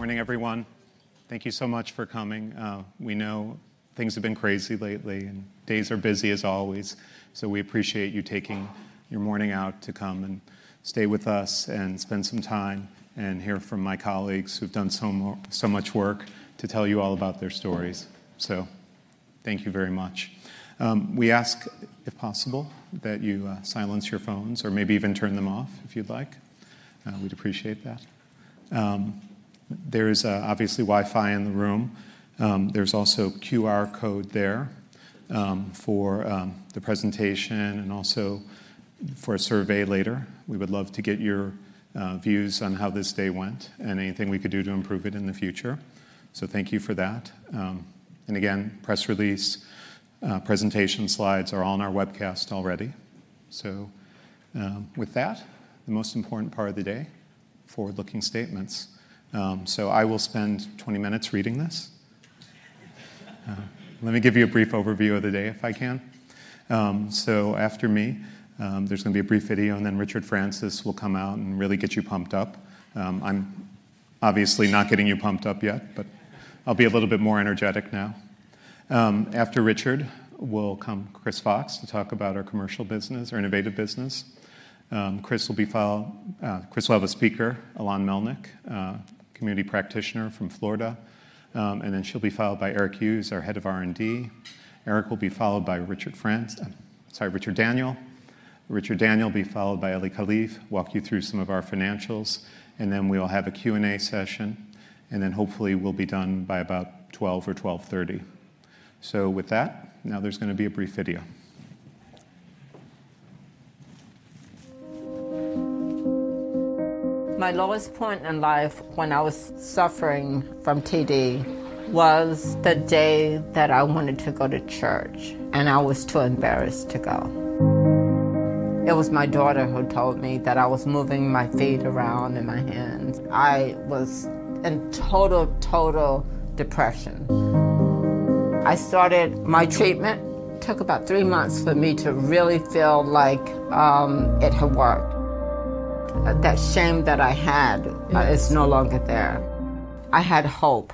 Morning, everyone. Thank you so much for coming. We know things have been crazy lately, and days are busy as always. We appreciate you taking your morning out to come and stay with us and spend some time and hear from my colleagues who've done so much work to tell you all about their stories. Thank you very much. We ask, if possible, that you silence your phones or maybe even turn them off if you'd like. We'd appreciate that. There is obviously Wi-Fi in the room. There is also a QR code there for the presentation and also for a survey later. We would love to get your views on how this day went and anything we could do to improve it in the future. Thank you for that. Again, press release, presentation slides are all on our webcast already. With that, the most important part of the day, forward-looking statements. I will spend 20 minutes reading this. Let me give you a brief overview of the day if I can. After me, there's going to be a brief video, and then Richard Francis will come out and really get you pumped up. I'm obviously not getting you pumped up yet, but I'll be a little bit more energetic now. After Richard, will come Chris Fox will come to talk about our commercial business, our innovative business. Chris will be followed by a speaker, Ilan Melnick, community practitioner from Florida. She'll be followed by Eric Hughes, our Head of R&D. Eric will be followed by Richard Daniell. Richard Daniell will be followed by Eli Kalif, who will walk you through some of our financials. Then we'll have a Q&A session. Hopefully we'll be done by about 12:00 or 12:30. With that, now there's going to be a brief video. My lowest point in life when I was suffering from TD was the day that I wanted to go to church, and I was too embarrassed to go. It was my daughter who told me that I was moving my feet around in my hands. I was in total, total depression. I started my treatment. It took about three months for me to really feel like it had worked. That shame that I had is no longer there. I had hope.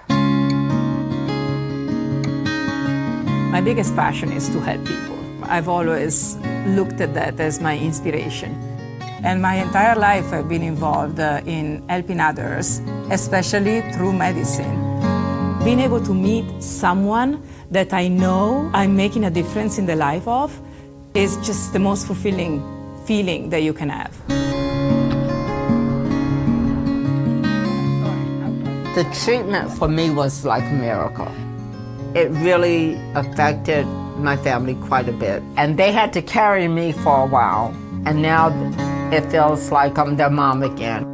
My biggest passion is to help people. I've always looked at that as my inspiration. My entire life, I've been involved in helping others, especially through medicine. Being able to meet someone that I know I'm making a difference in the life of is just the most fulfilling feeling that you can have. The treatment for me was like a miracle. It really affected my family quite a bit. They had to carry me for a while. Now it feels like I'm their mom again.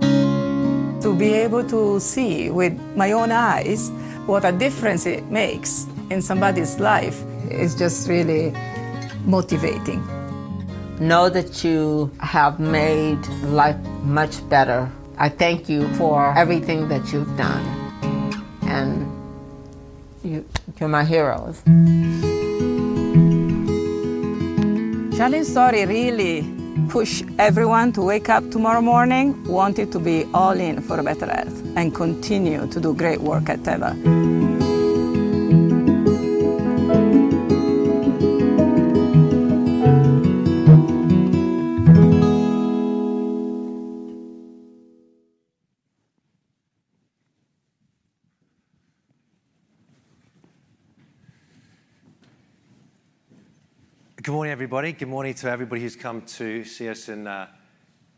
To be able to see with my own eyes what a difference it makes in somebody's life is just really motivating. Know that you have made life much better. I thank you for everything that you've done. You're my heroes. Shannon Sawdy really pushed everyone to wake up tomorrow morning, want to be all in for the better, and continue to do great work at Teva. Good morning, everybody. Good morning to everybody who's come to see us in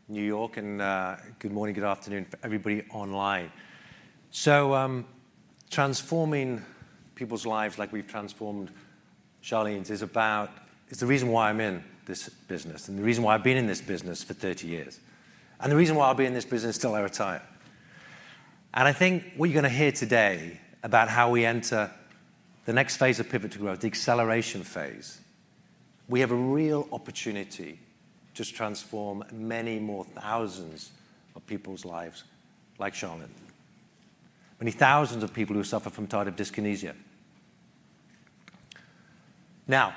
New York. Good morning, good afternoon for everybody online. Transforming people's lives like we've transformed Sharleen's is about, it's the reason why I'm in this business and the reason why I've been in this business for 30 years and the reason why I'll be in this business till I retire. I think what you're going to hear today about how we enter the next phase of Pivot to Growth, the acceleration phase, we have a real opportunity to transform many more thousands of people's lives like Sharleen, many thousands of people who suffer from tardive dyskinesia. Now,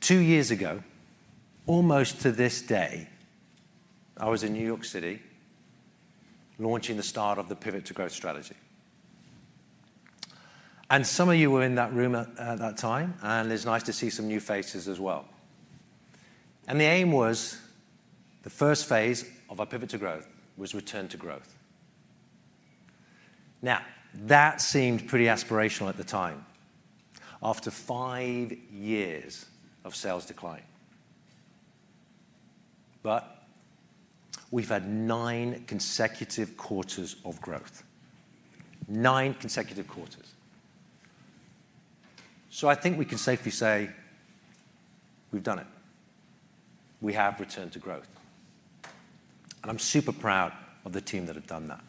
two years ago, almost to this day, I was in New York City launching the start of the Pivot to Growth strategy. Some of you were in that room at that time. It is nice to see some new faces as well. The aim was the first phase of our Pivot to Growth was return to growth. That seemed pretty aspirational at the time after five years of sales decline. We have had nine consecutive quarters of growth, nine consecutive quarters. I think we can safely say we have done it. We have returned to growth. I am super proud of the team that have done that.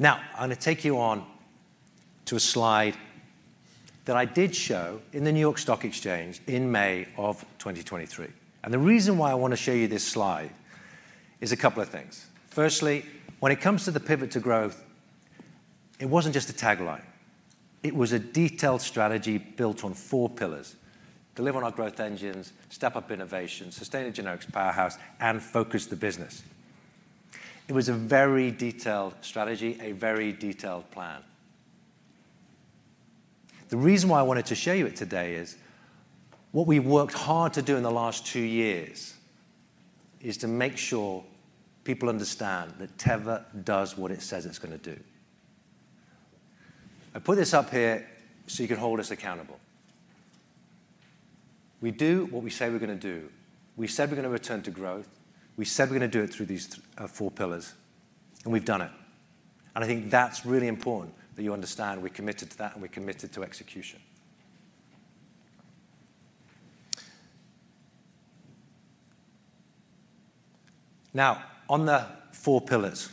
I am going to take you on to a slide that I did show in the New York Stock Exchange in May of 2023. The reason why I want to show you this slide is a couple of things. Firstly, when it comes to the Pivot to Growth, it was not just a tagline. It was a detailed strategy built on four pillars: deliver on our growth engines, Step-up innovation, sustain a generic powerhouse, and focus the business. It was a very detailed strategy, a very detailed plan. The reason why I wanted to show you it today is what we worked hard to do in the last two years is to make sure people understand that Teva does what it says it's going to do. I put this up here so you can hold us accountable. We do what we say we're going to do. We said we're going to return to growth. We said we're going to do it through these four pillars. We've done it. I think that's really important that you understand we're committed to that and we're committed to execution. Now, on the four pillars,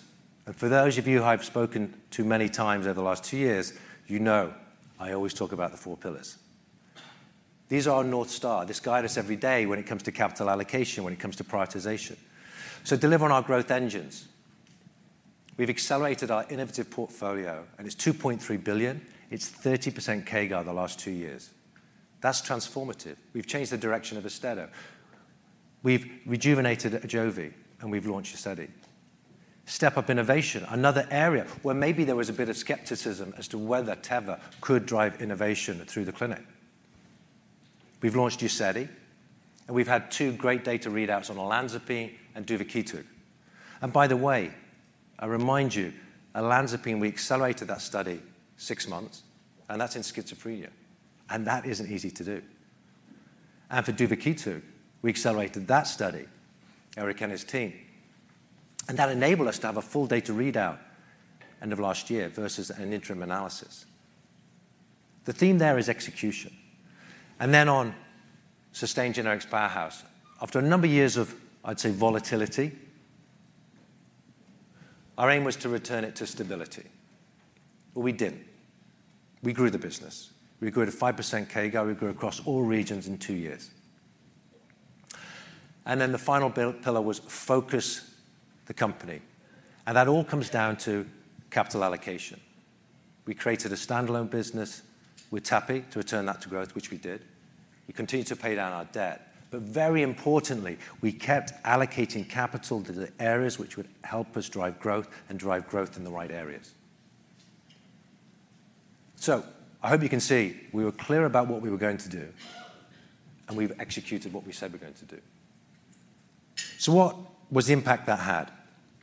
and for those of you who I've spoken to many times over the last two years, you know I always talk about the four pillars. These are our North Star. They guide us every day when it comes to capital allocation, when it comes to prioritization. Deliver on our growth engines. We've accelerated our innovative portfolio, and it's $2.3 billion. It's 30% CAGR over the last two years. That's transformative. We've changed the direction of AUSTEDO. We've rejuvenated AJOVY, and we've launched UZEDY. Step-up innovation, another area where maybe there was a bit of skepticism as to whether Teva could drive innovation through the clinic. We've launched UZEDY, and we've had two great data readouts on olanzapine and duvakitug. By the way, I remind you, olanzapine, we accelerated that study six months, and that's in schizophrenia. That isn't easy to do. For duvakitug, we accelerated that study, Eric and his team. That enabled us to have a full data readout end of last year versus an interim analysis. The theme there is execution. On sustained generic powerhouse, after a number of years of, I'd say, volatility, our aim was to return it to stability. We did not. We grew the business. We grew at a 5% CAGR. We grew across all regions in two years. The final pillar was focus the company. That all comes down to capital allocation. We created a standalone business with TAPI to return that to growth, which we did. We continued to pay down our debt. Very importantly, we kept allocating capital to the areas which would help us drive growth and drive growth in the right areas. I hope you can see we were clear about what we were going to do, and we've executed what we said we're going to do. What was the impact that had?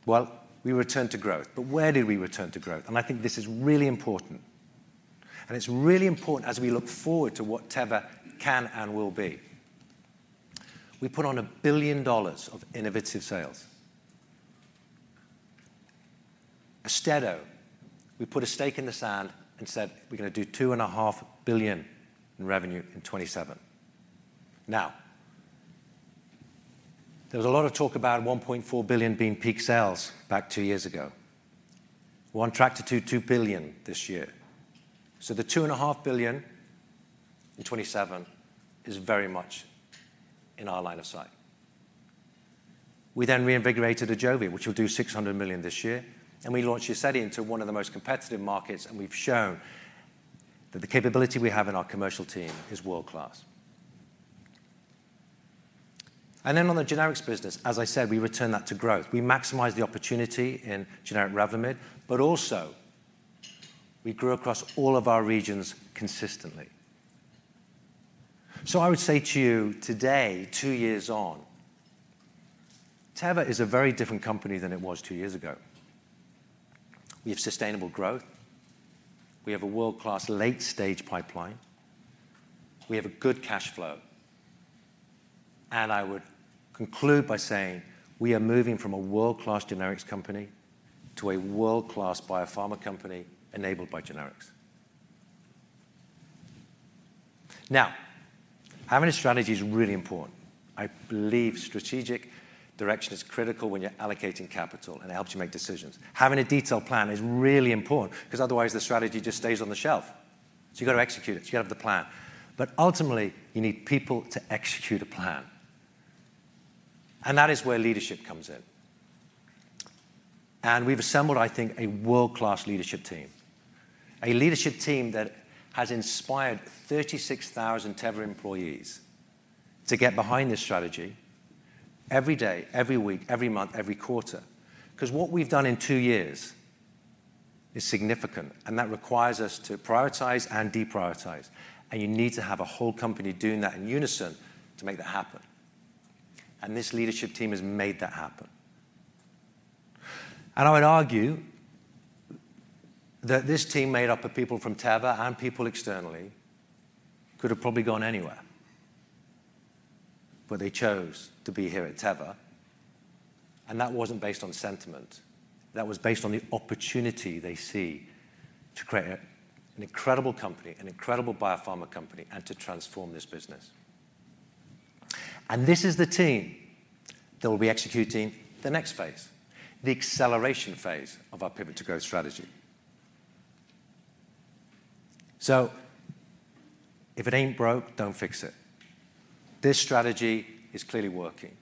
We returned to growth. Where did we return to growth? I think this is really important. It's really important as we look forward to what Teva can and will be. We put on a billion dollars of innovative sales. AUSTEDO, we put a stake in the sand and said we're going to do $2.5 billion in revenue in 2027. There was a lot of talk about $1.4 billion being peak sales back two years ago. We're on track to $2 billion this year. The $2.5 billion in 2027 is very much in our line of sight. We then reinvigorated AJOVY, which will do $600 million this year. We launched UZEDY into one of the most competitive markets, we have shown that the capability we have in our commercial team is world-class. On the generics business, as I said, we return that to growth. We maximize the opportunity in generic Revlimid, but also we grew across all of our regions consistently. I would say to you today, two years on, Teva is a very different company than it was two years ago. We have sustainable growth. We have a world-class late-stage pipeline. We have a good cash flow. I would conclude by saying we are moving from a world-class generics company to a world-class biopharma company enabled by generics. Having a strategy is really important. I believe strategic direction is critical when you're allocating capital, and it helps you make decisions. Having a detailed plan is really important because otherwise the strategy just stays on the shelf. You have to execute it. You have to have the plan. Ultimately, you need people to execute a plan. That is where leadership comes in. We have assembled, I think, a world-class leadership team, a leadership team that has inspired 36,000 Teva employees to get behind this strategy every day, every week, every month, every quarter. What we have done in two years is significant. That requires us to prioritize and deprioritize. You need to have a whole company doing that in unison to make that happen. This leadership team has made that happen. I would argue that this team, made up of people from Teva and people externally, could have probably gone anywhere. They chose to be here at Teva. That was not based on sentiment. That was based on the opportunity they see to create an incredible company, an incredible biopharma company, and to transform this business. This is the team that will be executing the next phase, the acceleration phase of our Pivot to Growth strategy. If it ain't broke, don't fix it. This strategy is clearly working.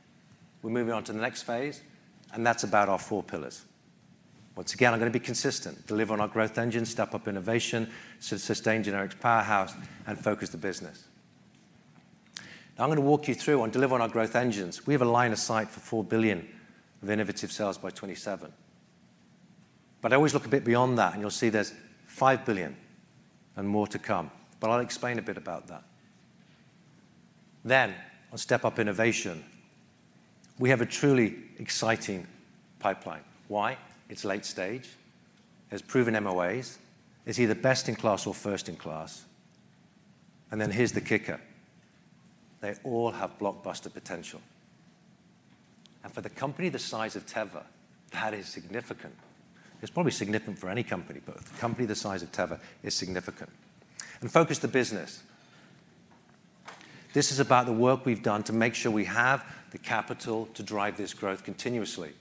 We are moving on to the next phase, and that is about our four pillars. Once again, I am going to be consistent: deliver on our growth engine, Step-up innovation, sustained generic powerhouse, and focus the business. Now, I am going to walk you through on deliver on our growth engines. We have a line of sight for $4 billion of innovative sales by 2027. I always look a bit beyond that. You will see there is $5 billion and more to come. I will explain a bit about that. On Step-up innovation, we have a truly exciting pipeline. Why? It's late stage. It has proven MOAs. It's either best-in-class or first in class. Here's the kicker. They all have blockbuster potential. For a company the size of Teva, that is significant. It's probably significant for any company, but for a company the size of Teva, it's significant. Focus the business. This is about the work we've done to make sure we have the capital to drive this growth continuously.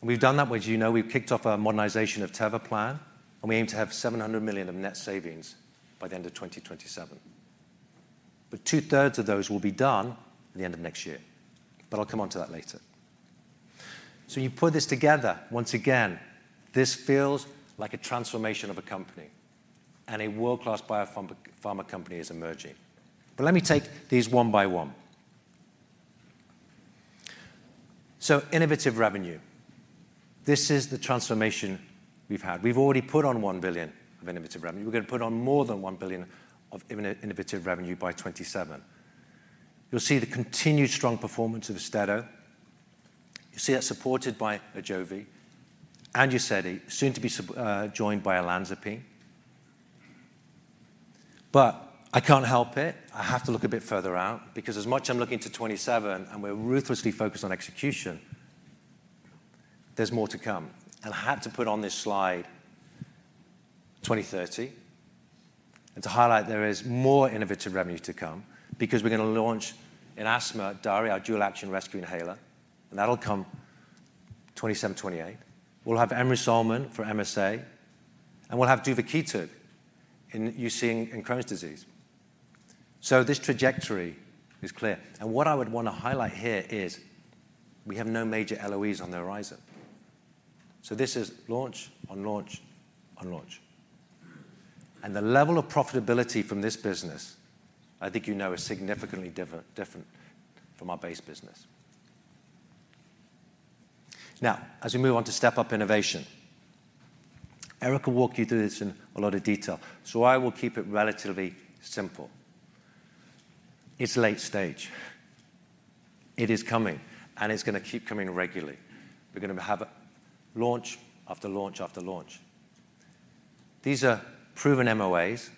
We've done that, as you know, we've kicked off a modernization of Teva plan. We aim to have $700 million of net savings by the end of 2027. Two-thirds of those will be done at the end of next year. I'll come on to that later. You put this together, once again, this feels like a transformation of a company. A world-class biopharma company is emerging. Let me take these one by one. Innovative revenue, this is the transformation we've had. We've already put on $1 billion of innovative revenue. We're going to put on more than $1 billion of innovative revenue by 2027. You'll see the continued strong performance of AUSTEDO. You see that supported by AJOVY. You UZEDY soon to be joined by olanzapine. I can't help it. I have to look a bit further out. Because as much as I'm looking to 2027 and we're ruthlessly focused on execution, there's more to come. I had to put on this slide 2030 and to highlight there is more innovative revenue to come because we're going to launch an asthma, DARI, our Dual-Action Rescue Inhaler. That'll come 2027-2028. We'll have emrusolmin for MSA. We'll have duvakitug in Crohn's disease. This trajectory is clear. What I would want to highlight here is we have no major LOEs on the horizon. This is launch on launch on launch. The level of profitability from this business, I think you know, is significantly different from our base business. As we move on to Step-up innovation, Eric will walk you through this in a lot of detail. I will keep it relatively simple. It's late stage. It is coming. It's going to keep coming regularly. We're going to have launch after launch after launch. These are proven MOAs.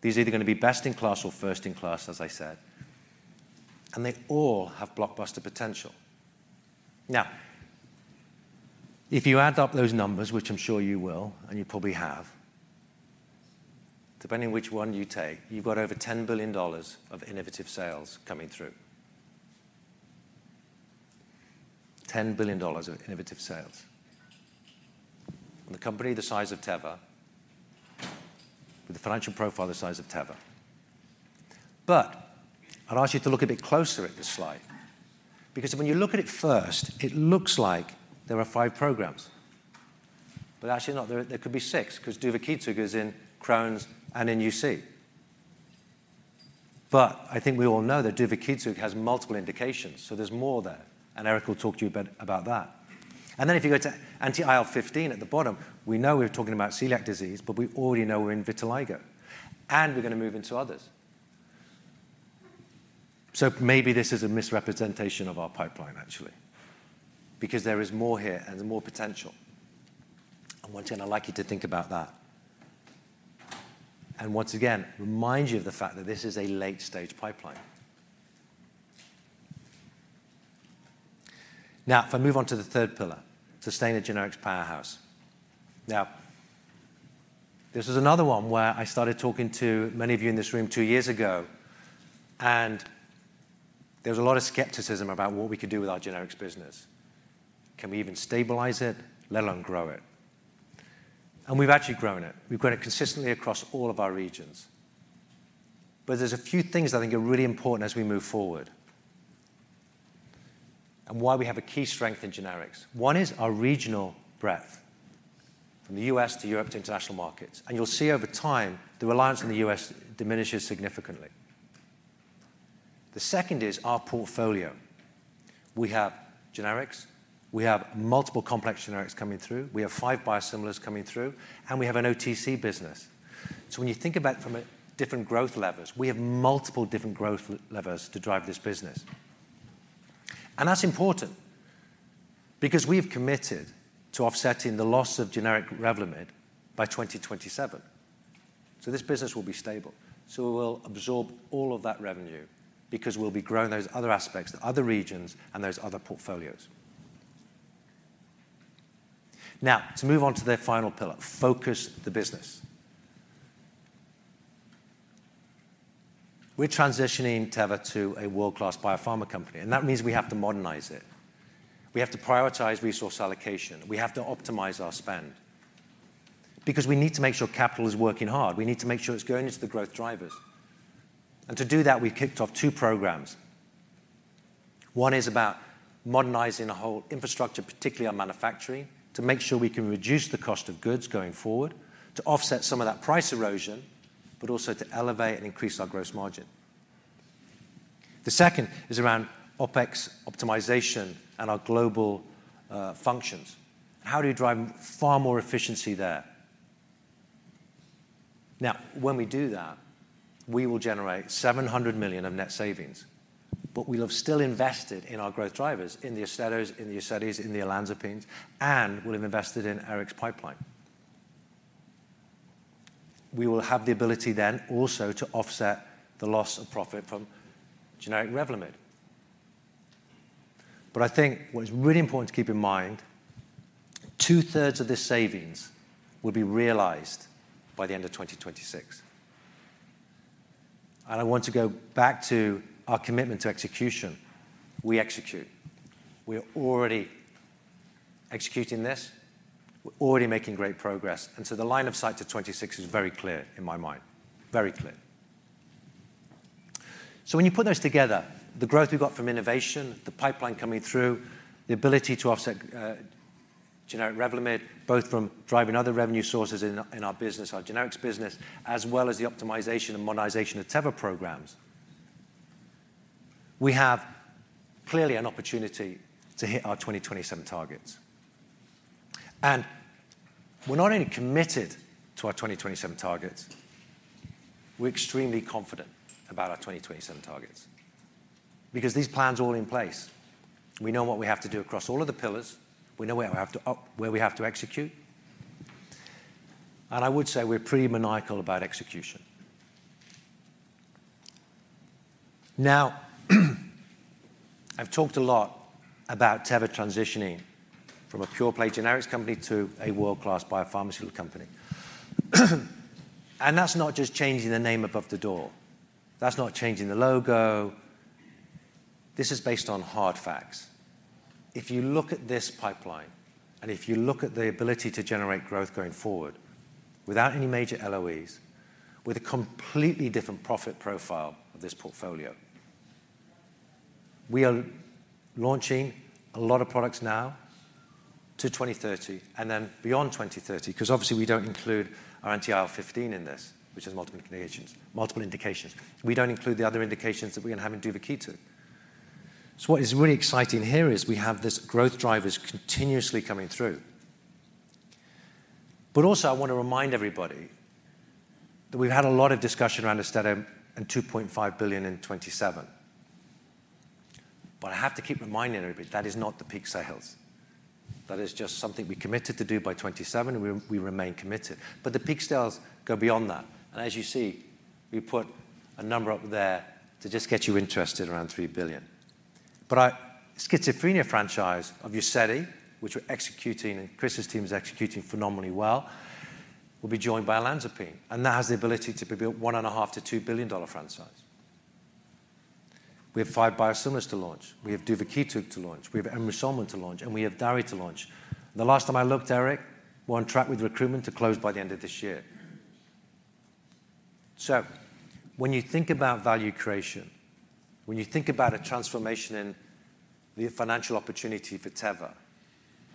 These are either going to be best-in-class or first in class, as I said. They all have blockbuster potential. Now, if you add up those numbers, which I'm sure you will, and you probably have, depending on which one you take, you've got over $10 billion of innovative sales coming through, $10 billion of innovative sales on a company the size of Teva with a financial profile the size of Teva. I'd ask you to look a bit closer at this slide. Because when you look at it first, it looks like there are five programs. Actually, no, there could be six because duvakitug is in Crohn's and in UC. I think we all know that duvakitug has multiple indications. There's more there. Eric will talk to you about that. If you go to anti IL-15 at the bottom, we know we're talking about celiac disease, but we already know we're in vitiligo. We're going to move into others. Maybe this is a misrepresentation of our pipeline, actually, because there is more here and more potential. Once again, I'd like you to think about that. Once again, I remind you of the fact that this is a late-stage pipeline. If I move on to the third pillar, sustained generics powerhouse. This was another one where I started talking to many of you in this room two years ago. There was a lot of skepticism about what we could do with our generics business. Can we even stabilize it, let alone grow it? We have actually grown it. We have grown it consistently across all of our regions. There are a few things that I think are really important as we move forward and why we have a key strength in generics. One is our regional breadth from the U.S. to Europe to international markets. You will see over time the reliance on the U.S. diminishes significantly. The second is our portfolio. We have generics. We have multiple complex generics coming through. We have five biosimilars coming through. We have an OTC business. When you think about it from different growth levels, we have multiple different growth levels to drive this business. That is important because we have committed to offsetting the loss of generic Revlimid by 2027. This business will be stable. We will absorb all of that revenue because we will be growing those other aspects, the other regions, and those other portfolios. Now, to move on to the final pillar, focus the business. We are transitioning Teva to a world-class biopharma company. That means we have to modernize it. We have to prioritize resource allocation. We have to optimize our spend because we need to make sure capital is working hard. We need to make sure it's going into the growth drivers. To do that, we've kicked off two programs. One is about modernizing our whole infrastructure, particularly our manufacturing, to make sure we can reduce the cost of goods going forward, to offset some of that price erosion, but also to elevate and increase our gross margin. The second is around OpEx optimization and our global functions. How do we drive far more efficiency there? When we do that, we will generate $700 million of net savings. We'll have still invested in our growth drivers, in the AUSTEDOs, in the UZEDYs, in the olanzapines, and we'll have invested in Eric's pipeline. We will have the ability then also to offset the loss of profit from generic Revlimid. I think what is really important to keep in mind, two-thirds of this savings will be realized by the end of 2026. I want to go back to our commitment to execution. We execute. We are already executing this. We're already making great progress. The line of sight to 2026 is very clear in my mind, very clear. When you put those together, the growth we got from innovation, the pipeline coming through, the ability to offset generic Revlimid, both from driving other revenue sources in our business, our generics business, as well as the optimization and modernization of Teva programs, we have clearly an opportunity to hit our 2027 targets. We're not only committed to our 2027 targets, we're extremely confident about our 2027 targets because these plans are all in place. We know what we have to do across all of the pillars. We know where we have to execute. I would say we're pretty maniacal about execution. I have talked a lot about Teva transitioning from a pure-play generics company to a world-class biopharmaceutical company. That is not just changing the name above the door. That is not changing the logo. This is based on hard facts. If you look at this pipeline and if you look at the ability to generate growth going forward without any major LOEs, with a completely different profile of this portfolio, we are launching a lot of products now to 2030 and then beyond 2030 because obviously we do not include our anti IL-15 in this, which has multiple indications. We do not include the other indications that we are going to have in duvakitug. What is really exciting here is we have these growth drivers continuously coming through. I want to remind everybody that we've had a lot of discussion around AUSTEDO and $2.5 billion in 2027. I have to keep reminding everybody that is not the peak sales. That is just something we committed to do by 2027. We remain committed. The peak sales go beyond that. As you see, we put a number up there to just get you interested around $3 billion. Our schizophrenia franchise of UZEDY, which we're executing, and Chris's team is executing phenomenally well, will be joined by olanzapine. That has the ability to build $1.5 billion-$2 billion franchise. We have five biosimilars to launch. We have duvakitug to launch. We have emrusolmin to launch. We have DARI to launch. The last time I looked, Eric, we're on track with recruitment to close by the end of this year. When you think about value creation, when you think about a transformation in the financial opportunity for Teva,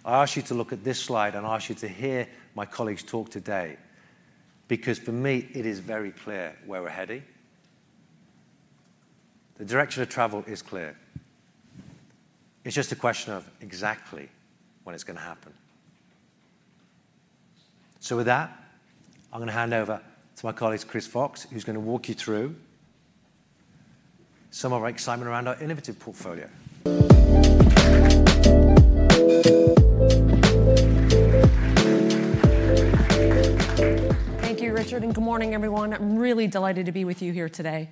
I ask you to look at this slide and I ask you to hear my colleagues talk today because for me, it is very clear where we're heading. The direction of travel is clear. It's just a question of exactly when it's going to happen. With that, I'm going to hand over to my colleague, Chris Fox, who's going to walk you through some of our excitement around our innovative portfolio. Thank you, Richard. Good morning, everyone. I'm really delighted to be with you here today.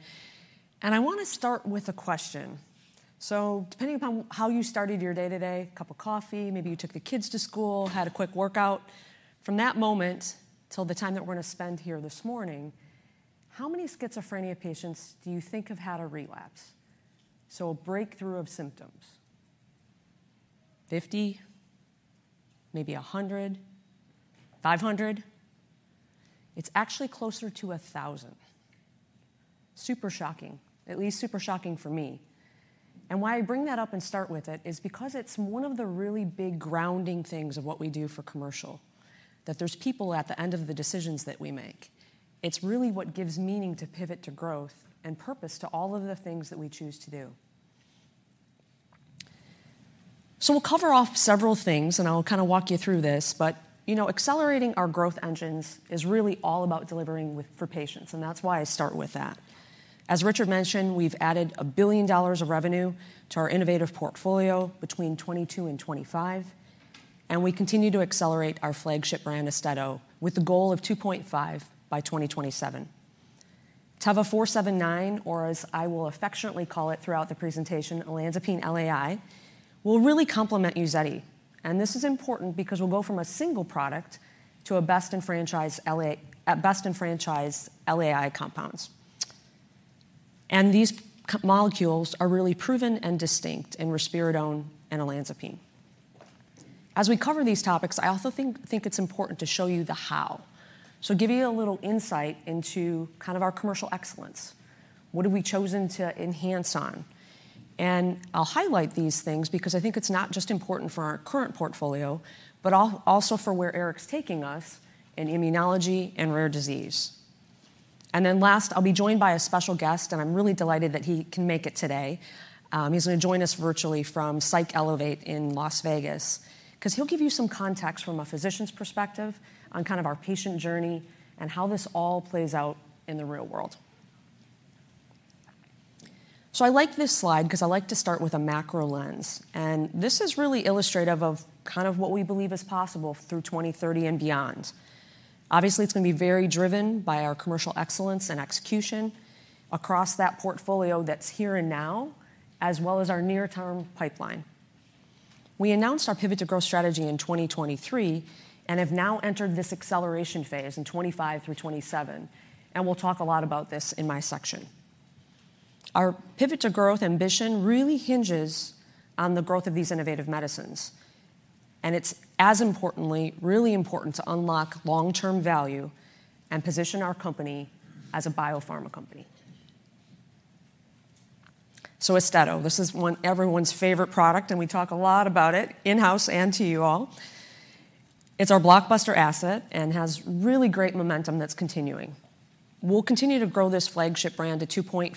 I want to start with a question. Depending upon how you started your day today, a cup of coffee, maybe you took the kids to school, had a quick workout, from that moment till the time that we're going to spend here this morning, how many schizophrenia patients do you think have had a relapse? A breakthrough of symptoms? 50? Maybe 100? 500? It's actually closer to 1,000. Super shocking, at least super shocking for me. Why I bring that up and start with it is because it's one of the really big grounding things of what we do for commercial, that there's people at the end of the decisions that we make. It's really what gives meaning to Pivot to Growth and purpose to all of the things that we choose to do. We'll cover off several things. I'll kind of walk you through this. Accelerating our growth engines is really all about delivering for patients. That is why I start with that. As Richard mentioned, we have added $1 billion of revenue to our innovative portfolio between 2022 and 2025. We continue to accelerate our flagship brand, AUSTEDO, with the goal of $2.5 billion by 2027. TEV-479, or as I will affectionately call it throughout the presentation, olanzapine LAI, will really complement UZEDY. This is important because we will go from a single product to a best-in-franchise LAI compounds. These molecules are really proven and distinct in risperidone and olanzapine. As we cover these topics, I also think it is important to show you the how. I will give you a little insight into kind of our commercial excellence. What have we chosen to enhance on? I'll highlight these things because I think it's not just important for our current portfolio, but also for where Eric's taking us in immunology and rare disease. Last, I'll be joined by a special guest. I'm really delighted that he can make it today. He's going to join us virtually from Psych Elevate in Las Vegas because he'll give you some context from a physician's perspective on kind of our patient journey and how this all plays out in the real world. I like this slide because I like to start with a macro lens. This is really illustrative of kind of what we believe is possible through 2030 and beyond. Obviously, it's going to be very driven by our commercial excellence and execution across that portfolio that's here and now, as well as our near-term pipeline. We announced our Pivot to Growth strategy in 2023 and have now entered this acceleration phase in 2025 through 2027. We will talk a lot about this in my section. Our Pivot to Growth ambition really hinges on the growth of these innovative medicines. It is, as importantly, really important to unlock long-term value and position our company as a biopharma company. AUSTEDO, this is everyone's favorite product. We talk a lot about it in-house and to you all. It is our blockbuster asset and has really great momentum that is continuing. We will continue to grow this flagship brand to $2.5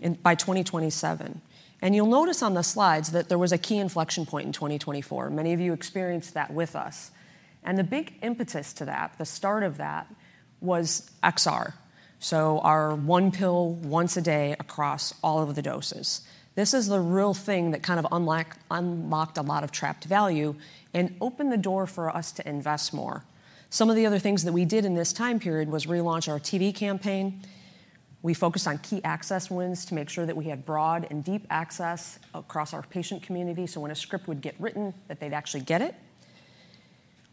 billion by 2027. You will notice on the slides that there was a key inflection point in 2024. Many of you experienced that with us. The big impetus to that, the start of that, was XR, our one pill once a day across all of the doses. This is the real thing that kind of unlocked a lot of trapped value and opened the door for us to invest more. Some of the other things that we did in this time period was relaunch our TD campaign. We focused on key access wins to make sure that we had broad and deep access across our patient community so when a script would get written, that they'd actually get it.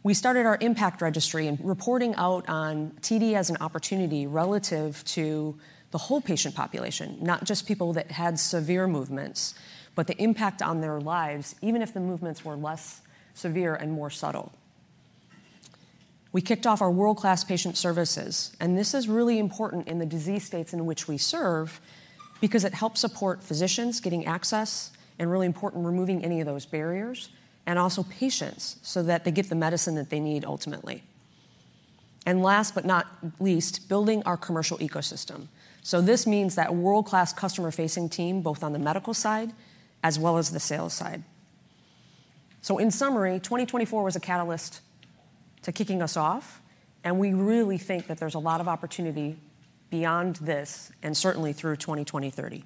We started our impact registry and reporting out on TD as an opportunity relative to the whole patient population, not just people that had severe movements, but the impact on their lives, even if the movements were less severe and more subtle. We kicked off our world-class patient services, and this is really important in the disease states in which we serve because it helps support physicians getting access and, really important, removing any of those barriers and also patients so that they get the medicine that they need ultimately. Last but not least, building our commercial ecosystem. This means that a world-class customer-facing team, both on the medical side as well as the sales side. In summary, 2024 was a catalyst to kicking us off. We really think that there is a lot of opportunity beyond this and certainly through 2023.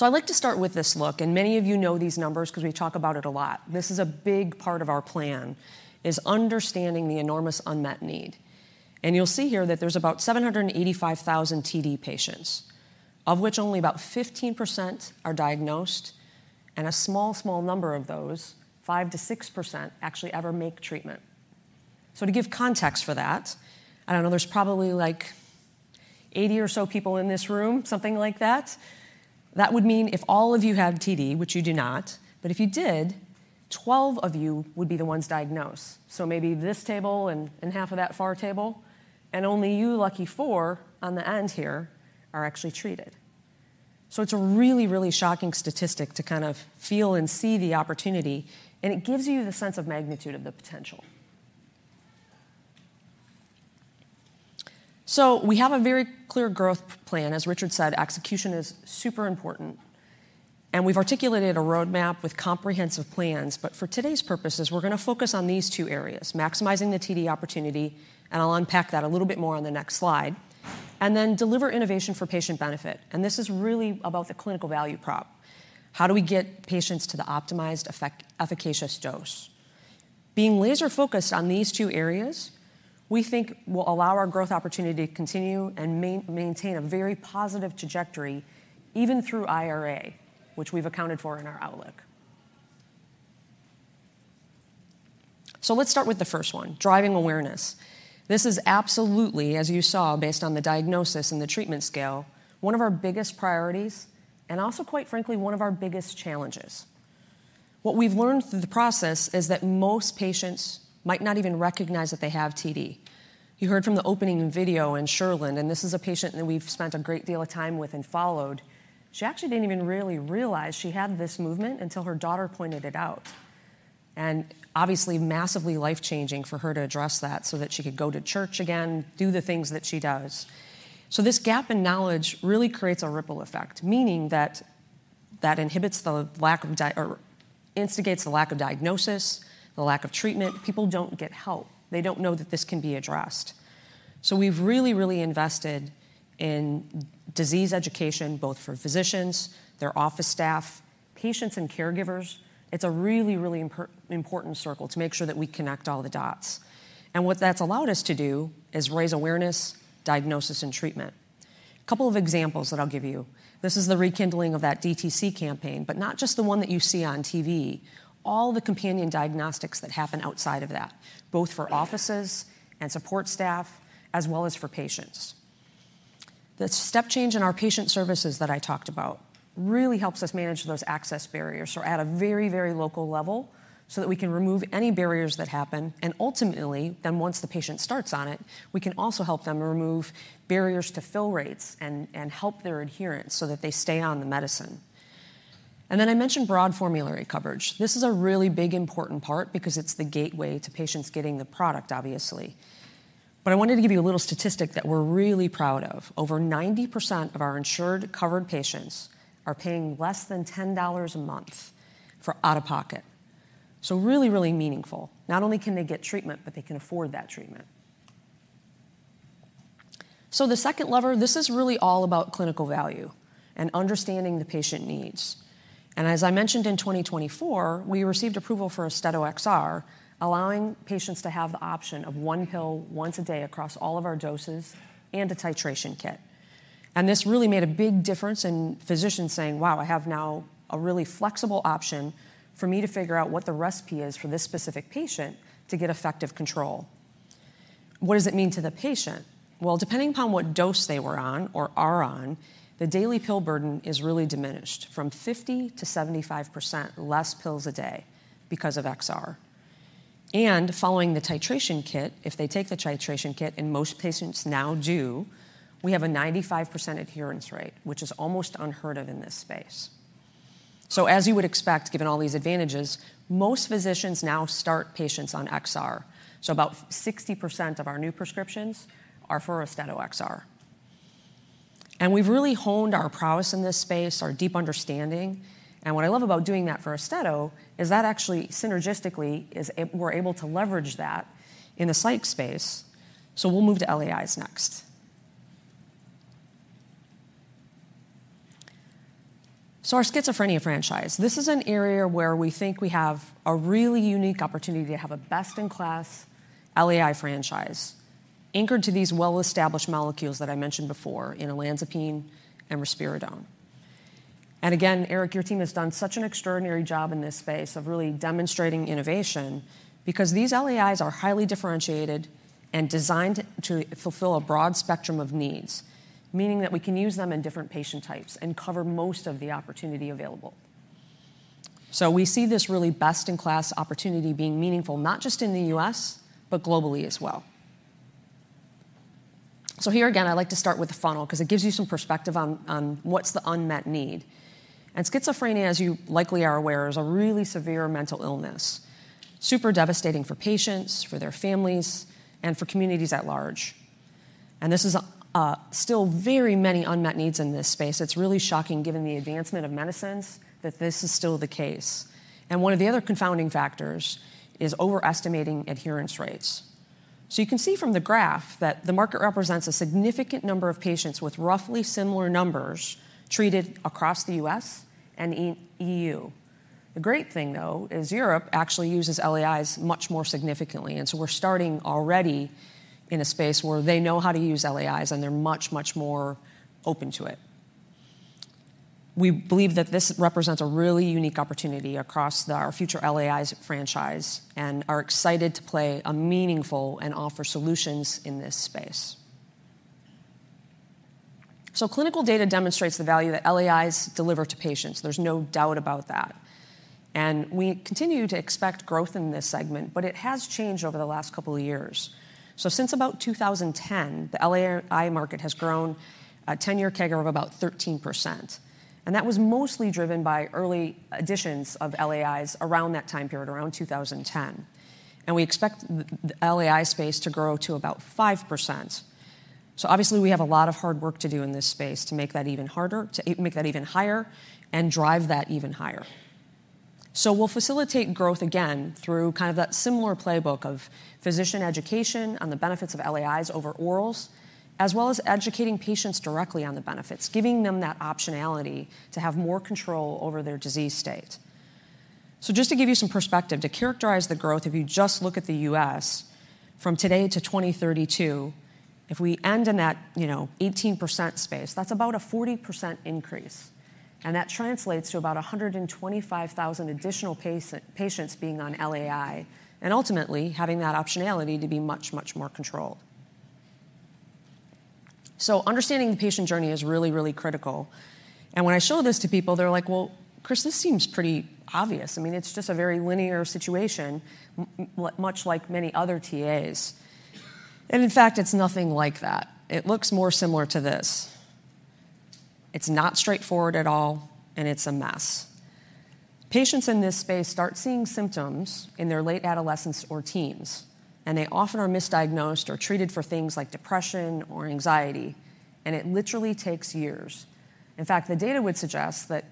I'd like to start with this look. Many of you know these numbers because we talk about it a lot. This is a big part of our plan, is understanding the enormous unmet need. You'll see here that there are about 785,000 TD patients, of which only about 15% are diagnosed. A small, small number of those, 5%-6%, actually ever make treatment. To give context for that, I don't know, there's probably like 80 or so people in this room, something like that. That would mean if all of you had TD, which you do not, but if you did, 12 of you would be the ones diagnosed. Maybe this table and half of that far table. Only you lucky four on the end here are actually treated. It is a really, really shocking statistic to kind of feel and see the opportunity. It gives you the sense of magnitude of the potential. We have a very clear growth plan. As Richard said, execution is super important. We have articulated a roadmap with comprehensive plans. For today's purposes, we're going to focus on these two areas: maximizing the TD opportunity, and I'll unpack that a little bit more on the next slide, and then deliver innovation for patient benefit. This is really about the clinical value prop. How do we get patients to the optimized, efficacious dose? Being laser-focused on these two areas, we think will allow our growth opportunity to continue and maintain a very positive trajectory even through IRA, which we've accounted for in our outlook. Let's start with the first one, driving awareness. This is absolutely, as you saw, based on the diagnosis and the treatment scale, one of our biggest priorities and also, quite frankly, one of our biggest challenges. What we've learned through the process is that most patients might not even recognize that they have TD. You heard from the opening video in Sherland. This is a patient that we've spent a great deal of time with and followed. She actually didn't even really realize she had this movement until her daughter pointed it out. Obviously, massively life-changing for her to address that so that she could go to church again, do the things that she does. This gap in knowledge really creates a ripple effect, meaning that that instigates the lack of diagnosis, the lack of treatment. People don't get help. They don't know that this can be addressed. We've really, really invested in disease education, both for physicians, their office staff, patients, and caregivers. It's a really, really important circle to make sure that we connect all the dots. What that's allowed us to do is raise awareness, diagnosis, and treatment. A couple of examples that I'll give you. This is the rekindling of that DTC campaign, but not just the one that you see on TV, all the companion diagnostics that happen outside of that, both for offices and support staff, as well as for patients. The step change in our patient services that I talked about really helps us manage those access barriers or at a very, very local level so that we can remove any barriers that happen. Ultimately, once the patient starts on it, we can also help them remove barriers to fill rates and help their adherence so that they stay on the medicine. I mentioned broad formulary coverage. This is a really big, important part because it is the gateway to patients getting the product, obviously. I wanted to give you a little statistic that we are really proud of. Over 90% of our insured, covered patients are paying less than $10 a month for out-of-pocket. Really, really meaningful. Not only can they get treatment, but they can afford that treatment. The second lever, this is really all about clinical value and understanding the patient needs. As I mentioned, in 2024, we received approval for AUSTEDO XR, allowing patients to have the option of one pill once a day across all of our doses and a titration kit. This really made a big difference in physicians saying, "Wow, I have now a really flexible option for me to figure out what the recipe is for this specific patient to get effective control." What does it mean to the patient? Depending upon what dose they were on or are on, the daily pill burden is really diminished from 50%-75% less pills a day because of XR. Following the titration kit, if they take the titration kit, and most patients now do, we have a 95% adherence rate, which is almost unheard of in this space. As you would expect, given all these advantages, most physicians now start patients on XR. About 60% of our new prescriptions are for AUSTEDO XR. We have really honed our prowess in this space, our deep understanding. What I love about doing that for AUSTEDO is that actually, synergistically, we are able to leverage that in the psych space. We will move to LAIs next. Our schizophrenia franchise, this is an area where we think we have a really unique opportunity to have a best-in-class LAI franchise anchored to these well-established molecules that I mentioned before in olanzapine and risperidone. Again, Eric, your team has done such an extraordinary job in this space of really demonstrating innovation because these LAIs are highly differentiated and designed to fulfill a broad spectrum of needs, meaning that we can use them in different patient types and cover most of the opportunity available. We see this really best-in-class opportunity being meaningful, not just in the U.S., but globally as well. Here again, I'd like to start with the funnel because it gives you some perspective on what's the unmet need. Schizophrenia, as you likely are aware, is a really severe mental illness, super devastating for patients, for their families, and for communities at large. There are still very many unmet needs in this space. It's really shocking, given the advancement of medicines, that this is still the case. One of the other confounding factors is overestimating adherence rates. You can see from the graph that the market represents a significant number of patients with roughly similar numbers treated across the U.S. and EU. The great thing, though, is Europe actually uses LAIs much more significantly. We are starting already in a space where they know how to use LAIs, and they are much, much more open to it. We believe that this represents a really unique opportunity across our future LAIs franchise and are excited to play a meaningful role and offer solutions in this space. Clinical data demonstrates the value that LAIs deliver to patients. There is no doubt about that. We continue to expect growth in this segment, but it has changed over the last couple of years. Since about 2010, the LAI market has grown at a 10-year CAGR of about 13%. That was mostly driven by early additions of LAIs around that time period, around 2010. We expect the LAI space to grow to about 5%. Obviously, we have a lot of hard work to do in this space to make that even higher and drive that even higher. We will facilitate growth again through kind of that similar playbook of physician education on the benefits of LAIs over orals, as well as educating patients directly on the benefits, giving them that optionality to have more control over their disease state. Just to give you some perspective, to characterize the growth, if you just look at the U.S. from today to 2032, if we end in that 18% space, that's about a 40% increase. That translates to about 125,000 additional patients being on LAI and ultimately having that optionality to be much, much more controlled. Understanding the patient journey is really, really critical. When I show this to people, they're like, "Well, Chris, this seems pretty obvious. I mean, it's just a very linear situation, much like many other TAs." In fact, it's nothing like that. It looks more similar to this. It's not straightforward at all, and it's a mess. Patients in this space start seeing symptoms in their late adolescence or teens, and they often are misdiagnosed or treated for things like depression or anxiety. It literally takes years. In fact, the data would suggest that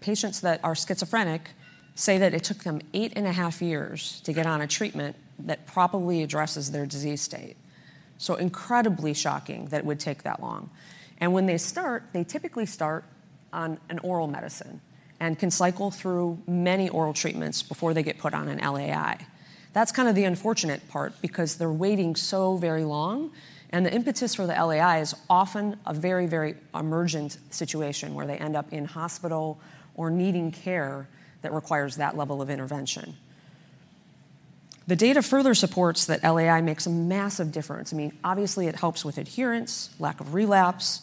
patients that are schizophrenic say that it took them eight and a half years to get on a treatment that probably addresses their disease state. So incredibly shocking that it would take that long. And when they start, they typically start on an oral medicine and can cycle through many oral treatments before they get put on an LAI. That's kind of the unfortunate part because they're waiting so very long. And the impetus for the LAI is often a very, very emergent situation where they end up in hospital or needing care that requires that level of intervention. The data further supports that LAI makes a massive difference. I mean, obviously, it helps with adherence, lack of relapse,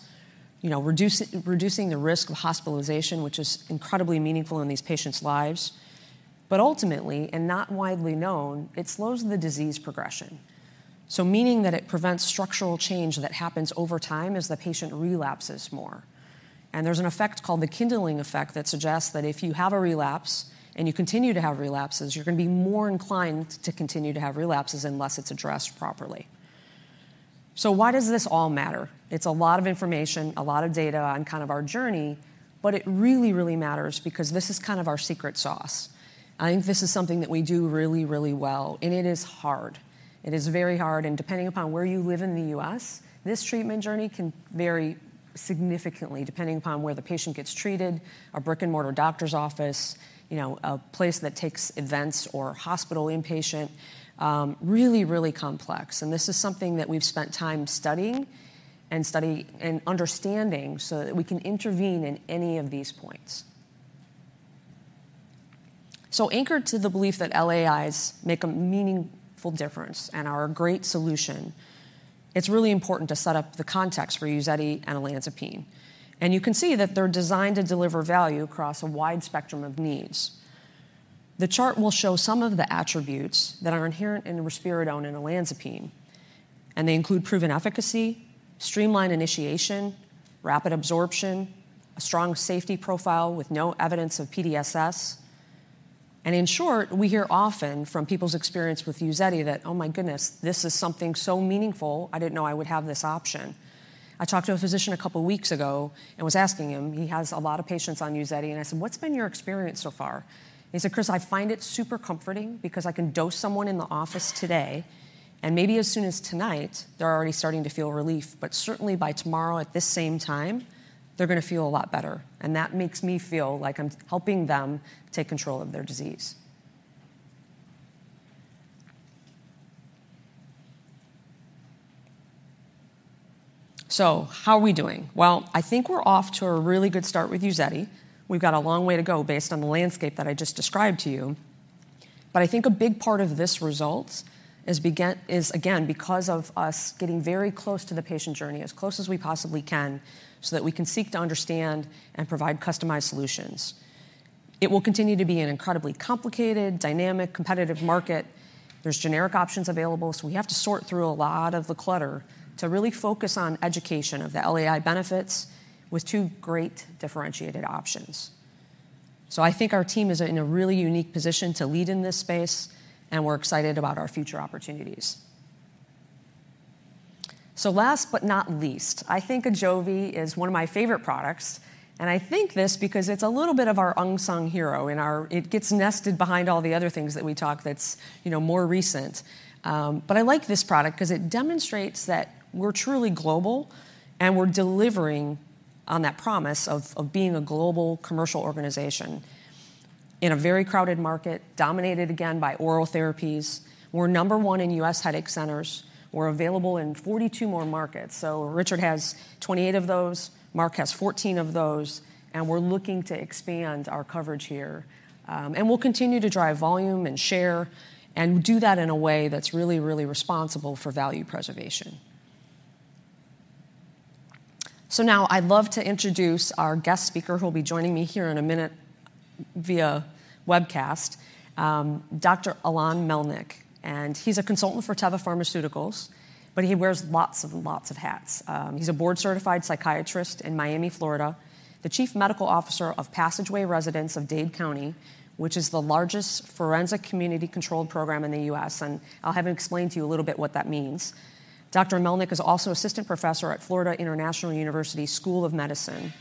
reducing the risk of hospitalization, which is incredibly meaningful in these patients' lives. But ultimately, and not widely known, it slows the disease progression. Meaning that it prevents structural change that happens over time as the patient relapses more. There's an effect called the Kindling effect that suggests that if you have a relapse and you continue to have relapses, you're going to be more inclined to continue to have relapses unless it's addressed properly. Why does this all matter? It's a lot of information, a lot of data on kind of our journey, but it really, really matters because this is kind of our secret sauce. I think this is something that we do really, really well. It is hard. It is very hard. Depending upon where you live in the U.S., this treatment journey can vary significantly depending upon where the patient gets treated, a brick-and-mortar doctor's office, a place that takes events, or hospital inpatient. Really, really complex. This is something that we've spent time studying and understanding so that we can intervene in any of these points. Anchored to the belief that LAIs make a meaningful difference and are a great solution, it's really important to set up the context for UZEDY and olanzapine. You can see that they're designed to deliver value across a wide spectrum of needs. The chart will show some of the attributes that are inherent in risperidone and olanzapine. They include proven efficacy, streamlined initiation, rapid absorption, a strong safety profile with no evidence of PDSS. In short, we hear often from people's experience with UZEDY that, "Oh my goodness, this is something so meaningful. I didn't know I would have this option." I talked to a physician a couple of weeks ago and was asking him. He has a lot of patients on UZEDY. I said, "What's been your experience so far?" He said, "Chris, I find it super comforting because I can dose someone in the office today. Maybe as soon as tonight, they're already starting to feel relief. Certainly by tomorrow at this same time, they're going to feel a lot better. That makes me feel like I'm helping them take control of their disease." How are we doing? I think we're off to a really good start with UZEDY. We've got a long way to go based on the landscape that I just described to you. I think a big part of this result is, again, because of us getting very close to the patient journey, as close as we possibly can, so that we can seek to understand and provide customized solutions. It will continue to be an incredibly complicated, dynamic, competitive market. There's generic options available. We have to sort through a lot of the clutter to really focus on education of the LAI benefits with two great differentiated options. I think our team is in a really unique position to lead in this space, and we're excited about our future opportunities. Last but not least, I think AJOVY is one of my favorite products. I think this because it's a little bit of our unsung hero in our—it gets nested behind all the other things that we talk that's more recent. I like this product because it demonstrates that we're truly global, and we're delivering on that promise of being a global commercial organization in a very crowded market, dominated, again, by oral therapies. We're number one in U.S. headache centers. We're available in 42 more markets. Richard has 28 of those. Mark has 14 of those. We are looking to expand our coverage here. We will continue to drive volume and share and do that in a way that's really, really responsible for value preservation. Now I'd love to introduce our guest speaker who will be joining me here in a minute via webcast, Dr. Ilan Melnick. He is a consultant for Teva Pharmaceutical Industries, but he wears lots and lots of hats. He is a board-certified psychiatrist in Miami, Florida, the Chief Medical Officer of Passageway Residents of Dade County, which is the largest forensic community-controlled program in the U.S.. I will have him explain to you a little bit what that means. Dr. Melnick is also Assistant Professor at Florida International University School of Medicine.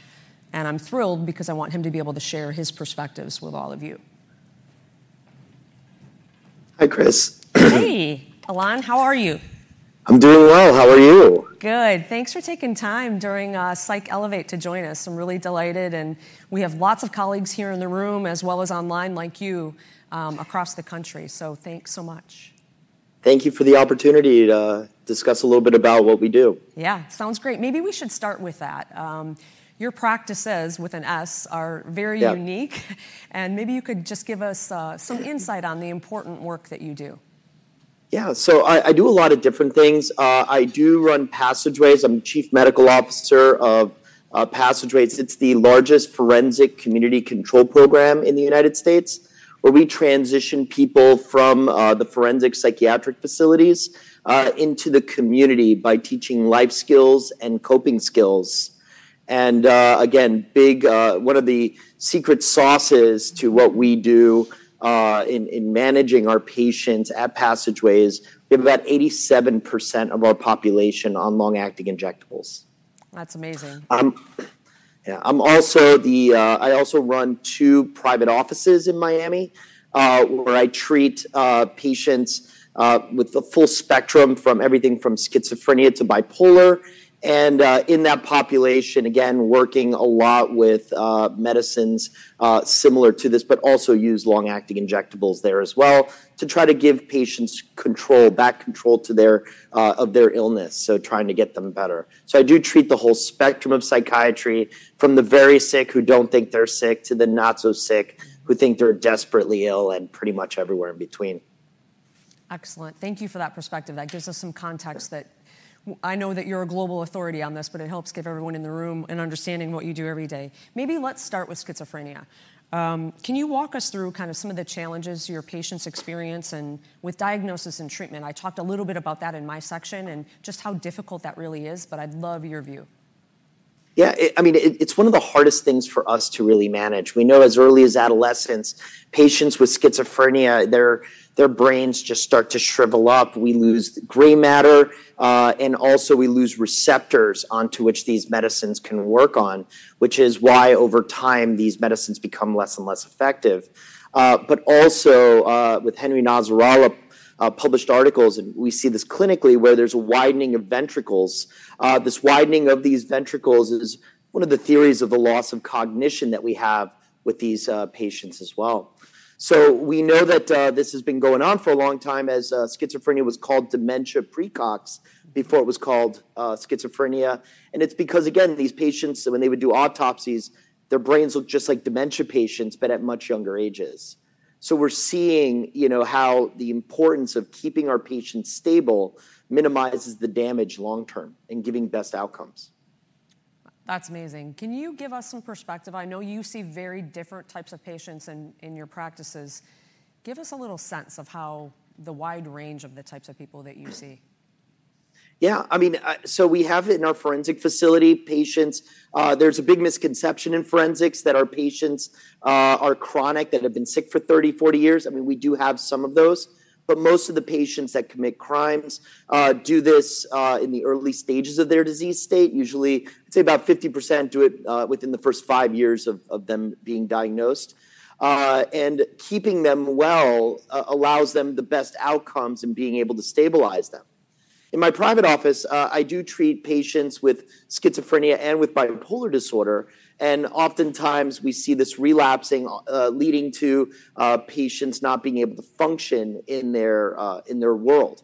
I am thrilled because I want him to be able to share his perspectives with all of you. Hi, Chris. Hey, Ilan. How are you? I'm doing well. How are you? Good. Thanks for taking time during Psych Elevate to join us. I'm really delighted. We have lots of colleagues here in the room as well as online like you across the country. Thanks so much. Thank you for the opportunity to discuss a little bit about what we do. Yeah, sounds great. Maybe we should start with that. Your practices, with an 's', are very unique. Maybe you could just give us some insight on the important work that you do? Yeah. I do a lot of different things. I do run Passageways. I'm Chief Medical Officer of Passageways. It's the largest forensic community control program in the United States, where we transition people from the forensic psychiatric facilities into the community by teaching life skills and coping skills. Again, one of the secret sauces to what we do in managing our patients at Passageways is we have about 87% of our population on long-acting injectables. That's amazing. Yeah. I also run two private offices in Miami where I treat patients with the full spectrum from everything from schizophrenia to bipolar. In that population, again, working a lot with medicines similar to this, but also use long-acting injectables there as well to try to give patients control, back control of their illness, trying to get them better. I do treat the whole spectrum of psychiatry, from the very sick who do not think they are sick to the not-so-sick who think they are desperately ill and pretty much everywhere in between. Excellent. Thank you for that perspective. That gives us some context that I know that you're a global authority on this, but it helps give everyone in the room an understanding of what you do every day. Maybe let's start with schizophrenia. Can you walk us through kind of some of the challenges your patients experience with diagnosis and treatment? I talked a little bit about that in my section and just how difficult that really is, but I'd love your view. Yeah. I mean, it's one of the hardest things for us to really manage. We know as early as adolescence, patients with schizophrenia, their brains just start to shrivel up. We lose gray matter. And also, we lose receptors onto which these medicines can work on, which is why over time these medicines become less and less effective. Also, with Henry Nasrallah published articles, and we see this clinically where there's a widening of ventricles. This widening of these ventricles is one of the theories of the loss of cognition that we have with these patients as well. We know that this has been going on for a long time as schizophrenia was called dementia praecox before it was called schizophrenia. It's because, again, these patients, when they would do autopsies, their brains look just like dementia patients, but at much younger ages. We're seeing how the importance of keeping our patients stable minimizes the damage long term and giving best outcomes. That's amazing. Can you give us some perspective? I know you see very different types of patients in your practices. Give us a little sense of the wide range of the types of people that you see. Yeah. I mean, so we have it in our forensic facility patients. There's a big misconception in forensics that our patients are chronic, that have been sick for 30, 40 years. I mean, we do have some of those. Most of the patients that commit crimes do this in the early stages of their disease state. Usually, I'd say about 50% do it within the first five years of them being diagnosed. Keeping them well allows them the best outcomes in being able to stabilize them. In my private office, I do treat patients with schizophrenia and with bipolar disorder. Oftentimes, we see this relapsing leading to patients not being able to function in their world.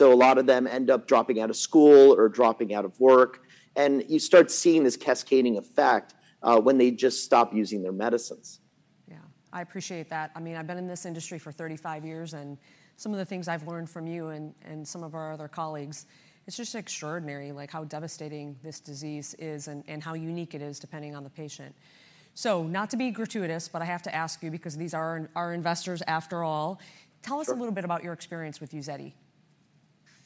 A lot of them end up dropping out of school or dropping out of work. You start seeing this cascading effect when they just stop using their medicines. Yeah. I appreciate that. I mean, I've been in this industry for 35 years. And some of the things I've learned from you and some of our other colleagues, it's just extraordinary how devastating this disease is and how unique it is depending on the patient. So not to be gratuitous, but I have to ask you because these are our investors, after all. Tell us a little bit about your experience with UZEDY.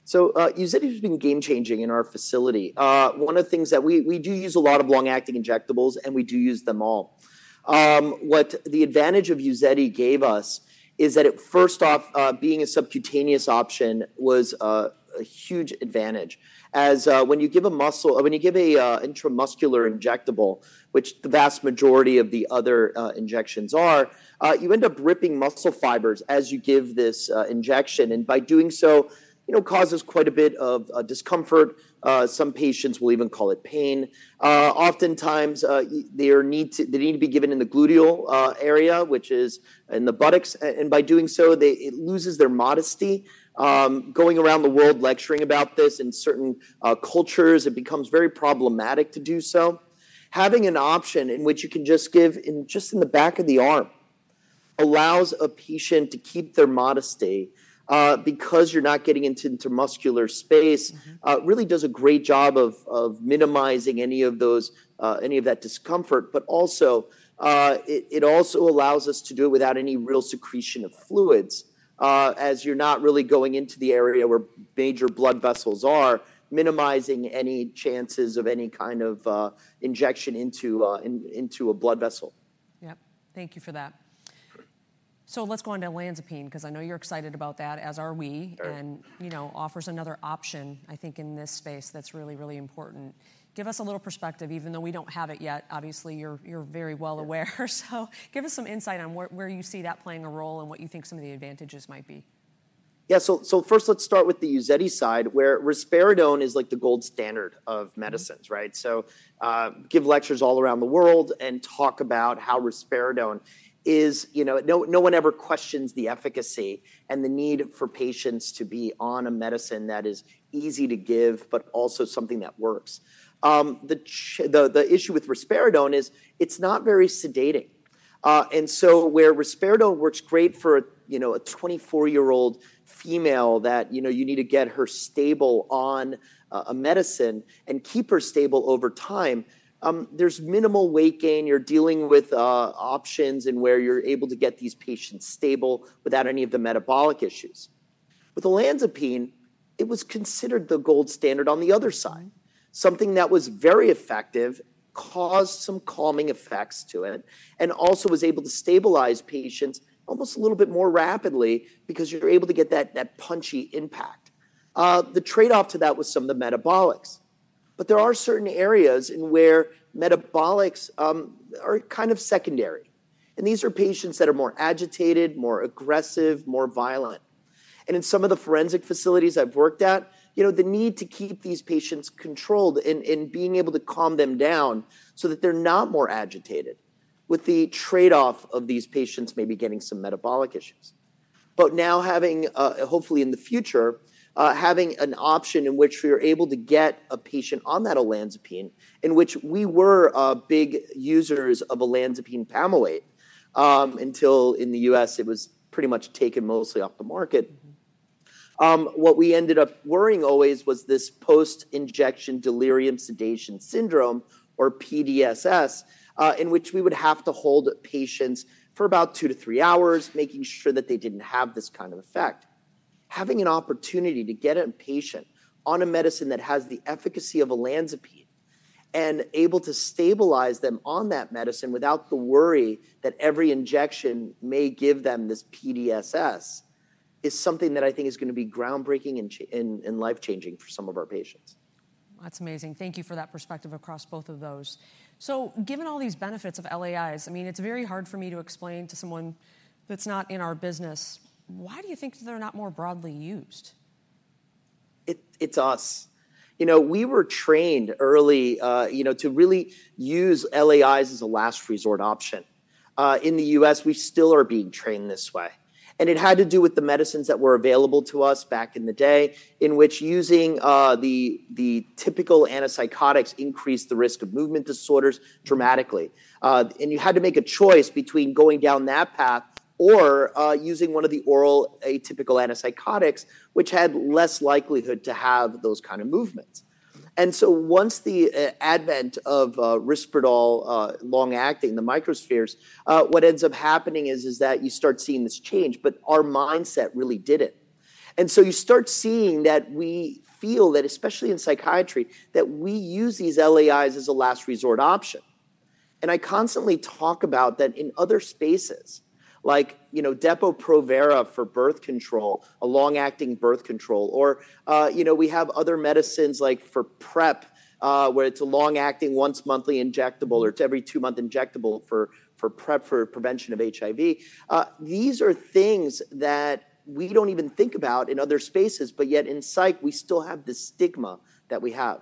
UZEDY has been game-changing in our facility. One of the things that we do is use a lot of long-acting injectables, and we do use them all. What the advantage of UZEDY gave us is that it, first off, being a subcutaneous option, was a huge advantage. As when you give a muscle, when you give an intramuscular injectable, which the vast majority of the other injections are, you end up ripping muscle fibers as you give this injection. By doing so, it causes quite a bit of discomfort. Some patients will even call it pain. Oftentimes, they need to be given in the gluteal area, which is in the buttocks. By doing so, it loses their modesty. Going around the world lecturing about this, in certain cultures, it becomes very problematic to do so. Having an option in which you can just give just in the back of the arm allows a patient to keep their modesty because you're not getting into intramuscular space, really does a great job of minimizing any of that discomfort. It also allows us to do it without any real secretion of fluids as you're not really going into the area where major blood vessels are, minimizing any chances of any kind of injection into a blood vessel. Yep. Thank you for that. Let's go on to olanzapine because I know you're excited about that, as are we, and it offers another option, I think, in this space that's really, really important. Give us a little perspective, even though we don't have it yet. Obviously, you're very well aware. Give us some insight on where you see that playing a role and what you think some of the advantages might be. Yeah. First, let's start with the UZEDY side, where risperidone is like the gold standard of medicines, right? I give lectures all around the world and talk about how risperidone is, no one ever questions the efficacy and the need for patients to be on a medicine that is easy to give, but also something that works. The issue with risperidone is it's not very sedating. Where risperidone works great for a 24-year-old female that you need to get her stable on a medicine and keep her stable over time, there's minimal weight gain. You're dealing with options in where you're able to get these patients stable without any of the metabolic issues. With olanzapine, it was considered the gold standard on the other side. Something that was very effective caused some calming effects to it and also was able to stabilize patients almost a little bit more rapidly because you're able to get that punchy impact. The trade-off to that was some of the metabolics. There are certain areas in where metabolics are kind of secondary. These are patients that are more agitated, more aggressive, more violent. In some of the forensic facilities I've worked at, the need to keep these patients controlled and being able to calm them down so that they're not more agitated with the trade-off of these patients maybe getting some metabolic issues. Now, hopefully in the future, having an option in which we are able to get a patient on that olanzapine, in which we were big users of olanzapine pamoate until in the U.S. it was pretty much taken mostly off the market. What we ended up worrying always was this post-injection delirium sedation syndrome, or PDSS, in which we would have to hold patients for about two to three hours, making sure that they did not have this kind of effect. Having an opportunity to get a patient on a medicine that has the efficacy of olanzapine and able to stabilize them on that medicine without the worry that every injection may give them this PDSS is something that I think is going to be groundbreaking and life-changing for some of our patients. That's amazing. Thank you for that perspective across both of those. Given all these benefits of LAIs, I mean, it's very hard for me to explain to someone that's not in our business. Why do you think they're not more broadly used? It's us. We were trained early to really use LAIs as a last resort option. In the U.S., we still are being trained this way. It had to do with the medicines that were available to us back in the day in which using the typical antipsychotics increased the risk of movement disorders dramatically. You had to make a choice between going down that path or using one of the oral atypical antipsychotics, which had less likelihood to have those kinds of movements. Once the advent of Risperdal long-acting, the microspheres, what ends up happening is that you start seeing this change. Our mindset really did not. You start seeing that we feel that, especially in psychiatry, we use these LAIs as a last resort option. I constantly talk about that in other spaces, like Depo-Provera for birth control, a long-acting birth control. Or we have other medicines like for PrEP, where it's a long-acting once-monthly injectable or it's every two-month injectable for PrEP for prevention of HIV. These are things that we don't even think about in other spaces. Yet in psych, we still have the stigma that we have.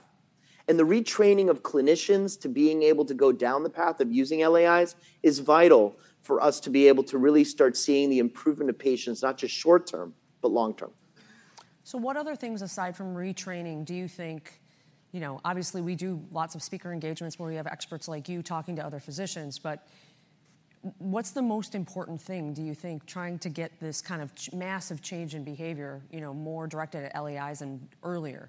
The retraining of clinicians to being able to go down the path of using LAIs is vital for us to be able to really start seeing the improvement of patients, not just short term, but long term. What other things aside from retraining do you think, obviously, we do lots of speaker engagements where we have experts like you talking to other physicians. What's the most important thing, do you think, trying to get this kind of massive change in behavior more directed at LAIs and earlier?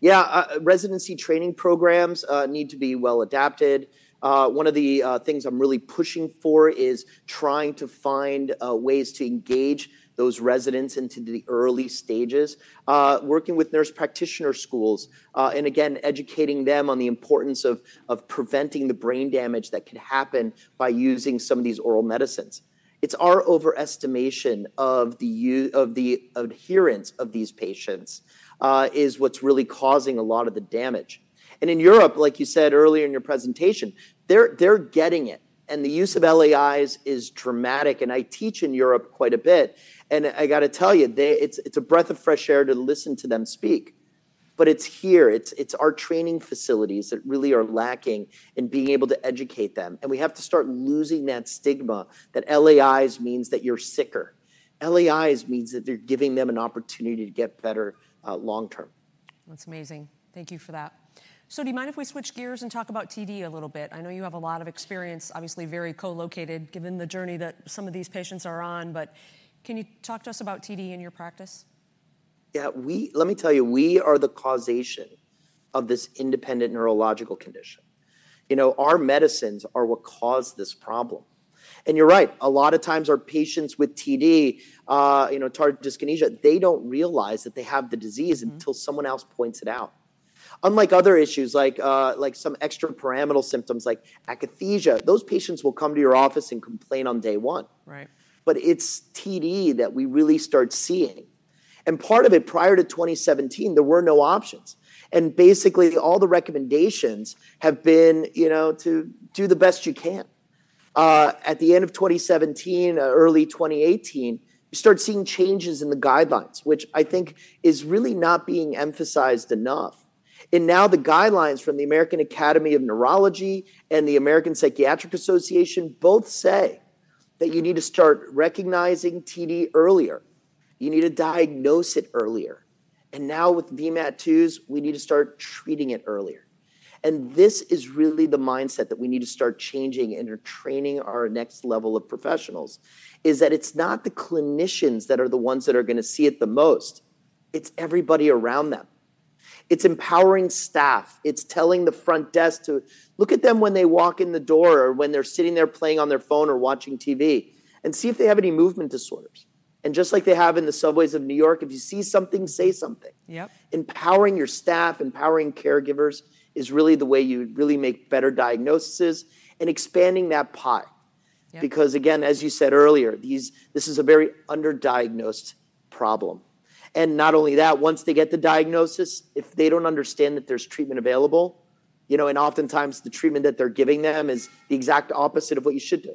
Yeah. Residency training programs need to be well adapted. One of the things I'm really pushing for is trying to find ways to engage those residents into the early stages, working with nurse practitioner schools, and again, educating them on the importance of preventing the brain damage that could happen by using some of these oral medicines. It's our overestimation of the adherence of these patients that is what's really causing a lot of the damage. In Europe, like you said earlier in your presentation, they're getting it. The use of LAIs is dramatic. I teach in Europe quite a bit. I got to tell you, it's a breath of fresh air to listen to them speak. It's here. It's our training facilities that really are lacking in being able to educate them. We have to start losing that stigma that LAIs means that you're sicker. LAIs means that they're giving them an opportunity to get better long term. That's amazing. Thank you for that. Do you mind if we switch gears and talk about TD a little bit? I know you have a lot of experience, obviously very co-located given the journey that some of these patients are on. Can you talk to us about TD in your practice? Yeah. Let me tell you, we are the causation of this independent neurological condition. Our medicines are what cause this problem. You're right. A lot of times, our patients with TD, tardive dyskinesia, they don't realize that they have the disease until someone else points it out. Unlike other issues like some extrapyramidal symptoms like akathisia, those patients will come to your office and complain on day one. Right It's TD that we really start seeing. Part of it, prior to 2017, there were no options. Basically, all the recommendations have been to do the best you can. At the end of 2017, early 2018, you start seeing changes in the guidelines, which I think is really not being emphasized enough. Now the guidelines from the American Academy of Neurology and the American Psychiatric Association both say that you need to start recognizing TD earlier. You need to diagnose it earlier. Now with VMAT2s, we need to start treating it earlier. This is really the mindset that we need to start changing and training our next level of professionals is that it's not the clinicians that are the ones that are going to see it the most. It's everybody around them. It's empowering staff. It's telling the front desk to look at them when they walk in the door or when they're sitting there playing on their phone or watching TV and see if they have any movement disorders. Just like they have in the subways of New York, if you see something, say something. Yeah. Empowering your staff, empowering caregivers is really the way you really make better diagnoses and expanding that pie. Yeah. Because again, as you said earlier, this is a very underdiagnosed problem. Not only that, once they get the diagnosis, if they do not understand that there is treatment available, and oftentimes the treatment that they are giving them is the exact opposite of what you should do,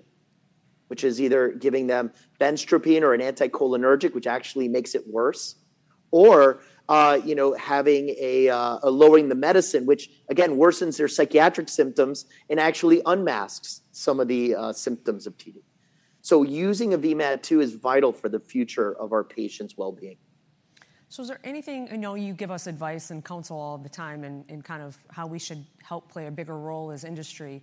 which is either giving them benztropine or an anticholinergic, which actually makes it worse, or lowering the medicine, which again worsens their psychiatric symptoms and actually unmasks some of the symptoms of TD. Using a VMAT2 is vital for the future of our patients' well-being. Is there anything, I know you give us advice and counsel all the time in kind of how we should help play a bigger role as industry.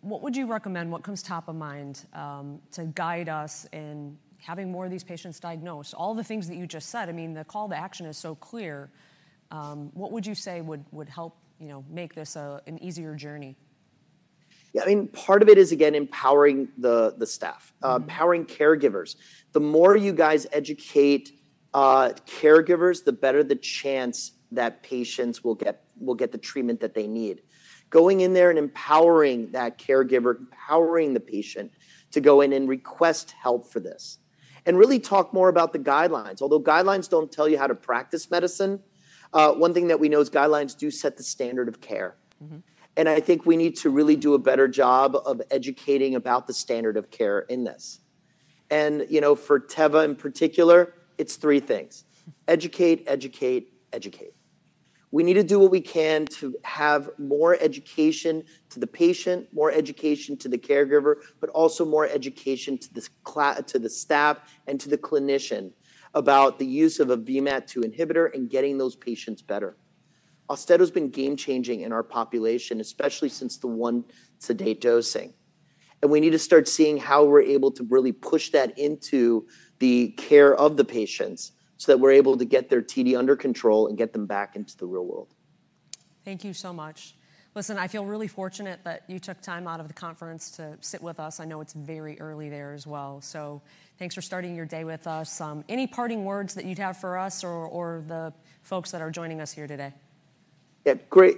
What would you recommend? What comes top of mind to guide us in having more of these patients diagnosed? All the things that you just said, I mean, the call to action is so clear. What would you say would help make this an easier journey? Yeah. I mean, part of it is, again, empowering the staff, empowering caregivers. The more you guys educate caregivers, the better the chance that patients will get the treatment that they need. Going in there and empowering that caregiver, empowering the patient to go in and request help for this and really talk more about the guidelines. Although guidelines do not tell you how to practice medicine, one thing that we know is guidelines do set the standard of care. I think we need to really do a better job of educating about the standard of care in this. For Teva in particular, it is three things: educate, educate, educate. We need to do what we can to have more education to the patient, more education to the caregiver, but also more education to the staff and to the clinician about the use of a VMAT2 inhibitor and getting those patients better. AUSTEDO has been game-changing in our population, especially since the one to date dosing. We need to start seeing how we're able to really push that into the care of the patients so that we're able to get their TD under control and get them back into the real world. Thank you so much. Listen, I feel really fortunate that you took time out of the conference to sit with us. I know it's very early there as well. Thanks for starting your day with us. Any parting words that you'd have for us or the folks that are joining us here today? Yeah. Great.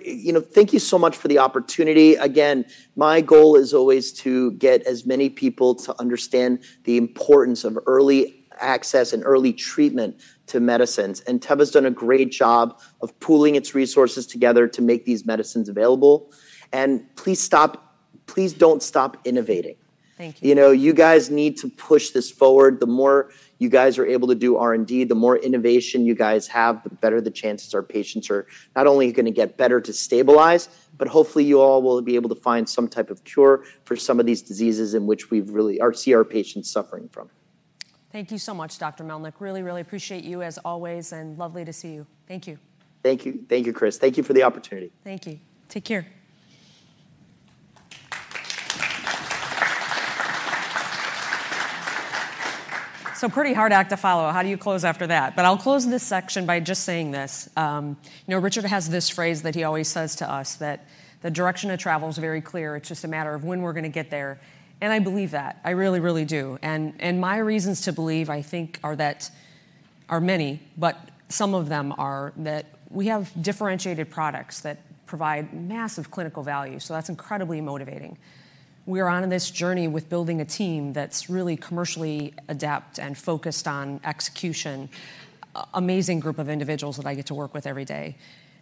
Thank you so much for the opportunity. Again, my goal is always to get as many people to understand the importance of early access and early treatment to medicines. Teva has done a great job of pooling its resources together to make these medicines available. Please don't stop innovating. Thank you. You guys need to push this forward. The more you guys are able to do R&D, the more innovation you guys have, the better the chances our patients are not only going to get better to stabilize, but hopefully you all will be able to find some type of cure for some of these diseases in which we really see our patients suffering from. Thank you so much, Dr. Melnick. Really, really appreciate you as always. Lovely to see you. Thank you. Thank you. Thank you, Chris. Thank you for the opportunity. Thank you. Take care. Pretty hard act to follow. How do you close after that? I'll close this section by just saying this. Richard has this phrase that he always says to us that the direction of travel is very clear. It's just a matter of when we're going to get there. I believe that. I really, really do. My reasons to believe, I think, are many, but some of them are that we have differentiated products that provide massive clinical value. That's incredibly motivating. We are on this journey with building a team that's really commercially adept and focused on execution. Amazing group of individuals that I get to work with every day.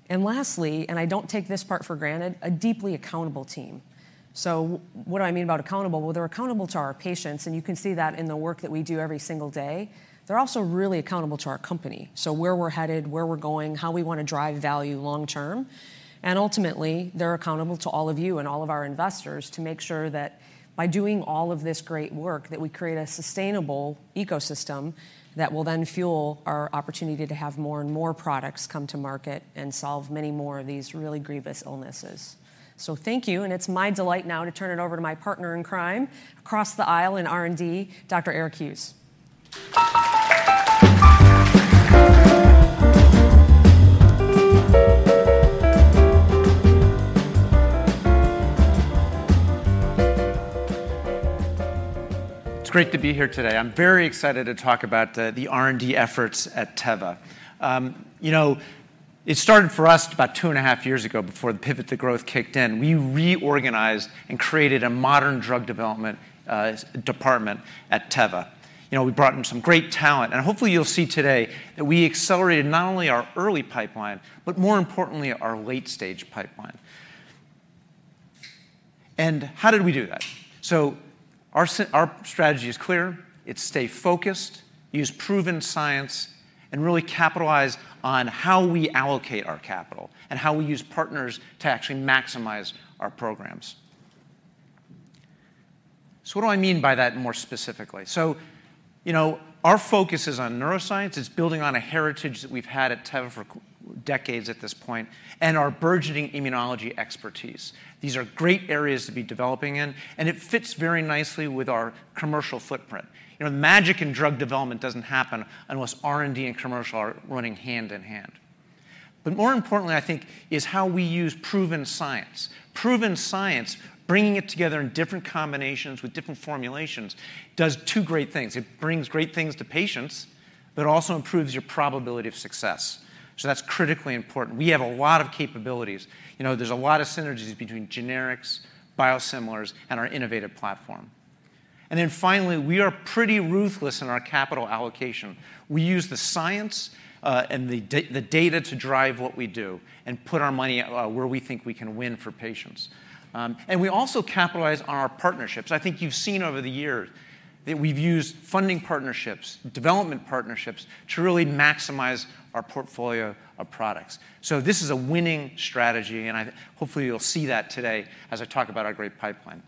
Lastly, and I don't take this part for granted, a deeply accountable team. What do I mean about accountable? They're accountable to our patients. You can see that in the work that we do every single day. They are also really accountable to our company. Where we are headed, where we are going, how we want to drive value long term. Ultimately, they are accountable to all of you and all of our investors to make sure that by doing all of this great work, we create a sustainable ecosystem that will then fuel our opportunity to have more and more products come to market and solve many more of these really grievous illnesses. Thank you. It is my delight now to turn it over to my partner in crime across the aisle in R&D, Dr. Eric Hughes. It's great to be here today. I'm very excited to talk about the R&D efforts at Teva. It started for us about two and a half years ago before the Pivot to Growth kicked in. We reorganized and created a modern drug development department at Teva. We brought in some great talent. Hopefully, you'll see today that we accelerated not only our early pipeline, but more importantly, our late-stage pipeline. How did we do that? Our strategy is clear. It's stay focused, use proven science, and really capitalize on how we allocate our capital and how we use partners to actually maximize our programs. What do I mean by that more specifically? Our focus is on neuroscience. It's building on a heritage that we've had at Teva for decades at this point and our burgeoning immunology expertise. These are great areas to be developing in. It fits very nicely with our commercial footprint. The magic in drug development does not happen unless R&D and commercial are running hand in hand. More importantly, I think, is how we use proven science. Proven science, bringing it together in different combinations with different formulations, does two great things. It brings great things to patients, but it also improves your probability of success. That is critically important. We have a lot of capabilities. There are a lot of synergies between generics, biosimilars, and our innovative platform. Finally, we are pretty ruthless in our capital allocation. We use the science and the data to drive what we do and put our money where we think we can win for patients. We also capitalize on our partnerships. I think you have seen over the years that we have used funding partnerships, development partnerships to really maximize our portfolio of products. This is a winning strategy. Hopefully, you'll see that today as I talk about our great pipeline.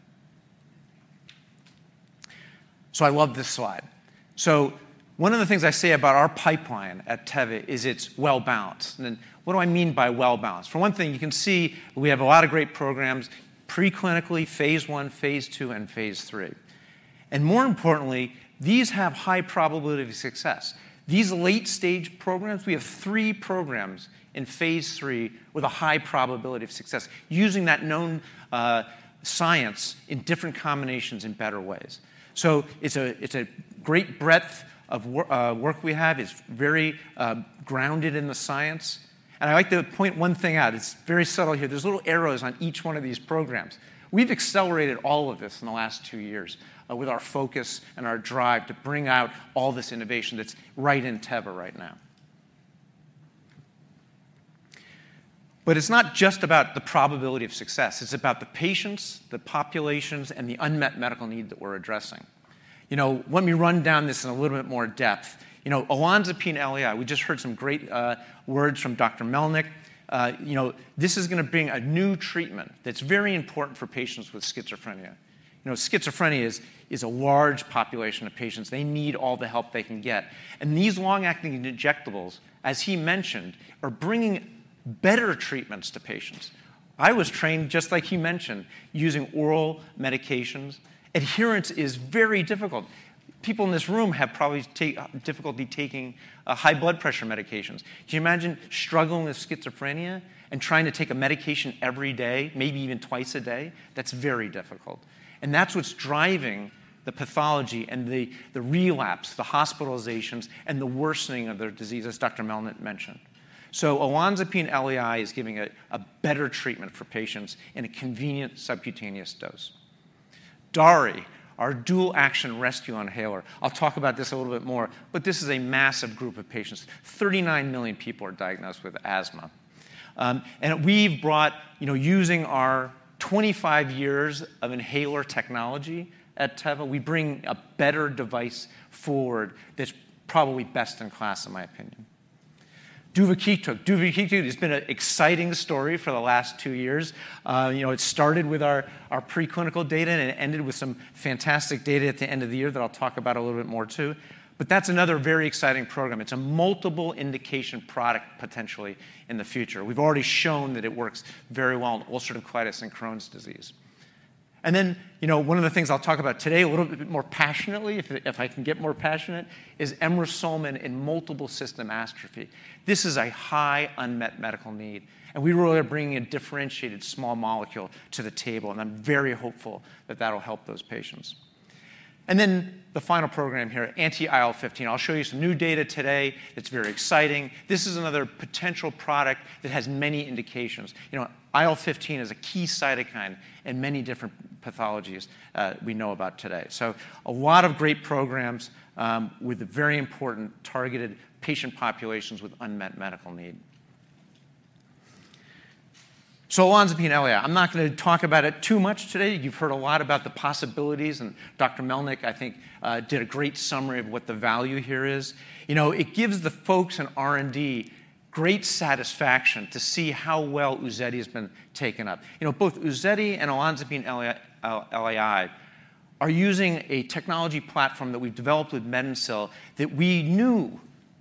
I love this slide. One of the things I say about our pipeline at Teva is it's well-balanced. What do I mean by well-balanced? For one thing, you can see we have a lot of great programs pre-clinically, phase I, phase II, and phase III. More importantly, these have high probability of success. These late-stage programs, we have three programs in phase III with a high probability of success using that known science in different combinations in better ways. It's a great breadth of work we have. It's very grounded in the science. I like to point one thing out. It's very subtle here. There are little arrows on each one of these programs. We've accelerated all of this in the last two years with our focus and our drive to bring out all this innovation that's right in Teva right now. It's not just about the probability of success. It's about the patients, the populations, and the unmet medical need that we're addressing. Let me run down this in a little bit more depth. Olanzapine LAI, we just heard some great words from Dr. Melnick. This is going to bring a new treatment that's very important for patients with schizophrenia. Schizophrenia is a large population of patients. They need all the help they can get. These long-acting injectables, as he mentioned, are bringing better treatments to patients. I was trained, just like he mentioned, using oral medications. Adherence is very difficult. People in this room have probably difficulty taking high blood pressure medications. Can you imagine struggling with schizophrenia and trying to take a medication every day, maybe even twice a day? That's very difficult. That's what's driving the pathology and the relapse, the hospitalizations, and the worsening of their disease, as Dr. Melnick mentioned. Olanzapine LAI is giving a better treatment for patients in a convenient subcutaneous dose. DARI, our Dual-Action Rescue Inhaler. I'll talk about this a little bit more. This is a massive group of patients. 39 million people are diagnosed with asthma. We've brought, using our 25 years of inhaler technology at Teva, a better device forward that's probably best-in-class, in my opinion. duvakitug. Duvakitug has been an exciting story for the last two years. It started with our preclinical data, and it ended with some fantastic data at the end of the year that I'll talk about a little bit more too. That is another very exciting program. It is a multiple indication product potentially in the future. We've already shown that it works very well in ulcerative colitis and Crohn's disease. One of the things I'll talk about today a little bit more passionately, if I can get more passionate, is emrusolmin in multiple system atrophy. This is a high unmet medical need. We really are bringing a differentiated small molecule to the table. I'm very hopeful that that'll help those patients. The final program here, anti IL-15. I'll show you some new data today that's very exciting. This is another potential product that has many indications. IL-15 is a key cytokine in many different pathologies we know about today. A lot of great programs with very important targeted patient populations with unmet medical need. Olanzapine LAI, I'm not going to talk about it too much today. You've heard a lot about the possibilities. Dr. Melnick, I think, did a great summary of what the value here is. It gives the folks in R&D great satisfaction to see how well UZEDY has been taken up. Both UZEDY and Olanzapine LAI are using a technology platform that we've developed with MedinSil that we knew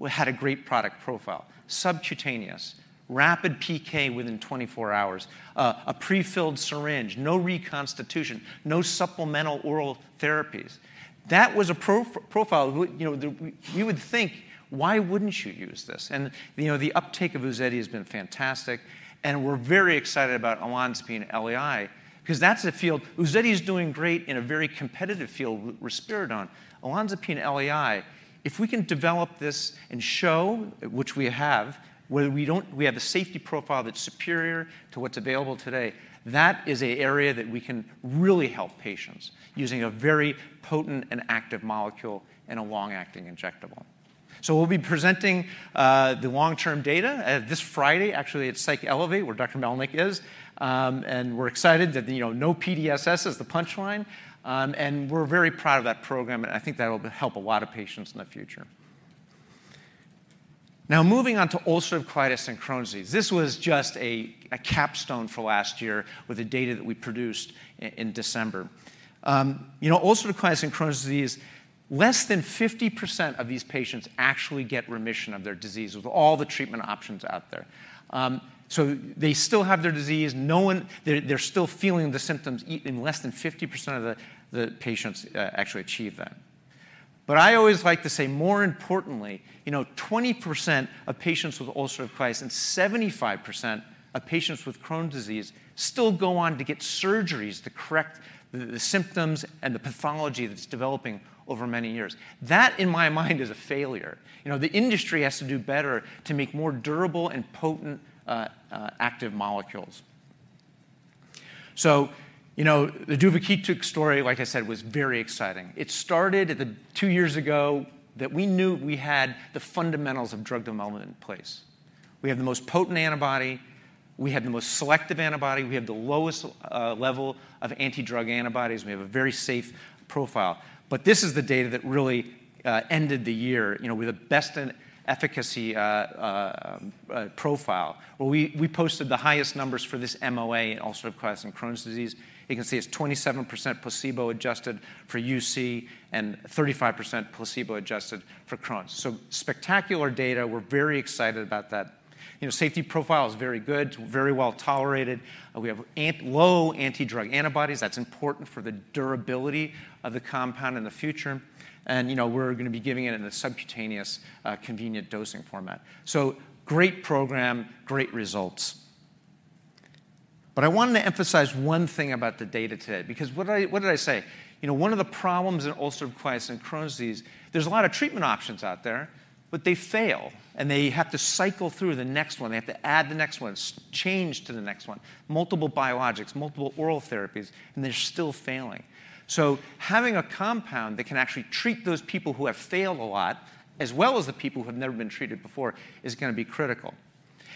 had a great product profile: subcutaneous, rapid PK within 24 hours, a prefilled syringe, no reconstitution, no supplemental oral therapies. That was a profile you would think, "Why wouldn't you use this?" The uptake of UZEDY has been fantastic. We're very excited about Olanzapine LAI because that's a field UZEDY is doing great in, a very competitive field with risperidone. Olanzapine LAI, if we can develop this and show, which we have, where we have a safety profile that's superior to what's available today, that is an area that we can really help patients using a very potent and active molecule and a long-acting injectable. We'll be presenting the long-term data this Friday, actually, at Psych Elevate, where Dr. Melnick is. We're excited that no PDSS is the punchline. We're very proud of that program. I think that'll help a lot of patients in the future. Now, moving on to ulcerative colitis and Crohn's disease. This was just a capstone for last year with the data that we produced in December. Ulcerative colitis and Crohn's disease, less than 50% of these patients actually get remission of their disease with all the treatment options out there. They still have their disease. They're still feeling the symptoms. In less than 50% of the patients actually achieve that. I always like to say, more importantly, 20% of patients with ulcerative colitis and 75% of patients with Crohn's disease still go on to get surgeries to correct the symptoms and the pathology that's developing over many years. That, in my mind, is a failure. The industry has to do better to make more durable and potent active molecules. The duvakitug story, like I said, was very exciting. It started two years ago that we knew we had the fundamentals of drug development in place. We have the most potent antibody. We have the most selective antibody. We have the lowest level of anti-drug antibodies. We have a very safe profile. This is the data that really ended the year with the best efficacy profile. We posted the highest numbers for this MOA in ulcerative colitis and Crohn's disease. You can see it's 27% placebo-adjusted for UC and 35% placebo-adjusted for Crohn's. Spectacular data. We're very excited about that. Safety profile is very good, very well tolerated. We have low anti-drug antibodies. That's important for the durability of the compound in the future. We're going to be giving it in a subcutaneous convenient dosing format. Great program, great results. I wanted to emphasize one thing about the data today because what did I say? One of the problems in ulcerative colitis and Crohn's disease, there's a lot of treatment options out there, but they fail. They have to cycle through the next one. They have to add the next one, change to the next one, multiple biologics, multiple oral therapies, and they're still failing. Having a compound that can actually treat those people who have failed a lot, as well as the people who have never been treated before, is going to be critical.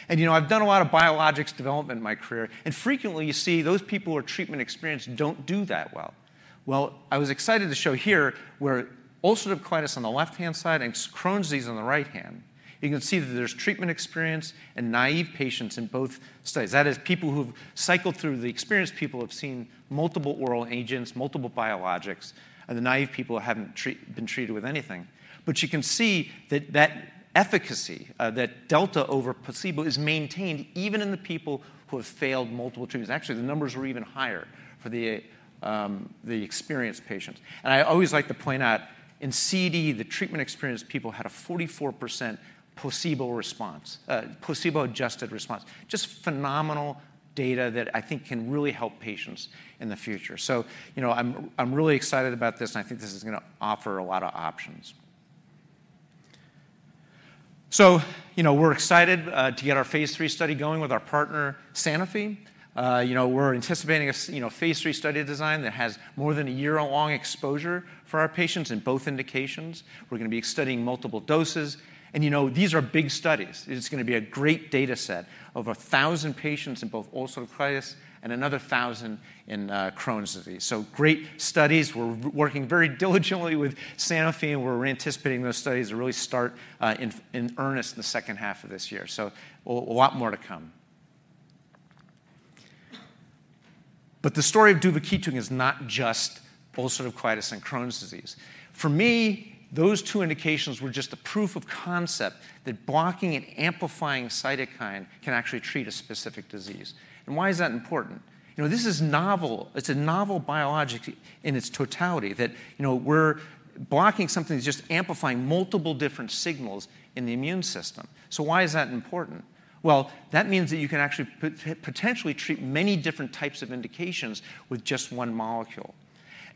I've done a lot of biologics development in my career. Frequently, you see those people who are treatment experienced do not do that well. I was excited to show here where ulcerative colitis is on the left-hand side and Crohn's disease is on the right hand. You can see that there are treatment experienced and naive patients in both studies. That is, people who have cycled through, the experienced people have seen multiple oral agents, multiple biologics, and the naive people have not been treated with anything. You can see that that efficacy, that delta over placebo is maintained even in the people who have failed multiple treatments. Actually, the numbers were even higher for the experienced patients. I always like to point out in CD, the treatment experienced people had a 44% placebo-adjusted response. Just phenomenal data that I think can really help patients in the future. I am really excited about this. I think this is going to offer a lot of options. We are excited to get our phase III study going with our partner, Sanofi. We are anticipating a phase III study design that has more than a year-long exposure for our patients in both indications. We are going to be studying multiple doses. These are big studies. It is going to be a great data set of 1,000 patients in both ulcerative colitis and another 1,000 in Crohn's disease. Great studies. We're working very diligently with Sanofi. We're anticipating those studies to really start in earnest in the second half of this year. A lot more to come. The story of duvakitug is not just ulcerative colitis and Crohn's disease. For me, those two indications were just a proof of concept that blocking and amplifying cytokine can actually treat a specific disease. Why is that important? This is novel. It's a novel biologic in its totality that we're blocking something that's just amplifying multiple different signals in the immune system. Why is that important? That means that you can actually potentially treat many different types of indications with just one molecule.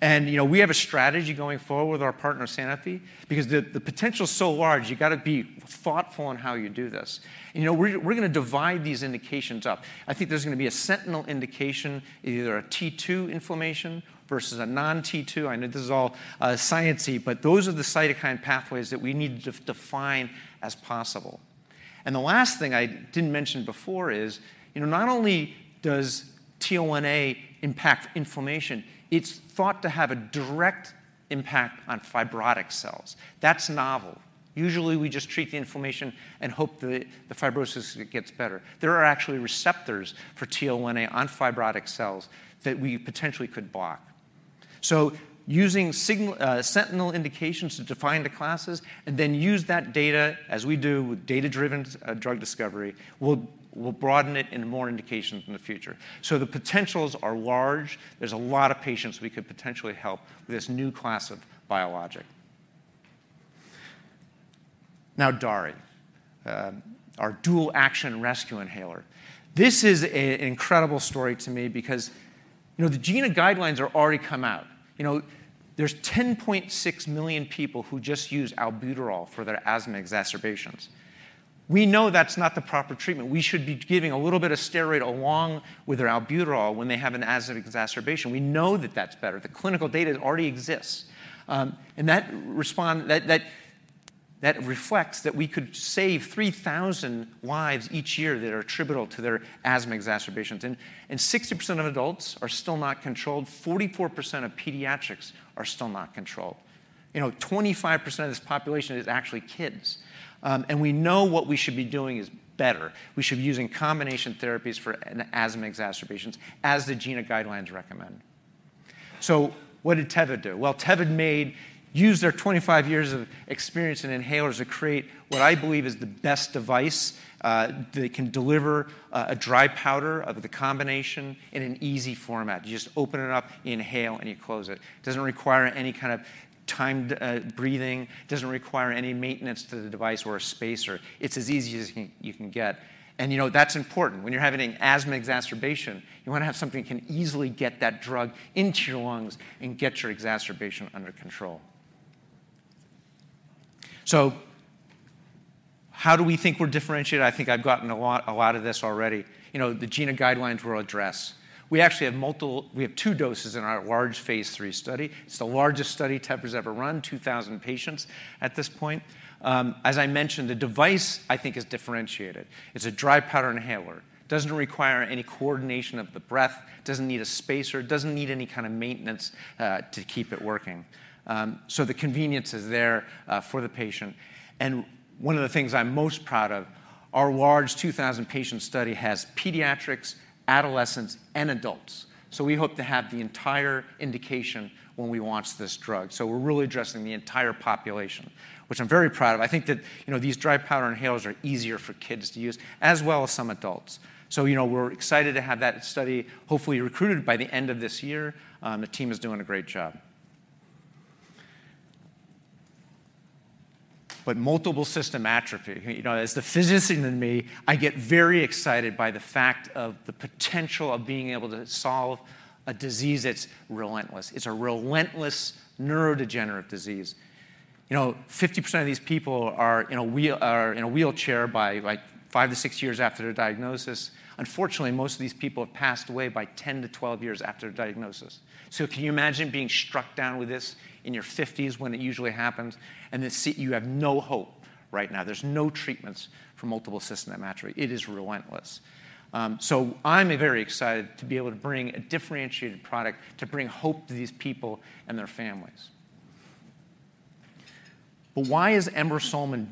We have a strategy going forward with our partner, Sanofi, because the potential is so large, you've got to be thoughtful in how you do this. We're going to divide these indications up. I think there's going to be a sentinel indication, either a T2 inflammation versus a non-T2. I know this is all science-y, but those are the cytokine pathways that we need to define as possible. The last thing I didn't mention before is not only does TL1A impact inflammation, it's thought to have a direct impact on fibrotic cells. That's novel. Usually, we just treat the inflammation and hope that the fibrosis gets better. There are actually receptors for TL1A on fibrotic cells that we potentially could block. Using sentinel indications to define the classes and then use that data, as we do with data-driven drug discovery, we'll broaden it in more indications in the future. The potentials are large. There's a lot of patients we could potentially help with this new class of biologic. Now, DARI, our Dual-Action Rescue Inhaler. This is an incredible story to me because the GINA guidelines have already come out. There are 10.6 million people who just use albuterol for their asthma exacerbations. We know that's not the proper treatment. We should be giving a little bit of steroid along with their albuterol when they have an asthma exacerbation. We know that that's better. The clinical data already exists. That reflects that we could save 3,000 lives each year that are attributable to their asthma exacerbations. 60% of adults are still not controlled. 44% of pediatrics are still not controlled. 25% of this population is actually kids. We know what we should be doing is better. We should be using combination therapies for asthma exacerbations as the GINA guidelines recommend. What did Teva do? Teva used their 25 years of experience in inhalers to create what I believe is the best device that can deliver a dry powder of the combination in an easy format. You just open it up, inhale, and you close it. It does not require any kind of timed breathing. It does not require any maintenance to the device or a spacer. It is as easy as you can get. That is important. When you are having an asthma exacerbation, you want to have something that can easily get that drug into your lungs and get your exacerbation under control. How do we think we are differentiated? I think I have gotten a lot of this already. The GINA guidelines will address. We actually have two doses in our large phase III study. It is the largest study Teva has ever run, 2,000 patients at this point. As I mentioned, the device, I think, is differentiated. It's a dry powder inhaler. It doesn't require any coordination of the breath. It doesn't need a spacer. It doesn't need any kind of maintenance to keep it working. The convenience is there for the patient. One of the things I'm most proud of, our large 2,000-patient study has pediatrics, adolescents, and adults. We hope to have the entire indication when we launch this drug. We're really addressing the entire population, which I'm very proud of. I think that these dry powder inhalers are easier for kids to use, as well as some adults. We're excited to have that study, hopefully recruited by the end of this year. The team is doing a great job. Multiple system atrophy, as the physician in me, I get very excited by the fact of the potential of being able to solve a disease that is relentless. It is a relentless neurodegenerative disease. 50% of these people are in a wheelchair by five to six years after their diagnosis. Unfortunately, most of these people have passed away by 10 to 12 years after their diagnosis. Can you imagine being struck down with this in your 50s when it usually happens? You have no hope right now. There are no treatments for multiple system atrophy. It is relentless. I am very excited to be able to bring a differentiated product to bring hope to these people and their families. Why is emrusolmin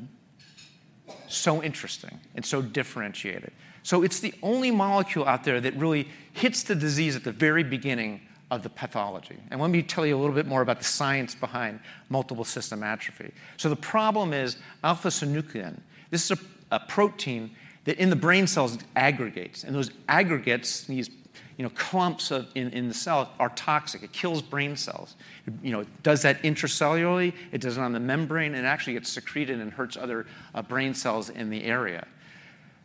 so interesting and so differentiated? It is the only molecule out there that really hits the disease at the very beginning of the pathology. Let me tell you a little bit more about the science behind multiple system atrophy. The problem is alpha-synuclein. This is a protein that in the brain cells aggregates. Those aggregates, these clumps in the cell, are toxic. It kills brain cells. It does that intracellularly. It does it on the membrane. It actually gets secreted and hurts other brain cells in the area.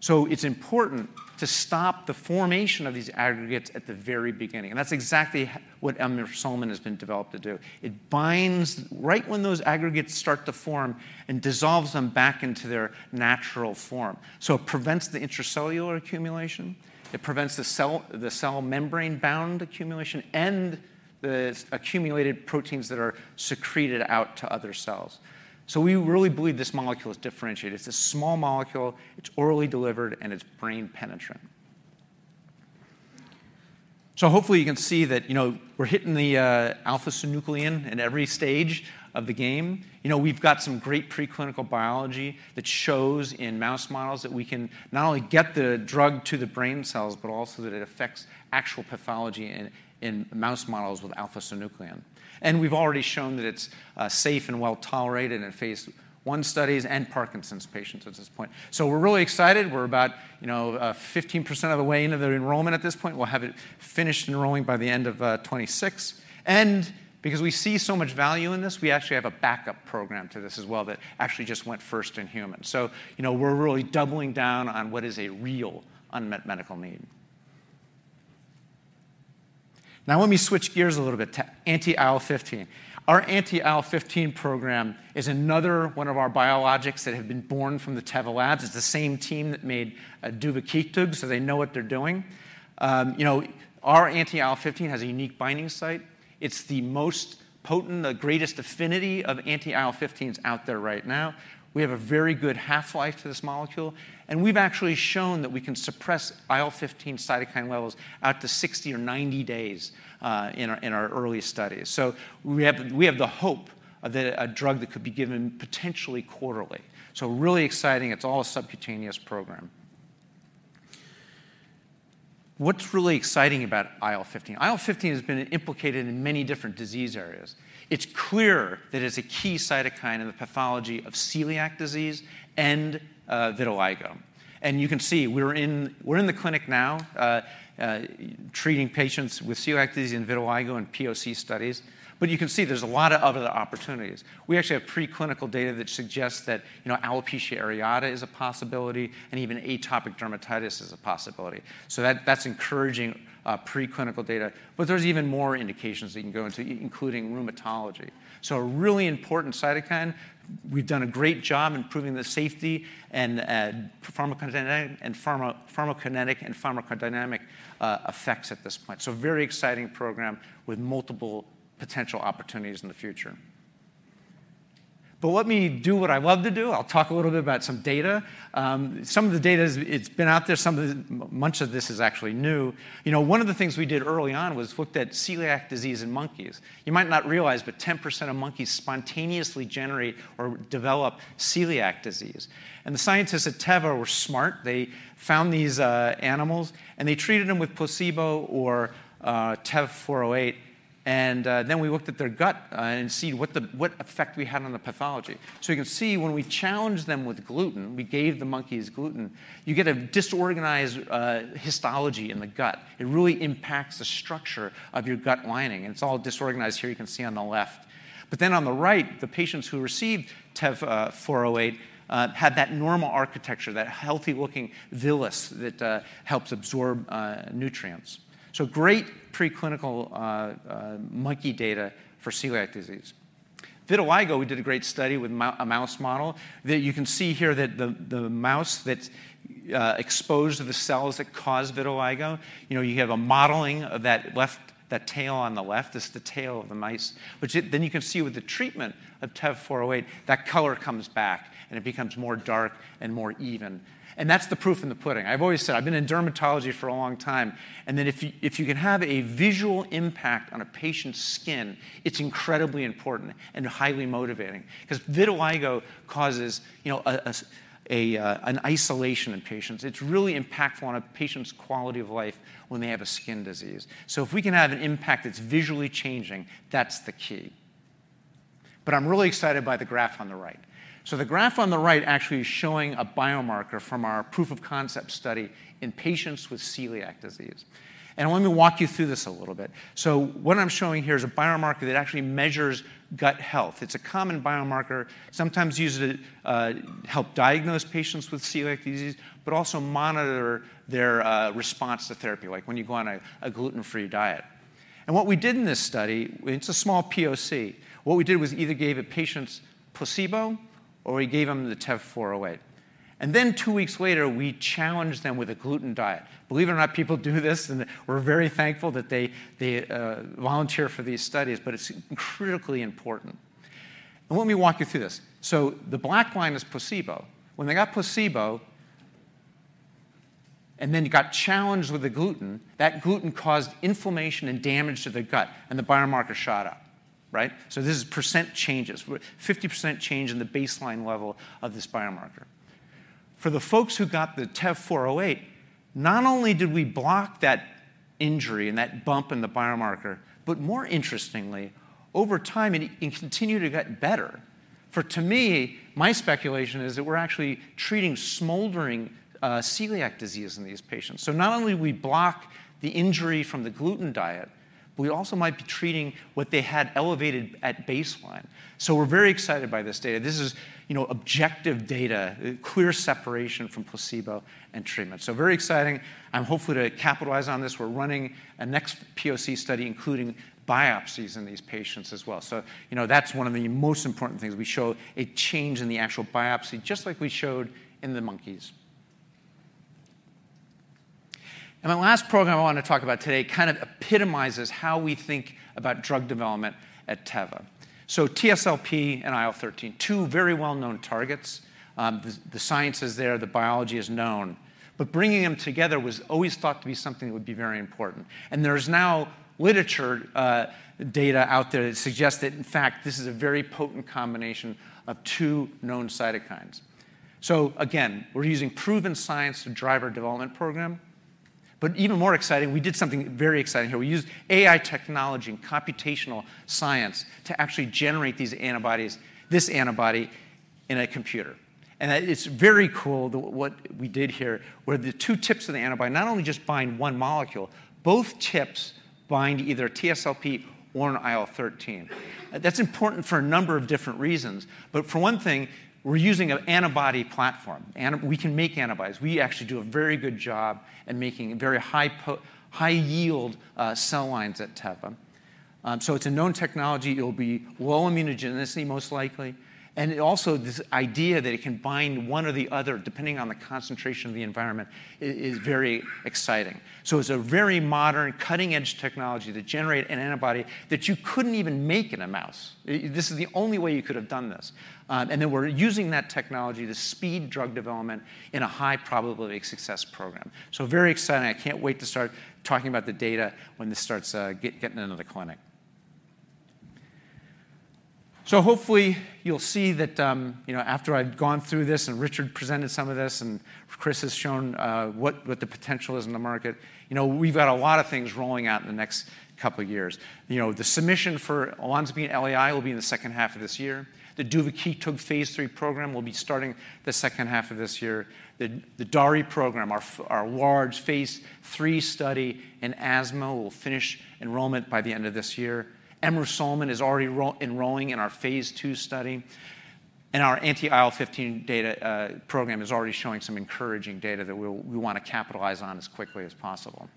It is important to stop the formation of these aggregates at the very beginning. That is exactly what emrusolmin has been developed to do. It binds right when those aggregates start to form and dissolves them back into their natural form. It prevents the intracellular accumulation. It prevents the cell membrane-bound accumulation and the accumulated proteins that are secreted out to other cells. We really believe this molecule is differentiated. It is a small molecule. It is orally delivered. It is brain-penetrant. Hopefully, you can see that we're hitting the alpha-synuclein in every stage of the game. We've got some great preclinical biology that shows in mouse models that we can not only get the drug to the brain cells, but also that it affects actual pathology in mouse models with alpha-synuclein. We've already shown that it's safe and well tolerated in phase I studies in Parkinson's patients at this point. We're really excited. We're about 15% of the way into the enrollment at this point. We'll have it finished enrolling by the end of 2026. Because we see so much value in this, we actually have a backup program to this as well that actually just went first in humans. We're really doubling down on what is a real unmet medical need. Now, let me switch gears a little bit to anti IL-15. Our anti IL-15 program is another one of our biologics that have been born from the Teva labs. It's the same team that made duvakitug. So they know what they're doing. Our anti IL-15 has a unique binding site. It's the most potent, the greatest affinity of anti IL-15s out there right now. We have a very good half-life to this molecule. And we've actually shown that we can suppress IL-15 cytokine levels out to 60 or 90 days in our early studies. We have the hope of a drug that could be given potentially quarterly. Really exciting. It's all a subcutaneous program. What's really exciting about IL-15? IL-15 has been implicated in many different disease areas. It's clear that it's a key cytokine in the pathology of celiac disease and vitiligo. You can see we're in the clinic now treating patients with celiac disease and vitiligo in PoC studies. You can see there's a lot of other opportunities. We actually have preclinical data that suggests that alopecia areata is a possibility and even atopic dermatitis is a possibility. That is encouraging preclinical data. There are even more indications that you can go into, including rheumatology. A really important cytokine. We've done a great job improving the safety and pharmacokinetic and pharmacodynamic effects at this point. Very exciting program with multiple potential opportunities in the future. Let me do what I love to do. I'll talk a little bit about some data. Some of the data has been out there. Much of this is actually new. One of the things we did early on was looked at celiac disease in monkeys. You might not realize, but 10% of monkeys spontaneously generate or develop celiac disease. The scientists at Teva were smart. They found these animals. They treated them with placebo or TEV-408. We looked at their gut and see what effect we had on the pathology. You can see when we challenged them with gluten, we gave the monkeys gluten, you get a disorganized histology in the gut. It really impacts the structure of your gut lining. It is all disorganized here. You can see on the left. On the right, the patients who received TEV-408 had that normal architecture, that healthy-looking villi that helps absorb nutrients. Great preclinical monkey data for celiac disease. Vitiligo, we did a great study with a mouse model. You can see here that the mouse that's exposed to the cells that cause vitiligo, you have a modeling of that tail on the left. It's the tail of the mice. You can see with the treatment of TEV-408, that color comes back. It becomes more dark and more even. That's the proof in the pudding. I've always said I've been in dermatology for a long time. If you can have a visual impact on a patient's skin, it's incredibly important and highly motivating because vitiligo causes an isolation in patients. It's really impactful on a patient's quality of life when they have a skin disease. If we can have an impact that's visually changing, that's the key. I'm really excited by the graph on the right. The graph on the right actually is showing a biomarker from our proof of concept study in patients with celiac disease. Let me walk you through this a little bit. What I'm showing here is a biomarker that actually measures gut health. It's a common biomarker, sometimes used to help diagnose patients with celiac disease, but also monitor their response to therapy, like when you go on a gluten-free diet. What we did in this study, it's a small PoC. What we did was either gave the patients placebo or we gave them the TEV-408. Two weeks later, we challenged them with a gluten diet. Believe it or not, people do this. We're very thankful that they volunteer for these studies. It's critically important. Let me walk you through this. The black line is placebo. When they got placebo and then got challenged with the gluten, that gluten caused inflammation and damage to the gut. The biomarker shot up. This is % changes, 50% change in the baseline level of this biomarker. For the folks who got the TEV-408, not only did we block that injury and that bump in the biomarker, but more interestingly, over time, it continued to get better. For to me, my speculation is that we're actually treating smoldering celiac disease in these patients. Not only do we block the injury from the gluten diet, we also might be treating what they had elevated at baseline. We're very excited by this data. This is objective data, clear separation from placebo and treatment. Very exciting. I'm hopeful to capitalize on this. We're running a next PoC study, including biopsies in these patients as well. That's one of the most important things. We show a change in the actual biopsy, just like we showed in the monkeys. My last program I want to talk about today kind of epitomizes how we think about drug development at Teva. TSLP and IL-13, two very well-known targets. The science is there. The biology is known. Bringing them together was always thought to be something that would be very important. There is now literature data out there that suggests that, in fact, this is a very potent combination of two known cytokines. Again, we're using proven science to drive our development program. Even more exciting, we did something very exciting here. We used AI technology and computational science to actually generate this antibody in a computer. It is very cool what we did here, where the two tips of the antibody not only just bind one molecule, both tips bind either a TSLP or an IL-13. That is important for a number of different reasons. For one thing, we are using an antibody platform. We can make antibodies. We actually do a very good job at making very high-yield cell lines at Teva. It is a known technology. It will be low immunogenicity, most likely. Also, this idea that it can bind one or the other, depending on the concentration of the environment, is very exciting. It is a very modern, cutting-edge technology to generate an antibody that you could not even make in a mouse. This is the only way you could have done this. We are using that technology to speed drug development in a high-probability success program. Very exciting. I can't wait to start talking about the data when this starts getting into the clinic. Hopefully, you'll see that after I've gone through this and Richard presented some of this and Chris has shown what the potential is in the market, we've got a lot of things rolling out in the next couple of years. The submission for olanzapine LAI will be in the second half of this year. The duvakitug phase III program will be starting the second half of this year. The DARI program, our large phase III study in asthma, will finish enrollment by the end of this year. emrusolmin is already enrolling in our phase II study. Our anti IL-15 data program is already showing some encouraging data that we want to capitalize on as quickly as possible.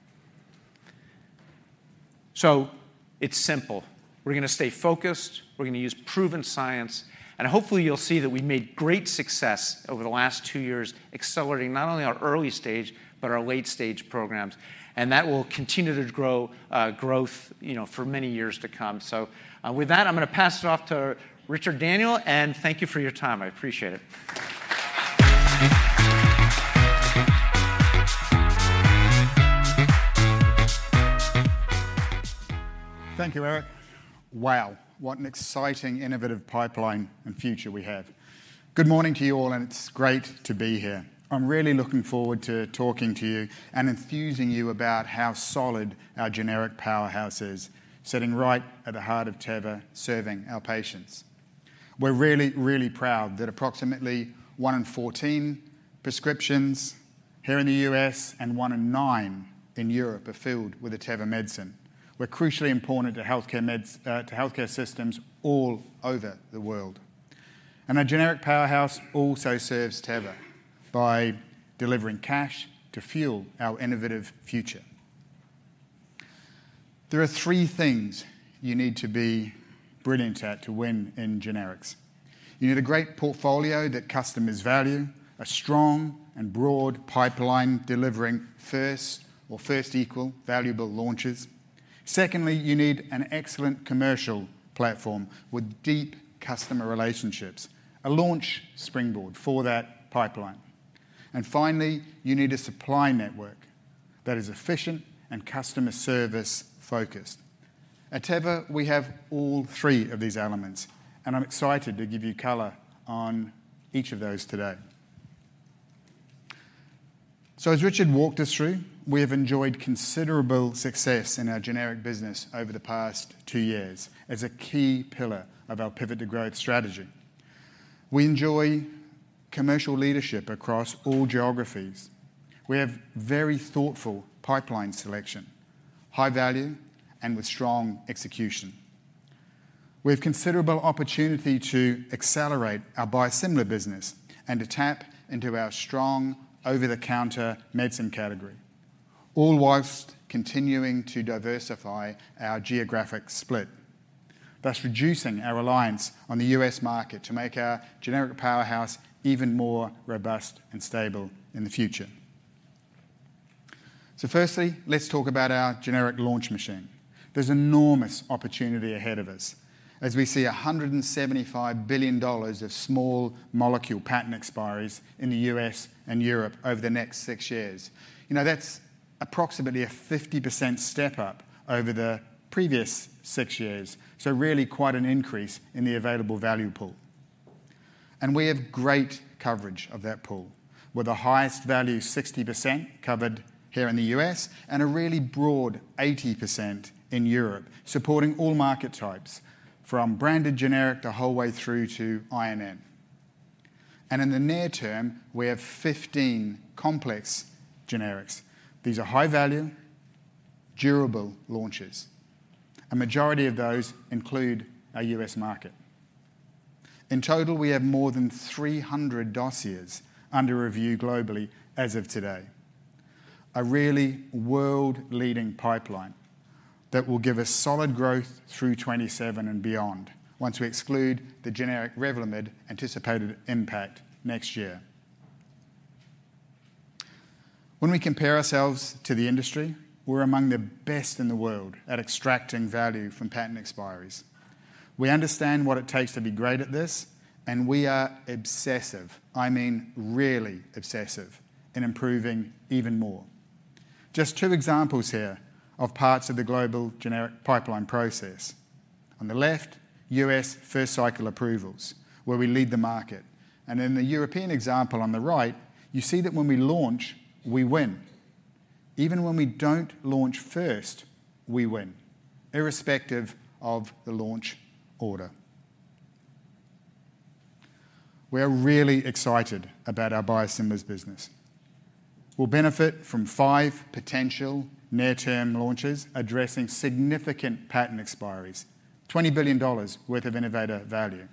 It's simple. We're going to stay focused. We're going to use proven science. Hopefully, you'll see that we've made great success over the last two years, accelerating not only our early stage, but our late stage programs. That will continue to grow for many years to come. With that, I'm going to pass it off to Richard Daniell. Thank you for your time. I appreciate it. Thank you, Eric. Wow, what an exciting, innovative pipeline and future we have. Good morning to you all. It is great to be here. I'm really looking forward to talking to you and enthusing you about how solid our generic powerhouse is, sitting right at the heart of Teva, serving our patients. We're really, really proud that approximately one in 14 prescriptions here in the U.S. and one in nine in Europe are filled with a Teva medicine. We're crucially important to health care systems all over the world. Our generic powerhouse also serves Teva by delivering cash to fuel our innovative future. There are three things you need to be brilliant at to win in generics. You need a great portfolio that customers value, a strong and broad pipeline delivering first or first-equal valuable launches. Secondly, you need an excellent commercial platform with deep customer relationships, a launch springboard for that pipeline. Finally, you need a supply network that is efficient and customer service-focused. At Teva, we have all three of these elements. I'm excited to give you color on each of those today. As Richard walked us through, we have enjoyed considerable success in our generic business over the past two years as a key pillar of our Pivot to Growth strategy. We enjoy commercial leadership across all geographies. We have very thoughtful pipeline selection, high value, and with strong execution. We have considerable opportunity to accelerate our biosimilar business and to tap into our strong over-the-counter medicine category, all whilst continuing to diversify our geographic split, thus reducing our reliance on the U.S. market to make our generic powerhouse even more robust and stable in the future. Firstly, let's talk about our generic launch machine. There's enormous opportunity ahead of us as we see $175 billion of small molecule patent expiries in the U.S. and Europe over the next six years. That's approximately a 50% Step-up over the previous six years. Really quite an increase in the available value pool. We have great coverage of that pool, with the highest value, 60%, covered here in the U.S. and a really broad 80% in Europe, supporting all market types, from branded generic the whole way through to INN. In the near term, we have 15 complex generics. These are high-value, durable launches. A majority of those include our U.S. market. In total, we have more than 300 dossiers under review globally as of today, a really world-leading pipeline that will give us solid growth through 2027 and beyond, once we exclude the generic Revlimid anticipated impact next year. When we compare ourselves to the industry, we're among the best in the world at extracting value from patent expiries. We understand what it takes to be great at this. And we are obsessive, I mean really obsessive, in improving even more. Just two examples here of parts of the global generic pipeline process. On the left, U.S. first cycle approvals, where we lead the market. In the European example on the right, you see that when we launch, we win. Even when we don't launch first, we win, irrespective of the launch order. We are really excited about our biosimilars business. We'll benefit from five potential near-term launches addressing significant patent expiries, $20 billion worth of innovator value.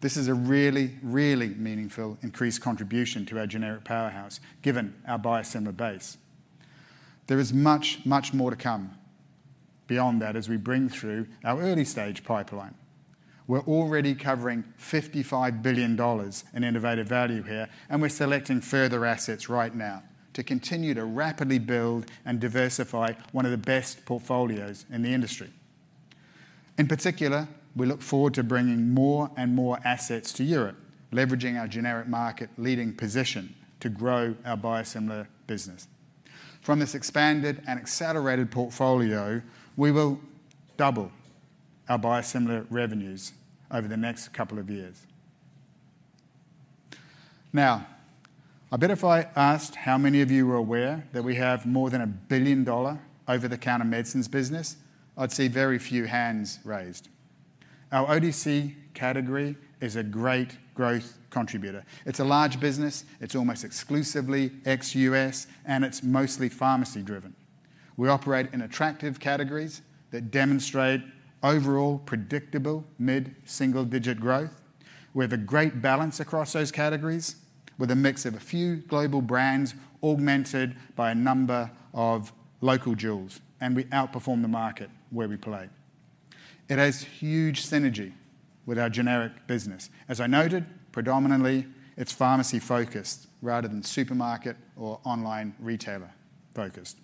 This is a really, really meaningful increased contribution to our generic powerhouse, given our biosimilar base. There is much, much more to come beyond that as we bring through our early stage pipeline. We're already covering $55 billion in innovator value here. We're selecting further assets right now to continue to rapidly build and diversify one of the best portfolios in the industry. In particular, we look forward to bringing more and more assets to Europe, leveraging our generic market leading position to grow our biosimilar business. From this expanded and accelerated portfolio, we will double our biosimilar revenues over the next couple of years. Now, I bet if I asked how many of you were aware that we have more than a $1 billion over-the-counter medicines business, I'd see very few hands raised. Our OTC category is a great growth contributor. It's a large business. It's almost exclusively ex-U.S.. It's mostly pharmacy-driven. We operate in attractive categories that demonstrate overall predictable mid-single-digit growth. We have a great balance across those categories, with a mix of a few global brands augmented by a number of local jewels. We outperform the market where we play. It has huge synergy with our generic business. As I noted, predominantly, it's pharmacy-focused rather than supermarket or online retailer-focused.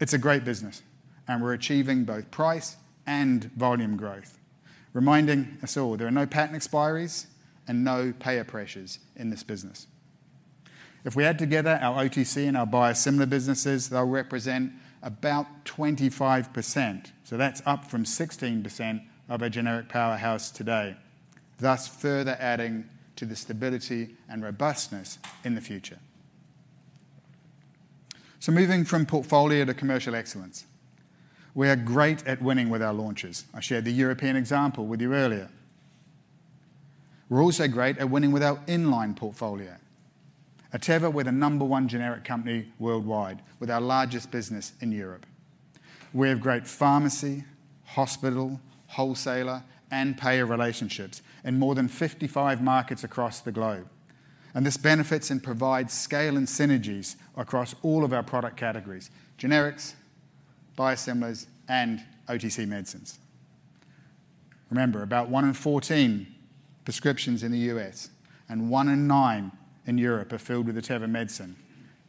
It's a great business. We're achieving both price and volume growth, reminding us all there are no patent expiries and no payer pressures in this business. If we add together our OTC and our biosimilar businesses, they'll represent about 25%. That's up from 16% of our generic powerhouse today, thus further adding to the stability and robustness in the future. Moving from portfolio to commercial excellence, we are great at winning with our launches. I shared the European example with you earlier. We're also great at winning with our inline portfolio, at Teva with a number one generic company worldwide, with our largest business in Europe. We have great pharmacy, hospital, wholesaler, and payer relationships in more than 55 markets across the globe. This benefits and provides scale and synergies across all of our product categories: generics, biosimilars, and OTC medicines. Remember, about 1-in-14 prescriptions in the U.S. and 1-in-9 in Europe are filled with a Teva medicine.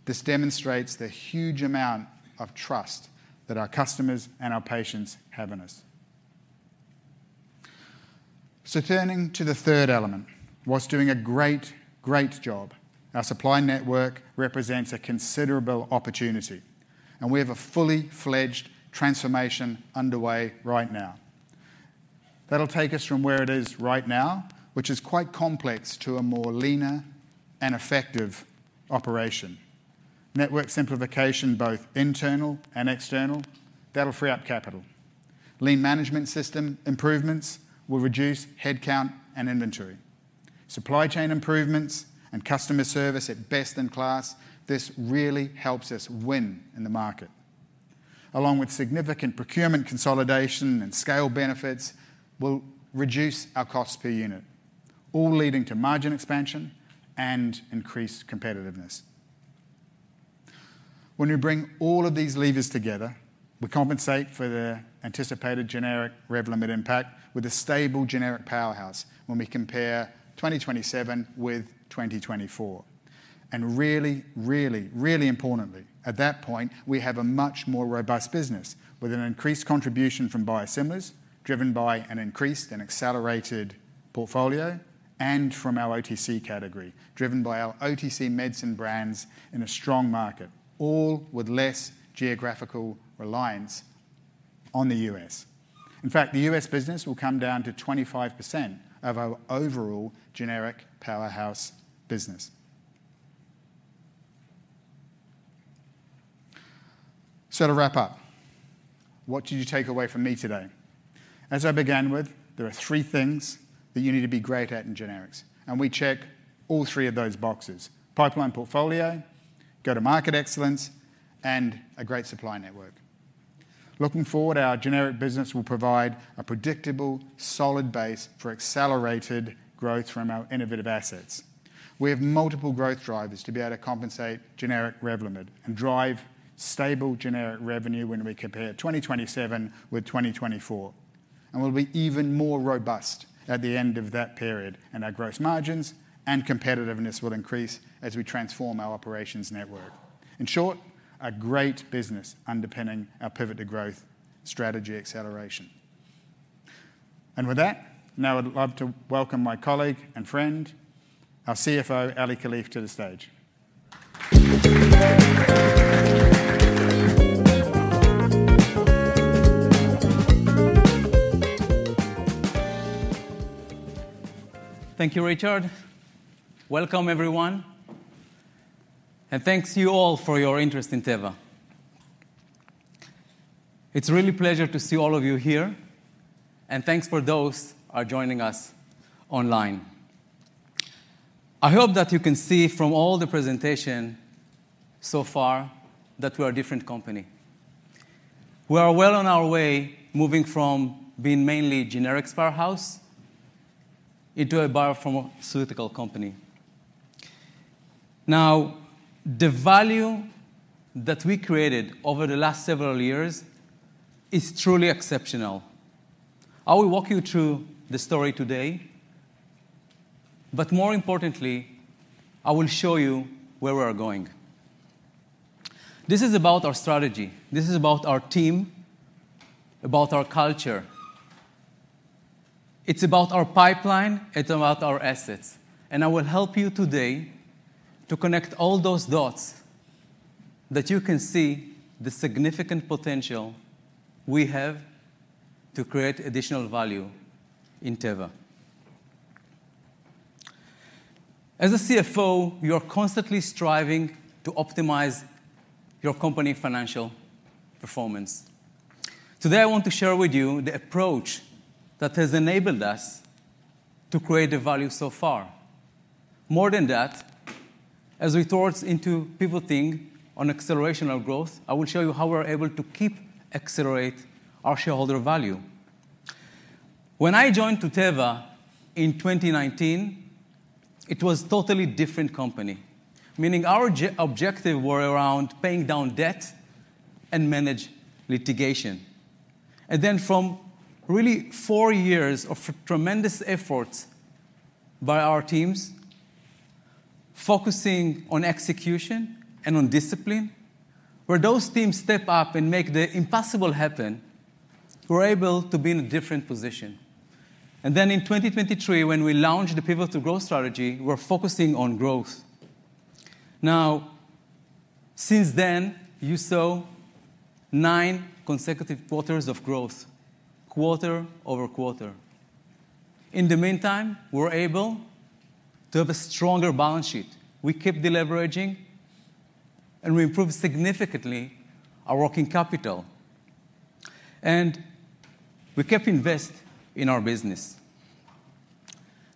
This demonstrates the huge amount of trust that our customers and our patients have in us. Turning to the third element, whilst doing a great, great job, our supply network represents a considerable opportunity. We have a fully fledged transformation underway right now. That will take us from where it is right now, which is quite complex, to a more leaner and effective operation. Network simplification, both internal and external, will free up capital. Lean management system improvements will reduce headcount and inventory. Supply chain improvements and customer service at best-in-class, this really helps us win in the market. Along with significant procurement consolidation and scale benefits, we will reduce our costs per unit, all leading to margin expansion and increased competitiveness. When we bring all of these levers together, we compensate for the anticipated generic Revlimid impact with a stable generic powerhouse when we compare 2027 with 2024. Really, really importantly, at that point, we have a much more robust business with an increased contribution from biosimilars, driven by an increased and accelerated portfolio, and from our OTC category, driven by our OTC medicine brands in a strong market, all with less geographical reliance on the U.S.. In fact, the U.S. business will come down to 25% of our overall generic powerhouse business. To wrap up, what did you take away from me today? As I began with, there are three things that you need to be great at in generics. We check all three of those boxes: pipeline portfolio, go-to-market excellence, and a great supply network. Looking forward, our generic business will provide a predictable, solid base for accelerated growth from our innovative assets. We have multiple growth drivers to be able to compensate generic Revlimid and drive stable generic revenue when we compare 2027 with 2024. We will be even more robust at the end of that period. Our gross margins and competitiveness will increase as we transform our operations network. In short, a great business underpinning our Pivot to Growth strategy acceleration. With that, now I'd love to welcome my colleague and friend, our CFO, Eli Kalif, to the stage. Thank you, Richard. Welcome, everyone. And thanks to you all for your interest in Teva. It's a really pleasure to see all of you here. And thanks for those who are joining us online. I hope that you can see from all the presentation so far that we are a different company. We are well on our way moving from being mainly a generics powerhouse into a biopharmaceutical company. Now, the value that we created over the last several years is truly exceptional. I will walk you through the story today. But more importantly, I will show you where we are going. This is about our strategy. This is about our team, about our culture. It's about our pipeline. It's about our assets. And I will help you today to connect all those dots that you can see the significant potential we have to create additional value in Teva. As a CFO, you are constantly striving to optimize your company's financial performance. Today, I want to share with you the approach that has enabled us to create the value so far. More than that, as we thought into pivoting on acceleration of growth, I will show you how we are able to keep accelerating our shareholder value. When I joined Teva in 2019, it was a totally different company, meaning our objective was around paying down debt and managing litigation. From really four years of tremendous efforts by our teams, focusing on execution and on discipline, where those teams Step-up and make the impossible happen, we were able to be in a different position. In 2023, when we launched the Pivot to Growth strategy, we were focusing on growth. Now, since then, you saw nine consecutive quarters of growth, quarter-over-quarter. In the meantime, we were able to have a stronger balance sheet. We kept deleveraging. We improved significantly our working capital. We kept investing in our business.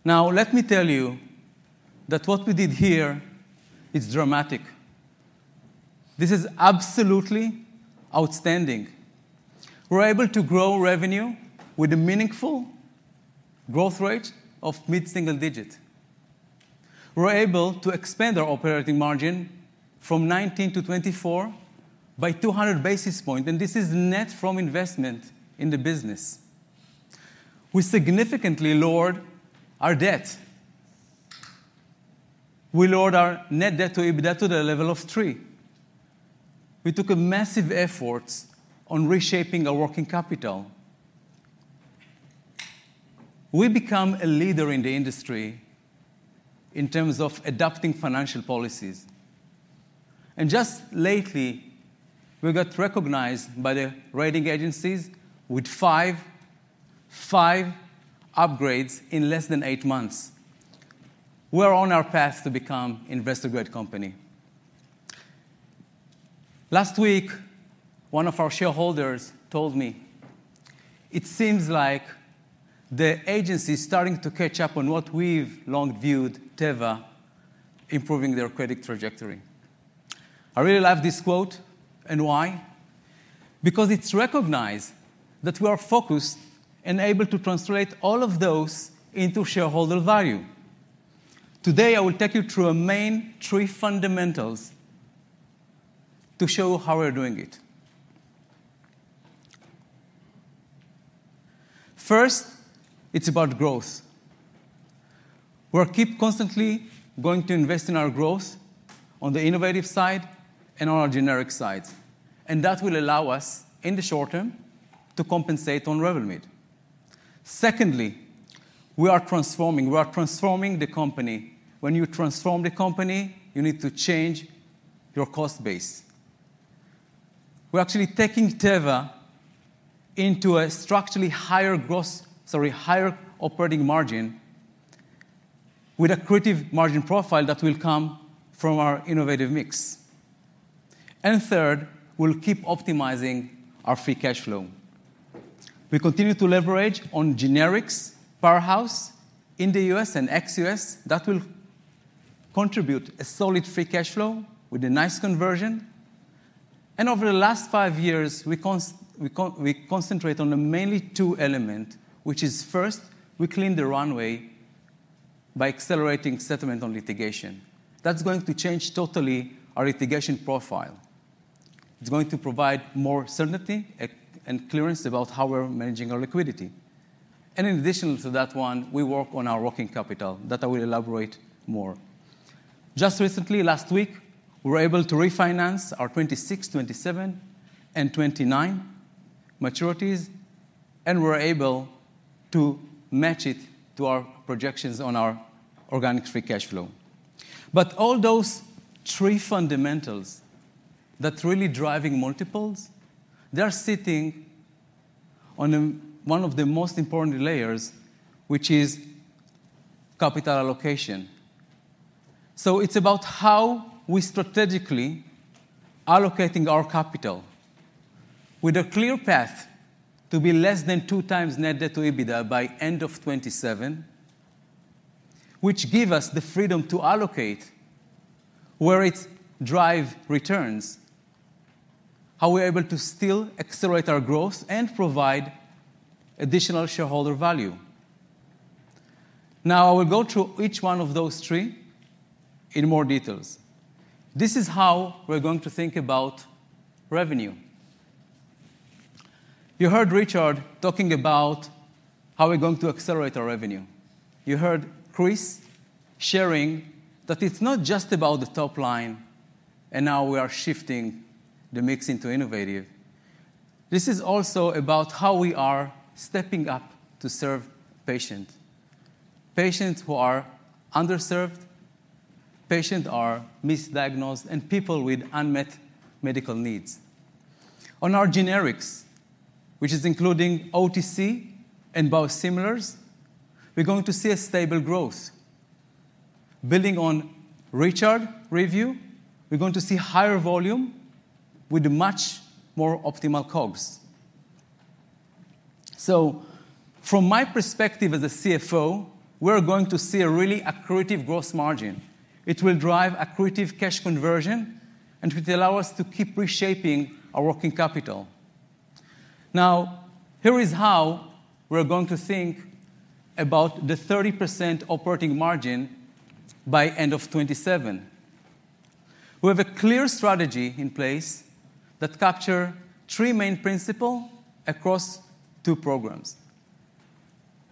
Now, let me tell you that what we did here is dramatic. This is absolutely outstanding. We were able to grow revenue with a meaningful growth rate of mid-single digits. We were able to expand our operating margin from 19 to 24 by 200 basis points. This is net from investment in the business. We significantly lowered our debt. We lowered our net debt-to-EBITDA to the level of 3. We took massive efforts on reshaping our working capital. We became a leader in the industry in terms of adopting financial policies. Just lately, we got recognized by the rating agencies with five, five upgrades in less than eight months. We are on our path to become an investor-grade company. Last week, one of our shareholders told me, "It seems like the agency is starting to catch up on what we've long viewed Teva improving their credit trajectory." I really love this quote. Why? Because it's recognized that we are focused and able to translate all of those into shareholder value. Today, I will take you through our main three fundamentals to show you how we're doing it. First, it's about growth. We're constantly going to invest in our growth on the innovative side and on our generic sides. That will allow us, in the short term, to compensate on Revlimid. Secondly, we are transforming. We are transforming the company. When you transform the company, you need to change your cost base. We're actually taking Teva into a structurally higher gross, sorry, higher operating margin with a creative margin profile that will come from our innovative mix. Third, we'll keep optimizing our free cash flow. We continue to leverage on generics powerhouse in the U.S. and ex-U.S.. That will contribute a solid free cash flow with a nice conversion. Over the last five years, we concentrate on mainly two elements, which is first, we clean the runway by accelerating settlement on litigation. That's going to change totally our litigation profile. It's going to provide more certainty and clearance about how we're managing our liquidity. In addition to that one, we work on our working capital that I will elaborate more. Just recently, last week, we were able to refinance our 2026, 2027, and 2029 maturities. We're able to match it to our projections on our organic free cash flow. All those three fundamentals that are really driving multiples, they're sitting on one of the most important layers, which is capital allocation. It is about how we strategically allocate our capital with a clear path to be less than two times net debt-to-EBITDA by end of 2027, which gives us the freedom to allocate where it drives returns, how we're able to still accelerate our growth and provide additional shareholder value. Now, I will go through each one of those three in more details. This is how we're going to think about revenue. You heard Richard talking about how we're going to accelerate our revenue. You heard Chris sharing that it's not just about the top line and how we are shifting the mix into innovative. This is also about how we are stepping up to serve patients, patients who are underserved, patients who are misdiagnosed, and people with unmet medical needs. On our generics, which is including OTC and biosimilars, we're going to see a stable growth. Building on Richard's review, we're going to see higher volume with much more optimal COGS. From my perspective as a CFO, we're going to see a really accretive gross margin. It will drive accretive cash conversion. It will allow us to keep reshaping our working capital. Here is how we're going to think about the 30% operating margin by end of 2027. We have a clear strategy in place that captures three main principles across two programs.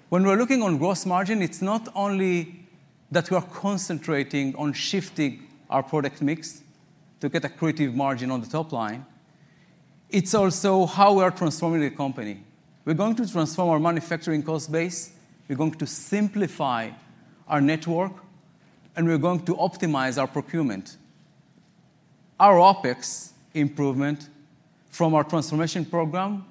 When we're looking at gross margin, it's not only that we are concentrating on shifting our product mix to get accretive margin on the top line. It's also how we are transforming the company. We're going to transform our manufacturing cost base. We're going to simplify our network. We're going to optimize our procurement. Our OpEx improvement from our transformation program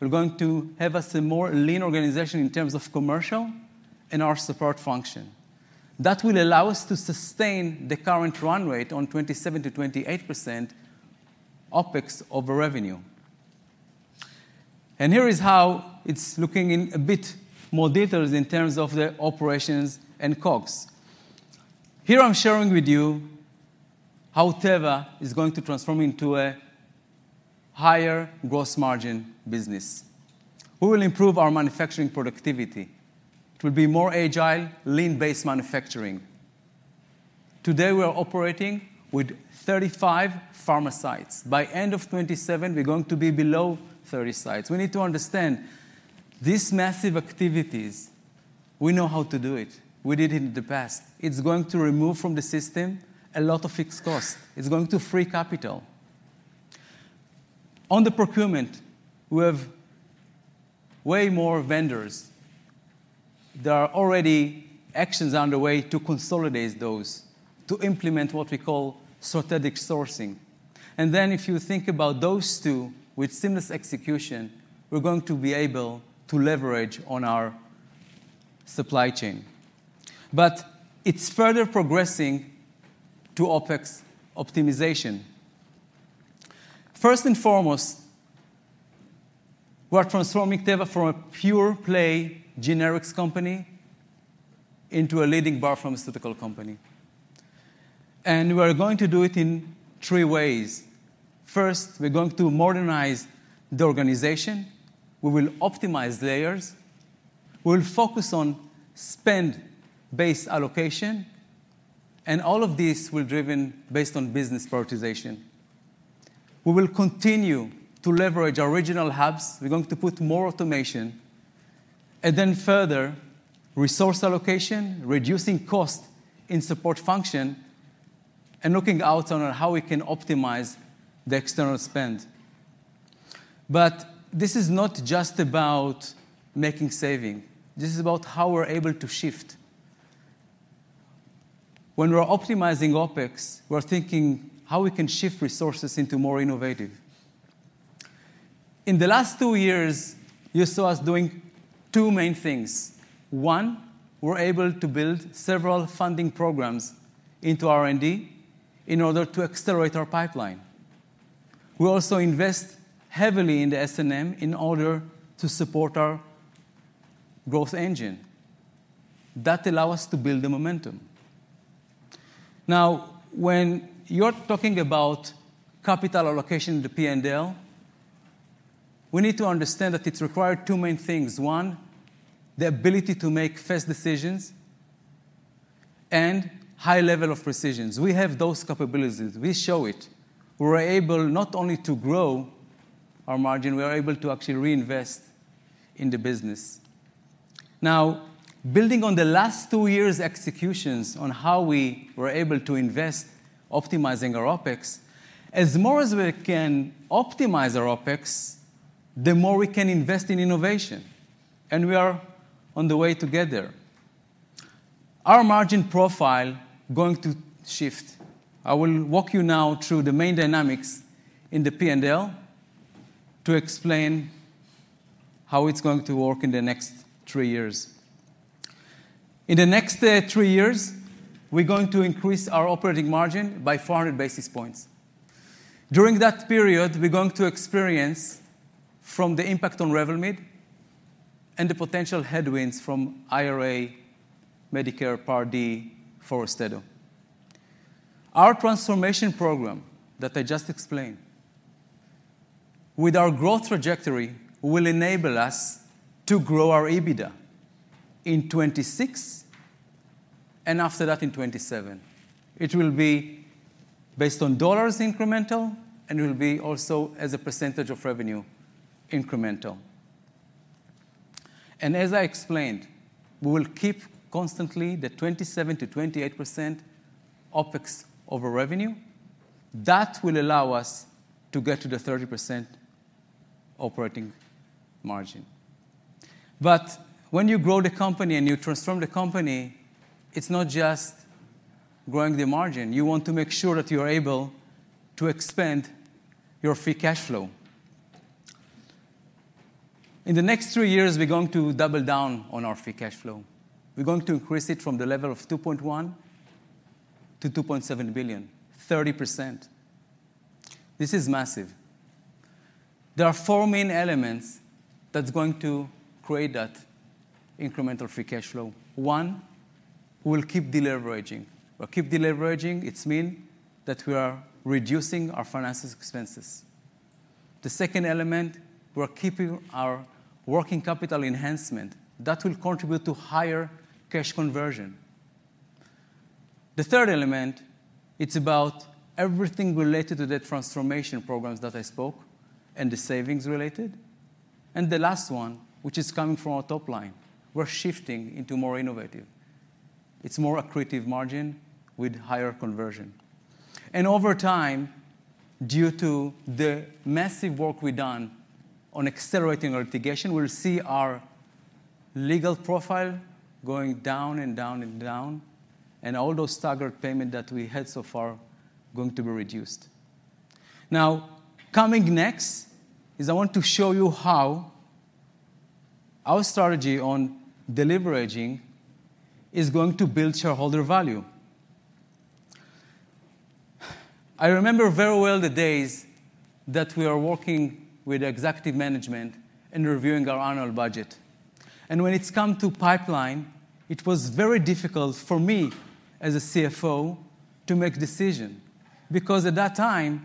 will going to have us a more lean organization in terms of commercial and our support function. That will allow us to sustain the current run rate on 27%-28% OpEx over revenue. Here is how it's looking in a bit more details in terms of the operations and COGS. Here, I'm sharing with you how Teva is going to transform into a higher gross margin business. We will improve our manufacturing productivity. It will be more agile, lean-based manufacturing. Today, we are operating with 35 pharma sites. By end of 2027, we're going to be below 30 sites. We need to understand these massive activities. We know how to do it. We did it in the past. It's going to remove from the system a lot of fixed cost. It's going to free capital. On the procurement, we have way more vendors. There are already actions underway to consolidate those, to implement what we call strategic sourcing. If you think about those two with seamless execution, we're going to be able to leverage on our supply chain. It is further progressing to OpEx optimization. First and foremost, we are transforming Teva from a pure-play generics company into a leading biopharmaceutical company. We are going to do it in three ways. First, we're going to modernize the organization. We will optimize layers. We'll focus on spend-based allocation. All of this will be driven based on business prioritization. We will continue to leverage our regional hubs. We're going to put more automation and then further resource allocation, reducing cost in support function, and looking out on how we can optimize the external spend. This is not just about making savings. This is about how we're able to shift. When we're optimizing OpEx, we're thinking how we can shift resources into more innovative. In the last two years, you saw us doing two main things. One, we're able to build several funding programs into R&D in order to accelerate our pipeline. We also invest heavily in the S&M in order to support our growth engine. That allows us to build the momentum. Now, when you're talking about capital allocation in the P&L, we need to understand that it requires two main things. One, the ability to make fast decisions and high level of precision. We have those capabilities. We show it. We were able not only to grow our margin, we were able to actually reinvest in the business. Now, building on the last two years' executions on how we were able to invest, optimizing our OpEx, as more as we can optimize our OpEx, the more we can invest in innovation. We are on the way to get there. Our margin profile is going to shift. I will walk you now through the main dynamics in the P&L to explain how it's going to work in the next three years. In the next three years, we're going to increase our operating margin by 400 basis points. During that period, we're going to experience from the impact on Revlimid and the potential headwinds from IRA, Medicare, Part D, AUSTEDO. Our transformation program that I just explained, with our growth trajectory, will enable us to grow our EBITDA in 2026 and after that in 2027. It will be based on dollars incremental. It will be also as a percentage of revenue incremental. As I explained, we will keep constantly the 27%-28% OpEx over revenue. That will allow us to get to the 30% operating margin. When you grow the company and you transform the company, it's not just growing the margin. You want to make sure that you are able to expand your free cash flow. In the next three years, we're going to double down on our free cash flow. We're going to increase it from the level of $2.1 billion to $2.7 billion, 30%. This is massive. There are four main elements that are going to create that incremental free cash flow. One, we'll keep deleveraging. We'll keep deleveraging. It means that we are reducing our financial expenses. The second element, we're keeping our working capital enhancement. That will contribute to higher cash conversion. The third element, it's about everything related to the transformation programs that I spoke and the savings related. The last one, which is coming from our top line, we're shifting into more innovative. It's more accretive margin with higher conversion. Over time, due to the massive work we've done on accelerating our litigation, we'll see our legal profile going down and down and down. All those staggered payments that we had so far are going to be reduced. Now, coming next is I want to show you how our strategy on deleveraging is going to build shareholder value. I remember very well the days that we were working with executive management and reviewing our annual budget. When it's come to pipeline, it was very difficult for me as a CFO to make a decision because at that time,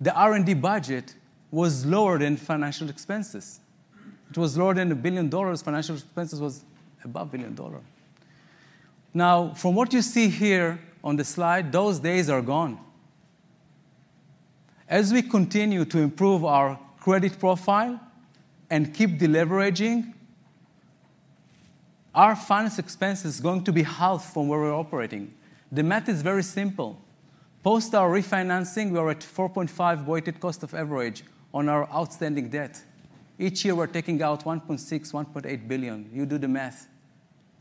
the R&D budget was lower than financial expenses. It was lower than a billion dollars. Financial expenses was above a billion dollars. Now, from what you see here on the slide, those days are gone. As we continue to improve our credit profile and keep deleveraging, our finance expense is going to be halved from where we're operating. The math is very simple. Post our refinancing, we are at 4.5 weighted cost of average on our outstanding debt. Each year, we're taking out $1.6 billion-$1.8 billion. You do the math.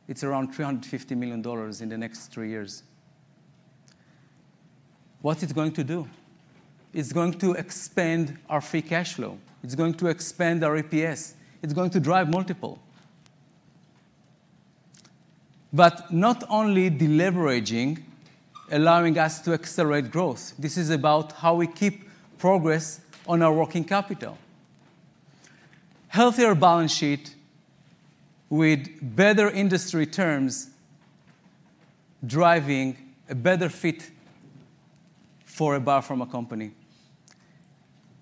It's around $350 million in the next three years. What's it going to do? It's going to expand our free cash flow. It's going to expand our EPS. It's going to drive multiple. Not only deleveraging, allowing us to accelerate growth. This is about how we keep progress on our working capital. Healthier balance sheet with better industry terms driving a better fit for a biopharma company.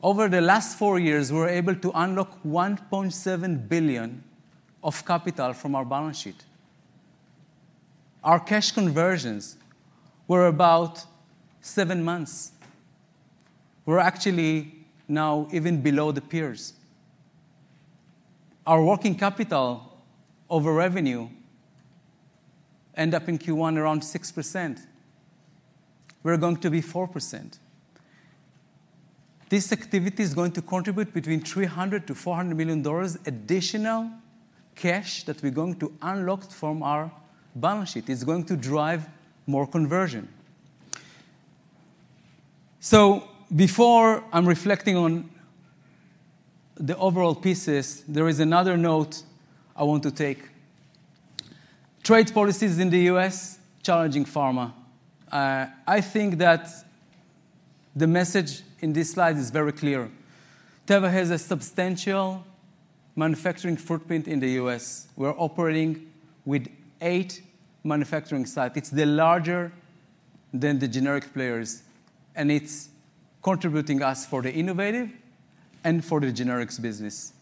Over the last four years, we were able to unlock $1.7 billion of capital from our balance sheet. Our cash conversions were about seven months. We're actually now even below the peers. Our working capital over revenue ended up in Q1 around 6%. We're going to be 4%. This activity is going to contribute between $300-$400 million additional cash that we're going to unlock from our balance sheet. It's going to drive more conversion. Before I'm reflecting on the overall pieces, there is another note I want to take. Trade policies in the U.S. challenging pharma. I think that the message in this slide is very clear. Teva has a substantial manufacturing footprint in the U.S. We're operating with eight manufacturing sites. It's larger than the generic players. It's contributing to us for the innovative and for the generics business.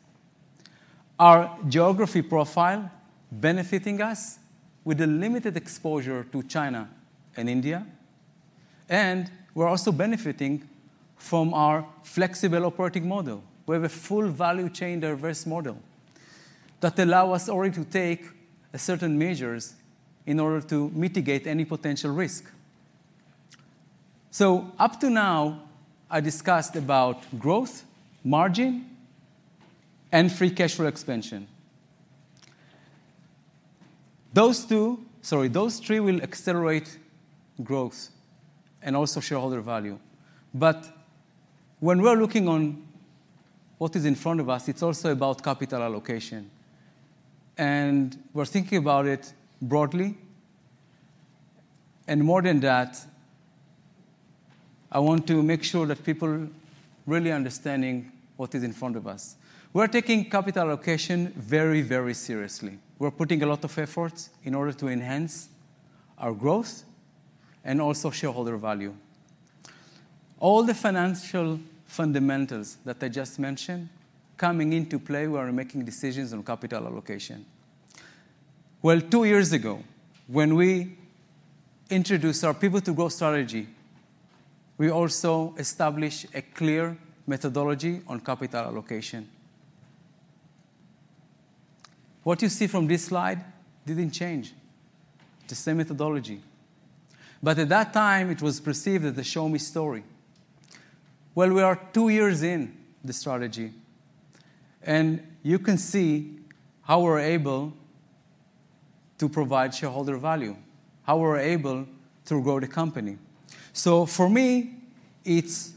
Our geography profile is benefiting us with a limited exposure to China and India. We're also benefiting from our flexible operating model. We have a full value chain diverse model that allows us already to take certain measures in order to mitigate any potential risk. Up to now, I discussed growth, margin, and free cash flow expansion. Sorry, those three will accelerate growth and also shareholder value. When we're looking at what is in front of us, it's also about capital allocation. We're thinking about it broadly. More than that, I want to make sure that people are really understanding what is in front of us. We're taking capital allocation very, very seriously. We're putting a lot of effort in order to enhance our growth and also shareholder value. All the financial fundamentals that I just mentioned are coming into play when we're making decisions on capital allocation. Two years ago, when we introduced our people-to-growth strategy, we also established a clear methodology on capital allocation. What you see from this slide did not change. It's the same methodology. At that time, it was perceived as a show-me story. We are two years in the strategy. You can see how we're able to provide shareholder value, how we're able to grow the company. For me, it's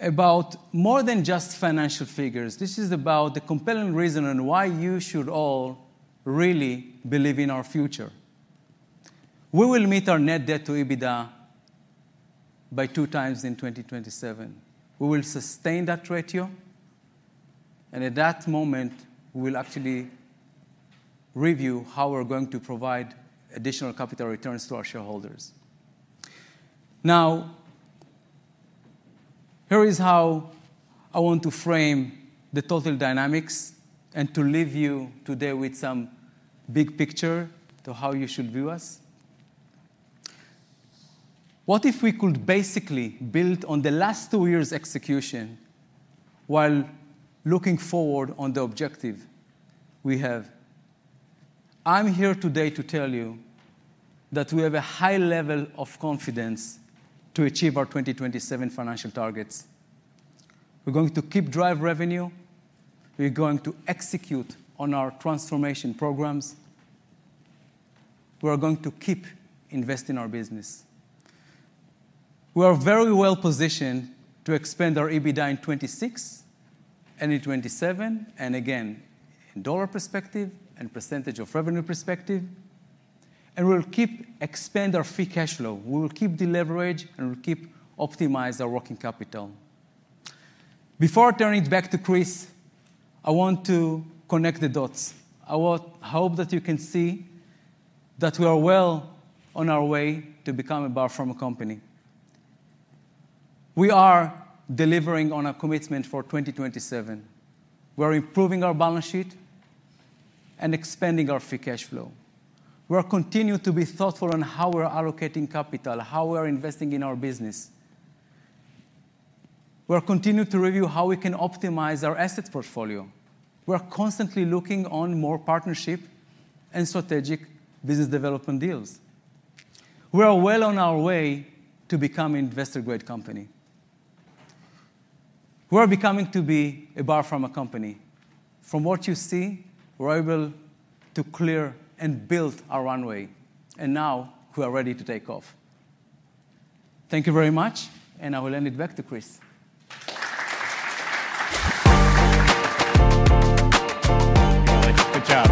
about more than just financial figures. This is about the compelling reason on why you should all really believe in our future. We will meet our net debt-to-EBITDA by two times in 2027. We will sustain that ratio. At that moment, we will actually review how we're going to provide additional capital returns to our shareholders. Now, here is how I want to frame the total dynamics and to leave you today with some big picture of how you should view us. What if we could basically build on the last two years' execution while looking forward to the objective we have? I'm here today to tell you that we have a high level of confidence to achieve our 2027 financial targets. We're going to keep driving revenue. We're going to execute on our transformation programs. We're going to keep investing in our business. We are very well positioned to expand our EBITDA in 2026 and in 2027, and again, in dollar perspective and percentage of revenue perspective. We'll keep expanding our free cash flow. We'll keep deleveraging and we'll keep optimizing our working capital. Before I turn it back to Chris, I want to connect the dots. I hope that you can see that we are well on our way to becoming a biopharma company. We are delivering on our commitment for 2027. We're improving our balance sheet and expanding our free cash flow. We're continuing to be thoughtful on how we're allocating capital, how we're investing in our business. We're continuing to review how we can optimize our asset portfolio. We're constantly looking for more partnerships and strategic business development deals. We are well on our way to becoming an investor-grade company. We are becoming a biopharma company. From what you see, we're able to clear and build our runway. Now, we are ready to take off. Thank you very much. I will hand it back to Chris. All right. Good job.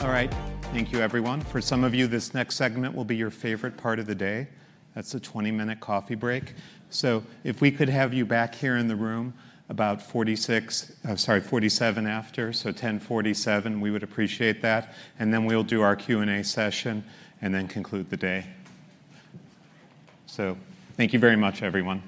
All right. Thank you, everyone. For some of you, this next segment will be your favorite part of the day. That is a 20-minute coffee break. If we could have you back here in the room about 46, sorry, 47 after, so 10:47, we would appreciate that. We will do our Q&A session and then conclude the day. Thank you very much, everyone.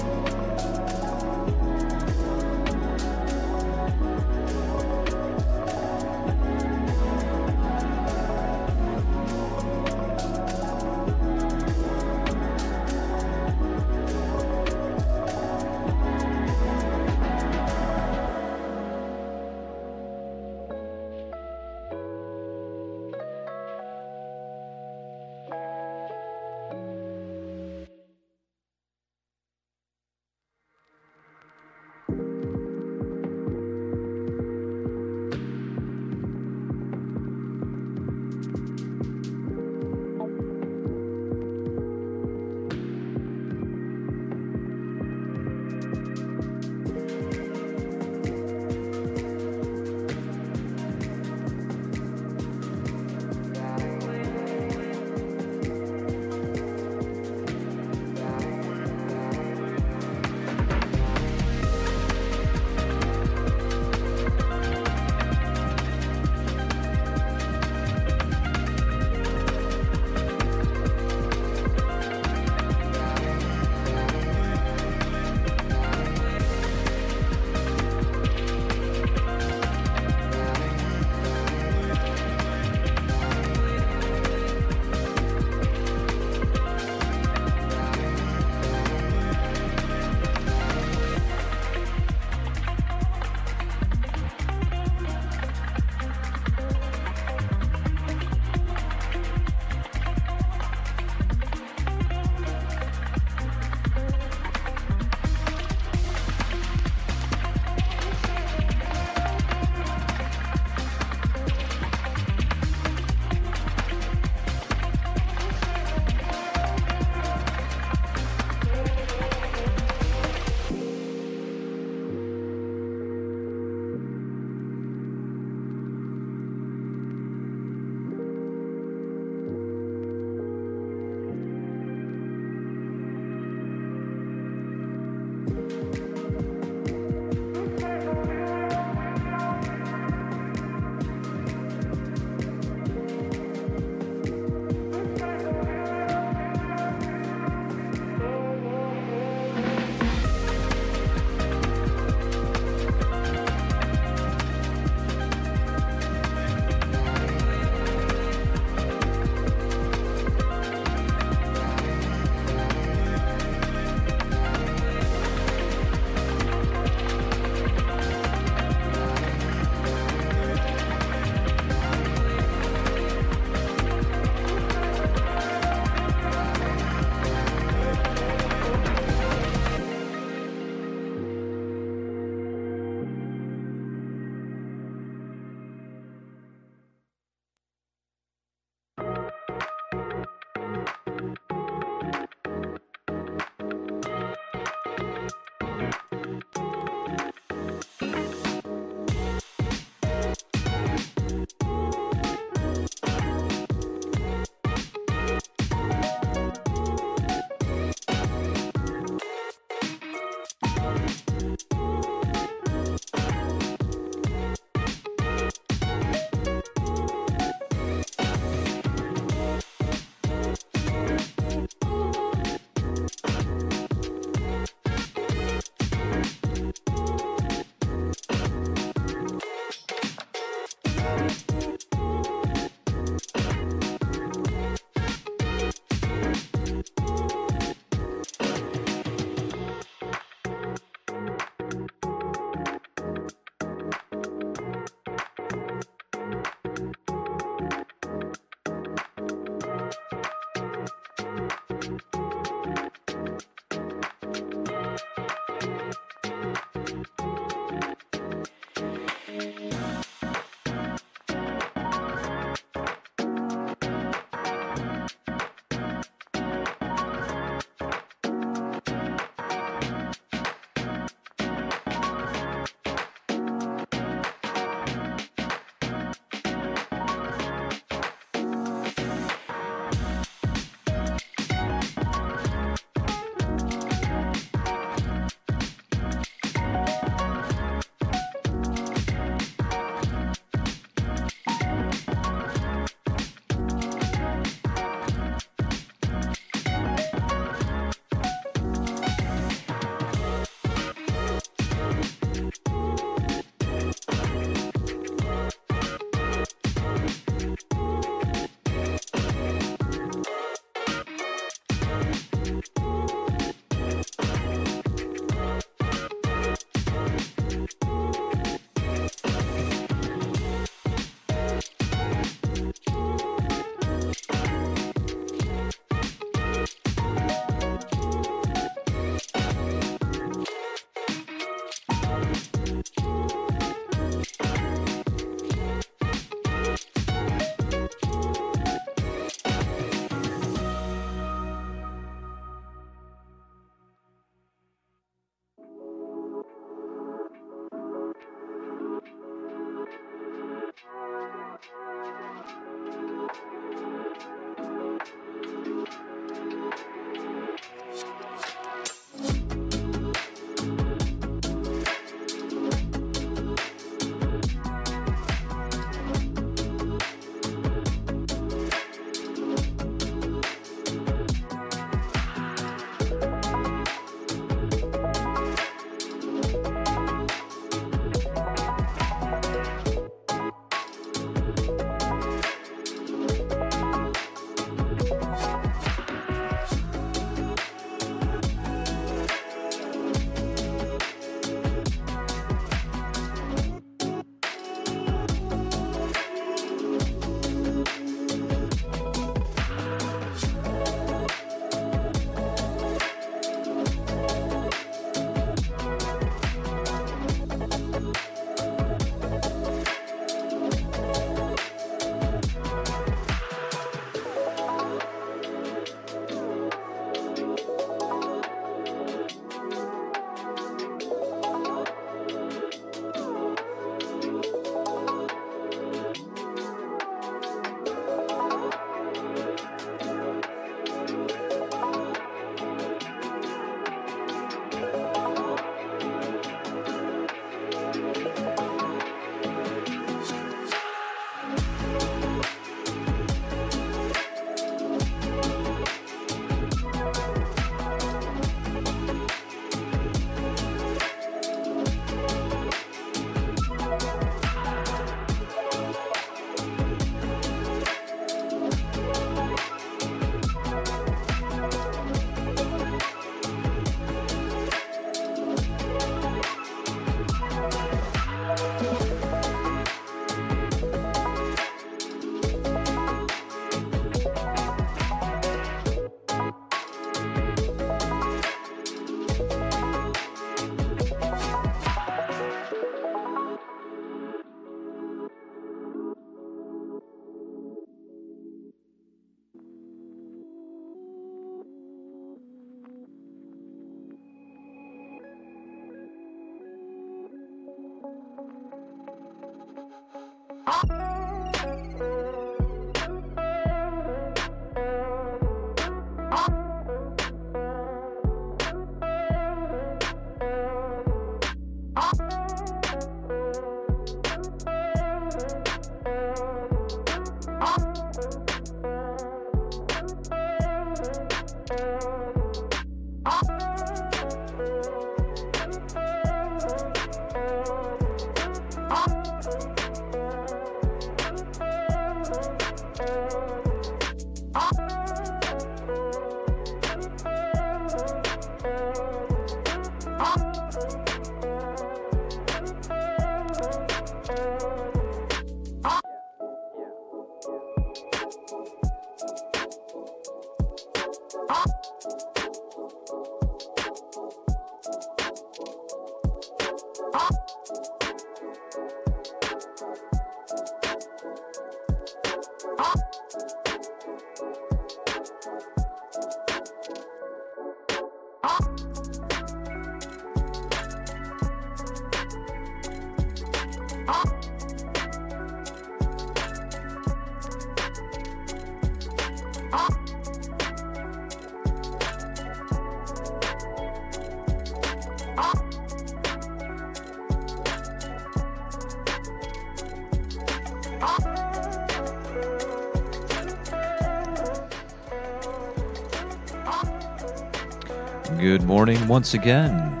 Good morning once again.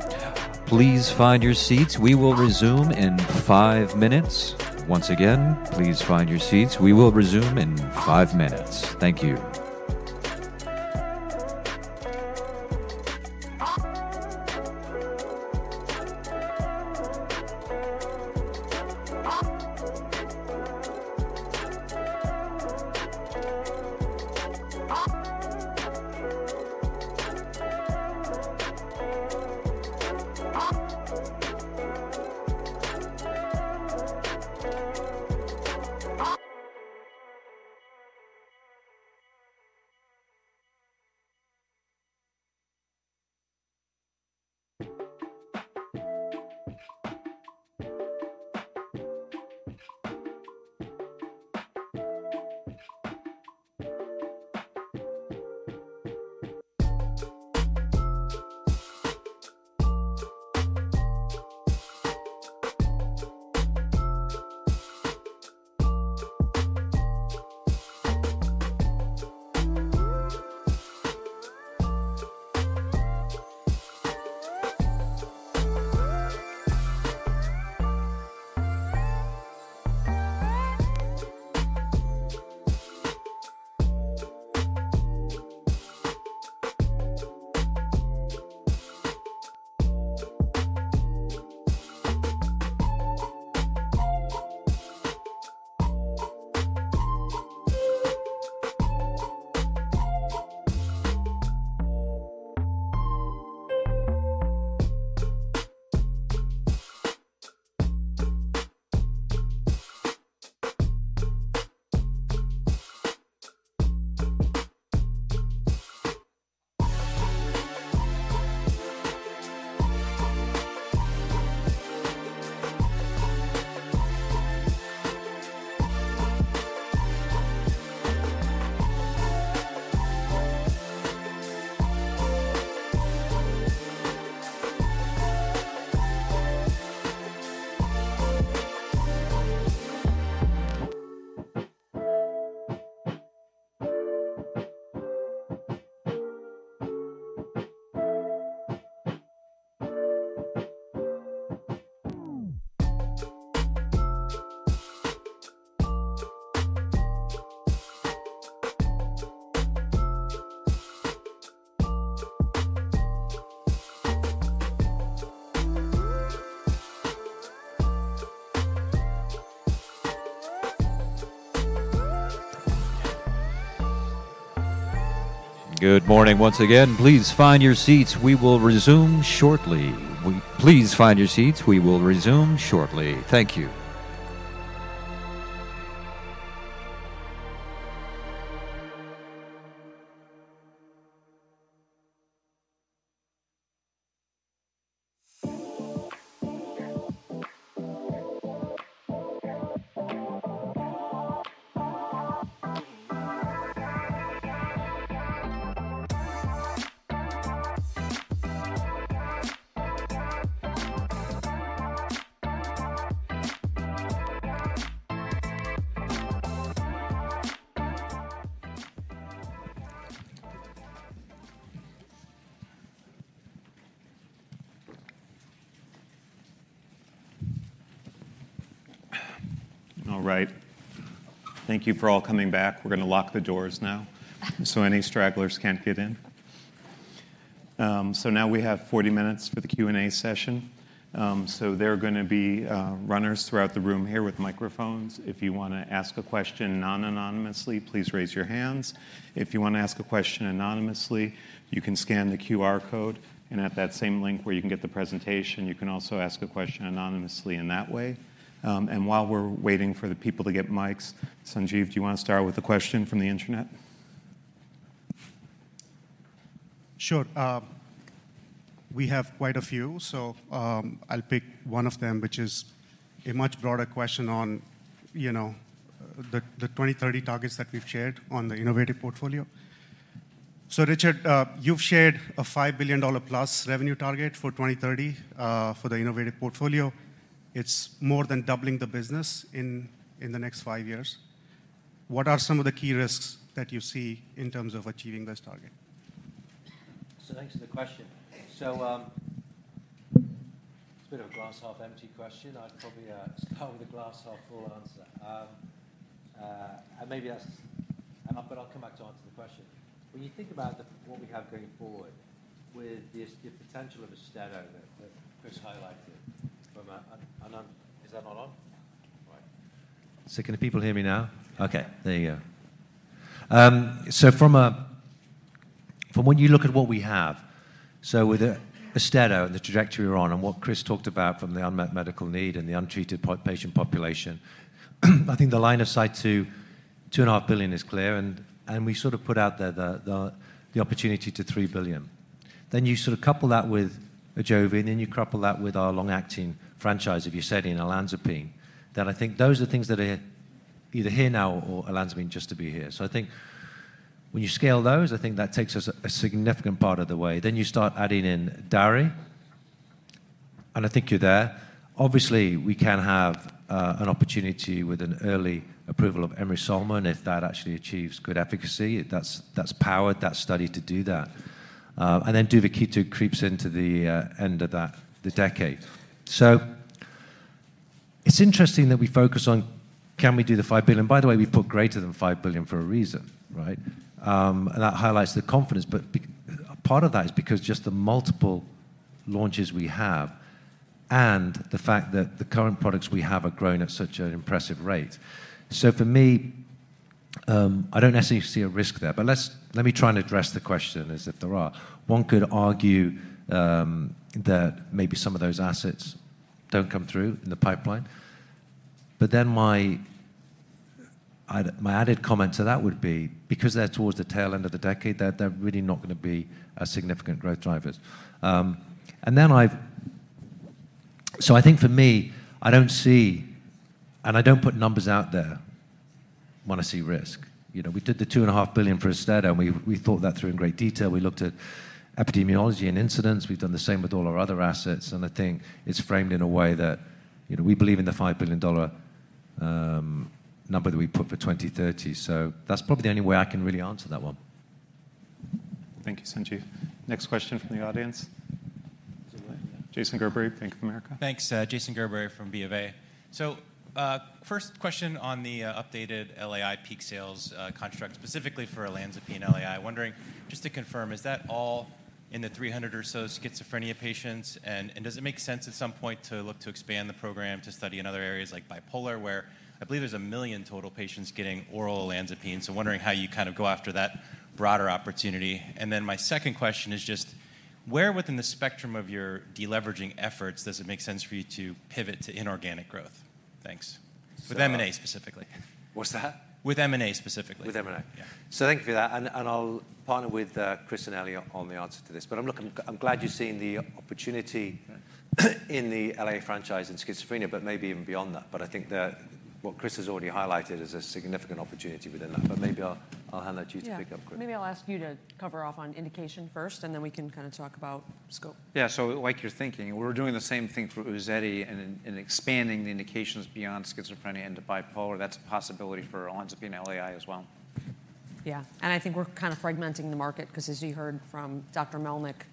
Please find your seats. We will resume in five minutes. Once again, please find your seats. We will resume in five minutes. Thank you. Good morning once again. Please find your seats. We will resume shortly. Please find your seats. We will resume shortly. Thank you. All right. Thank you for all coming back. We are going to lock the doors now so any stragglers cannot get in. Now we have 40 minutes for the Q&A session. There are going to be runners throughout the room here with microphones. If you want to ask a question non-anonymously, please raise your hands. If you want to ask a question anonymously, you can scan the QR code, and at that same link where you can get the presentation, you can also ask a question anonymously in that way. While we're waiting for the people to get mics, Sanjeev, do you want to start with a question from the internet? Sure. We have quite a few, so I'll pick one of them, which is a much broader question on, you know, the 2030 targets that we've shared on the innovative portfolio. Richard, you've shared a $5 billion-plus revenue target for 2030 for the innovative portfolio. It's more than doubling the business in the next five years. What are some of the key risks that you see in terms of achieving this target? Thanks for the question. It's a bit of a glass half empty question. I'd probably start with a glass half full answer. Maybe that's—and I'll come back to answer the question. When you think about what we have going forward with the potential of AUSTEDO that Chris highlighted from a—is that not on? Right. Can people hear me now? Okay. There you go. From when you look at what we have, with AUSTEDO and the trajectory we're on and what Chris talked about from the unmet medical need and the untreated patient population, I think the line of sight to $2.5 billion is clear, and we sort of put out there the opportunity to $3 billion. You sort of couple that with AJOVY, and then you couple that with our long-acting franchise, if you said, in olanzapine. I think those are the things that are either here now or olanzapine just to be here. I think when you scale those, I think that takes us a significant part of the way. You start adding in DARI, and I think you're there. Obviously, we can have an opportunity with an early approval of emrusolmin, if that actually achieves good efficacy. That's powered, that study to do that. Duvakitug creeps into the end of that decade. It's interesting that we focus on, can we do the $5 billion? By the way, we put greater than $5 billion for a reason, right? That highlights the confidence, but part of that is because just the multiple launches we have and the fact that the current products we have are growing at such an impressive rate. For me, I do not necessarily see a risk there, but let me try and address the question as if there are. One could argue that maybe some of those assets do not come through in the pipeline. My added comment to that would be, because they are towards the tail end of the decade, they are really not going to be significant growth drivers. I think for me, I do not see—and I do not put numbers out there when I see risk. You know, we did the $2.5 billion for AUSTEDO, and we thought that through in great detail. We looked at epidemiology and incidence. We've done the same with all our other assets, and I think it's framed in a way that, you know, we believe in the $5 billion number that we put for 2030. That's probably the only way I can really answer that one. Thank you, Sanjeev. Next question from the audience. Jason Gerberry, Bank of America. Thanks, Jason Gerberry from BofA. First question on the updated LAI peak sales construct, specifically for olanzapine LAI. I'm wondering, just to confirm, is that all in the 300 or so schizophrenia patients? Does it make sense at some point to look to expand the program to study in other areas like bipolar, where I believe there's a million total patients getting oral olanzapine? Wondering how you kind of go after that broader opportunity. My second question is just, where within the spectrum of your deleveraging efforts does it make sense for you to pivot to inorganic growth? Thanks. With M&A specifically. What's that? With M&A specifically. With M&A. Thank you for that. I'll partner with Chris and Eli on the answer to this. I'm glad you've seen the opportunity in the LAI franchise and schizophrenia, maybe even beyond that. I think that what Chris has already highlighted is a significant opportunity within that. I'll hand that to you to pick up, Chris. I'll ask you to cover off on indication first, and then we can kind of talk about scope. Yeah. Like you're thinking, we're doing the same thing for UZEDY and expanding the indications beyond schizophrenia into bipolar. That's a possibility for olanzapine LAI as well. Yeah. I think we're kind of fragmenting the market because, as you heard from Dr. Melnick,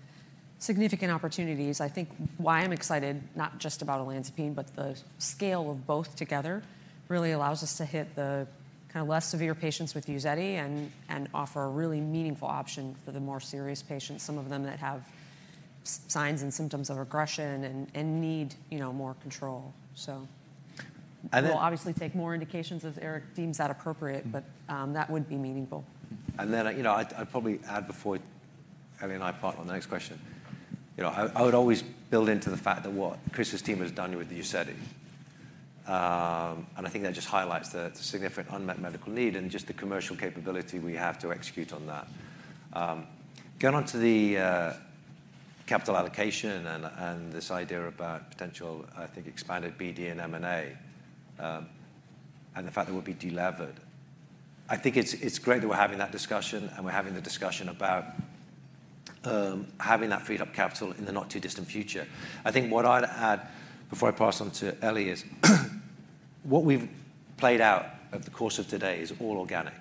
significant opportunities. I think why I'm excited, not just about olanzapine, but the scale of both together really allows us to hit the kind of less severe patients with UZEDY and offer a really meaningful option for the more serious patients, some of them that have signs and symptoms of regression and need more control. We will obviously take more indications as Eric deems that appropriate, but that would be meaningful. You know, I'd probably add before Eli and I part on the next question. I would always build into the fact that what Chris's team has done with the UZEDY. I think that just highlights the significant unmet medical need and just the commercial capability we have to execute on that. Going on to the capital allocation and this idea about potential, I think, expanded BD and M&A and the fact that we'll be delevered. I think it's great that we're having that discussion and we're having the discussion about having that freed-up capital in the not too distant future. I think what I'd add before I pass on to Eli is what we've played out over the course of today is all organic.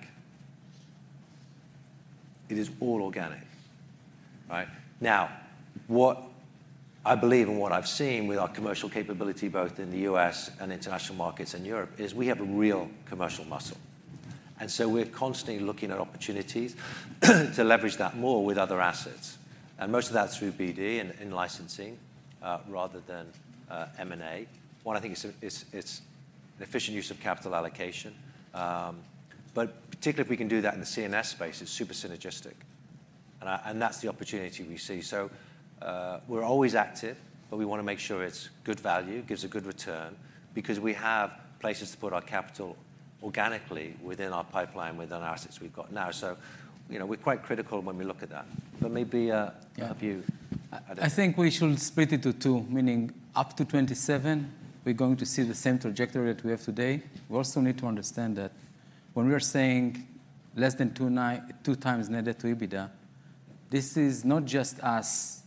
It is all organic, right? Now, what I believe and what I've seen with our commercial capability, both in the U.S. and international markets and Europe, is we have a real commercial muscle. We are constantly looking at opportunities to leverage that more with other assets. Most of that's through BD and in licensing rather than M&A. One, I think it's an efficient use of capital allocation. Particularly if we can do that in the CNS space, it's super synergistic. That's the opportunity we see. We're always active, but we want to make sure it's good value, gives a good return, because we have places to put our capital organically within our pipeline, within our assets we've got now. You know, we're quite critical when we look at that. Maybe a few. I think we should split it to two, meaning up to 2027. We're going to see the same trajectory that we have today. We also need to understand that when we are saying less than two times netted to EBITDA, this is not just us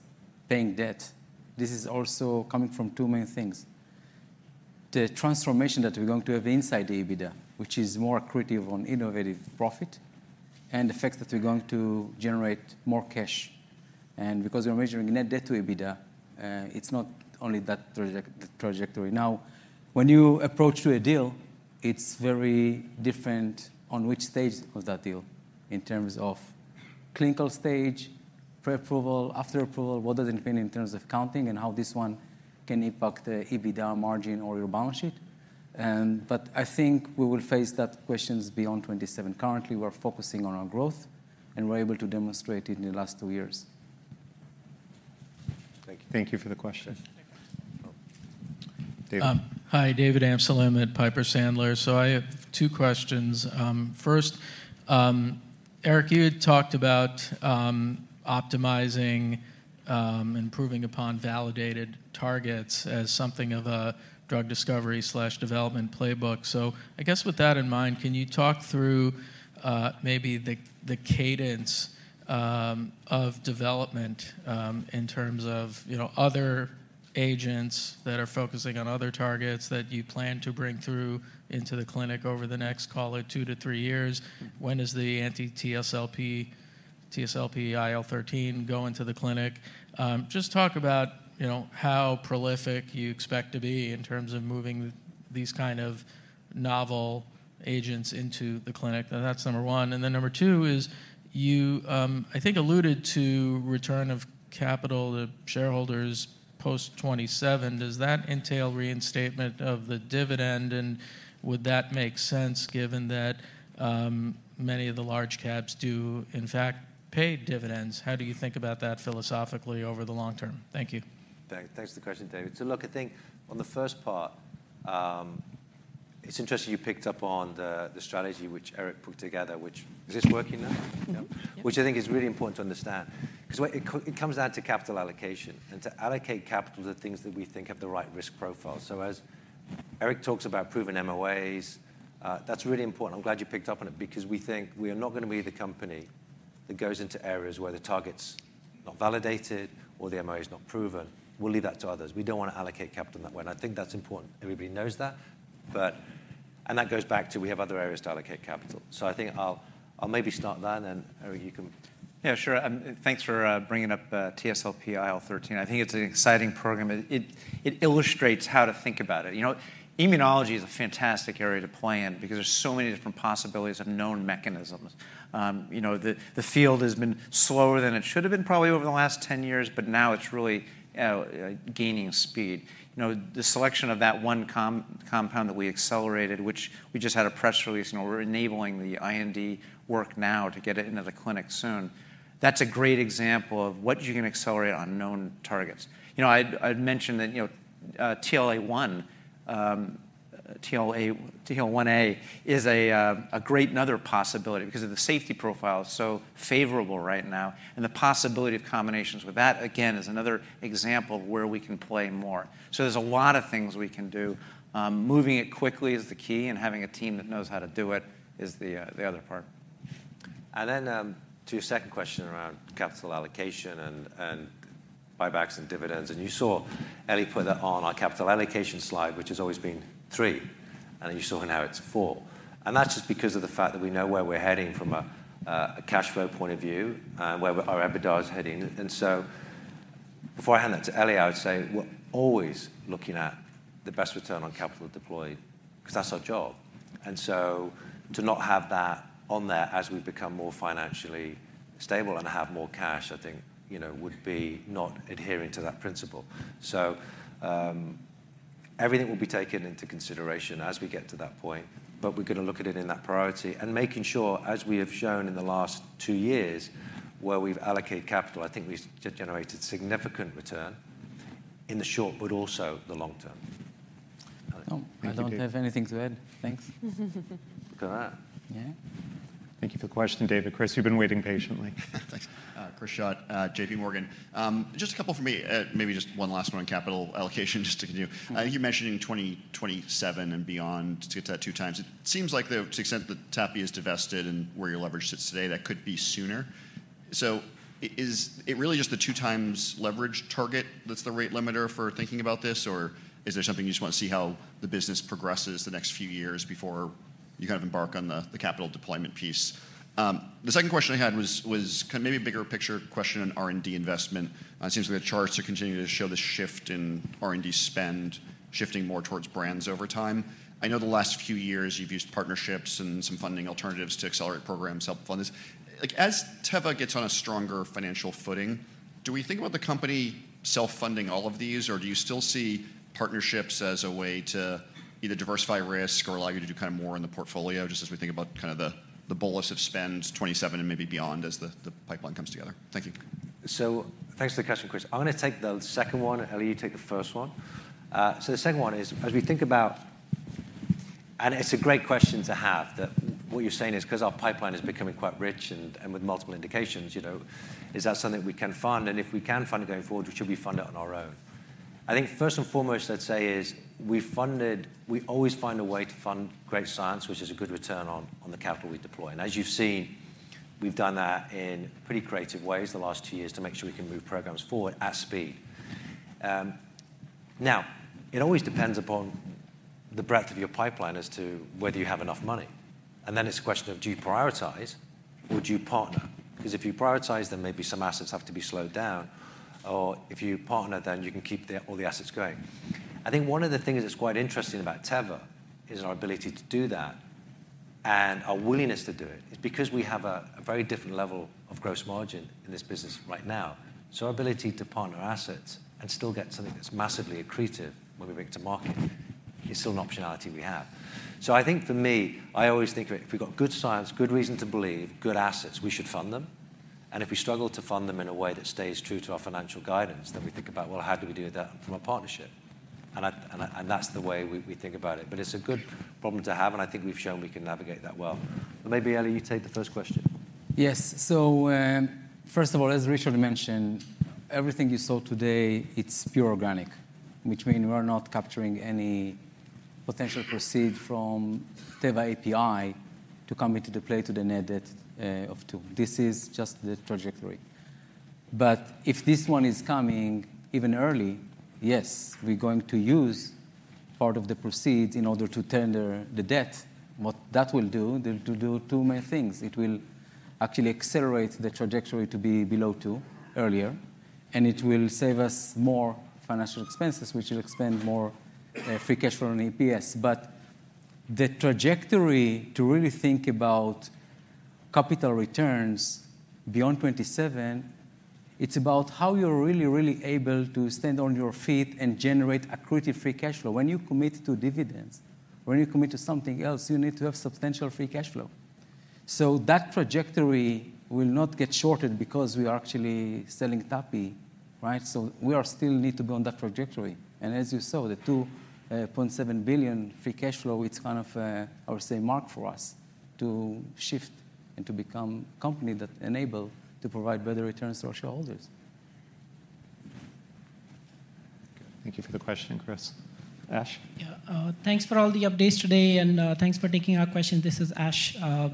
paying debt. This is also coming from two main things. The transformation that we're going to have inside the EBITDA, which is more accretive on innovative profit and the fact that we're going to generate more cash. Because we're measuring net debt-to-EBITDA, it's not only that trajectory. Now, when you approach to a deal, it's very different on which stage of that deal in terms of clinical stage, pre-approval, after-approval, what does it mean in terms of counting and how this one can impact the EBITDA margin or your balance sheet. I think we will face that questions beyond 2027. Currently, we're focusing on our growth, and we're able to demonstrate it in the last two years. Thank you for the question. David. Hi, David Amsellem at Piper Sandler. I have two questions. First, Eric, you had talked about optimizing and improving upon validated targets as something of a drug discovery slash development playbook. I guess with that in mind, can you talk through maybe the cadence of development in terms of other agents that are focusing on other targets that you plan to bring through into the clinic over the next, call it, two to three years? When does the anti-TSLP/IL-13, go into the clinic? Just talk about how prolific you expect to be in terms of moving these kind of novel agents into the clinic. That's number one. Number two is, you I think alluded to return of capital to shareholders post 2027. Does that entail reinstatement of the dividend? Would that make sense given that many of the large caps do, in fact, pay dividends? How do you think about that philosophically over the long term? Thank you. Thanks for the question, David. Look, I think on the first part, it's interesting you picked up on the strategy which Eric put together, which is this working now? Yeah. I think it's really important to understand because it comes down to capital allocation. To allocate capital to things that we think have the right risk profile. As Eric talks about proven MOAs, that's really important. I'm glad you picked up on it because we think we are not going to be the company that goes into areas where the target's not validated or the MOA's not proven. We'll leave that to others. We don't want to allocate capital in that way. I think that's important. Everybody knows that. That goes back to we have other areas to allocate capital. I think I'll maybe start there, and then Eric, you can. Yeah, sure. Thanks for bringing up TSLP/IL-13. I think it's an exciting program. It illustrates how to think about it. You know, immunology is a fantastic area to play in because there's so many different possibilities of known mechanisms. You know, the field has been slower than it should have been probably over the last 10 years, but now it's really gaining speed. You know, the selection of that one compound that we accelerated, which we just had a press release, and we're enabling the IND work now to get it into the clinic soon. That's a great example of what you can accelerate on known targets. You know, I'd mentioned that, you know, TL1A is another great possibility because the safety profile is so favorable right now. The possibility of combinations with that, again, is another example of where we can play more. There are a lot of things we can do. Moving it quickly is the key, and having a team that knows how to do it is the other part. To your second question around capital allocation and buybacks and dividends, you saw Eli put that on our capital allocation slide, which has always been three. Now you saw it is four. That is just because of the fact that we know where we are heading from a cash flow point of view and where our EBITDA is heading. Before I hand that to Eli, I would say we are always looking at the best return on capital deployed because that is our job. To not have that on there as we become more financially stable and have more cash, I think, you know, would be not adhering to that principle. Everything will be taken into consideration as we get to that point, but we're going to look at it in that priority and making sure, as we have shown in the last two years where we've allocated capital, I think we've generated significant return in the short, but also the long term. I do not have anything to add. Thanks. Go Ahead. Yeah. Thank you for the question, David. Chris, you've been waiting patiently. Chris Schott, JP Morgan. Just a couple for me, maybe just one last one on capital allocation just to continue. You mentioned in 2027 and beyond to get to that two times. It seems like to the extent that TAPI is divested and where your leverage sits today, that could be sooner. Is it really just the two times leverage target that's the rate limiter for thinking about this, or is there something you just want to see how the business progresses the next few years before you kind of embark on the capital deployment piece? The second question I had was kind of maybe a bigger picture question on R&D investment. It seems we had charts to continue to show the shift in R&D spend shifting more towards brands over time. I know the last few years you've used partnerships and some funding alternatives to accelerate programs to help fund this. As Teva gets on a stronger financial footing, do we think about the company self-funding all of these, or do you still see partnerships as a way to either diversify risk or allow you to do kind of more in the portfolio just as we think about kind of the bolus of spends 2027 and maybe beyond as the pipeline comes together? Thank you. Thank you for the question, Chris. I'm going to take the second one. Eli, you take the first one. The second one is, as we think about, and it's a great question to have that what you're saying is because our pipeline is becoming quite rich and with multiple indications, you know, is that something we can fund? If we can fund it going forward, we should be funded on our own. I think first and foremost, I'd say is we funded, we always find a way to fund great science, which is a good return on the capital we deploy. As you've seen, we've done that in pretty creative ways the last two years to make sure we can move programs forward at speed. It always depends upon the breadth of your pipeline as to whether you have enough money. Then it's a question of do you prioritize or do you partner? Because if you prioritize, then maybe some assets have to be slowed down. If you partner, then you can keep all the assets going. I think one of the things that's quite interesting about Teva is our ability to do that and our willingness to do it is because we have a very different level of gross margin in this business right now. Our ability to partner assets and still get something that's massively accretive when we bring it to market is still an optionality we have. I think for me, I always think of it, if we've got good science, good reason to believe, good assets, we should fund them. If we struggle to fund them in a way that stays true to our financial guidance, then we think about, well, how do we do that from a partnership? That's the way we think about it. It's a good problem to have, and I think we've shown we can navigate that well. Maybe, Eli, you take the first question. Yes. First of all, as Richard mentioned, everything you saw today, it's pure organic, which means we're not capturing any potential proceeds from Teva API to come into play to the net debt of two. This is just the trajectory. If this one is coming even early, yes, we're going to use part of the proceeds in order to tender the debt. What that will do, it will do two main things. It will actually accelerate the trajectory to be below two earlier, and it will save us more financial expenses, which will expend more free cash flow on EPS. The trajectory to really think about capital returns beyond 2027, it's about how you're really, really able to stand on your feet and generate accretive free cash flow. When you commit to dividends, when you commit to something else, you need to have substantial free cash flow. That trajectory will not get shorted because we are actually selling TAPI, right? We still need to be on that trajectory. As you saw, the $2.7 billion free cash flow, it's kind of, I would say, a mark for us to shift and to become a company that enables us to provide better returns to our shareholders. Thank you for the question, Chris. Ash? Yeah. Thanks for all the updates today, and thanks for taking our questions. This is Ash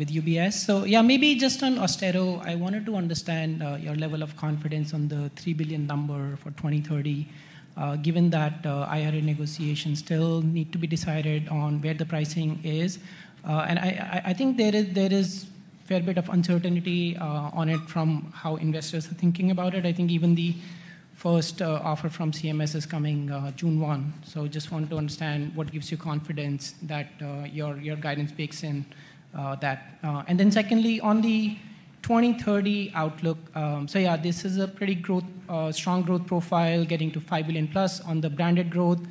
with UBS. Yeah, maybe just on AUSTEDO, I wanted to understand your level of confidence on the $3 billion number for 2030, given that IRA negotiations still need to be decided on where the pricing is. I think there is a fair bit of uncertainty on it from how investors are thinking about it. I think even the first offer from CMS is coming June 1. I just want to understand what gives you confidence that your guidance bakes in that. Secondly, on the 2030 outlook, this is a pretty strong growth profile getting to $5 billion plus on the branded growth.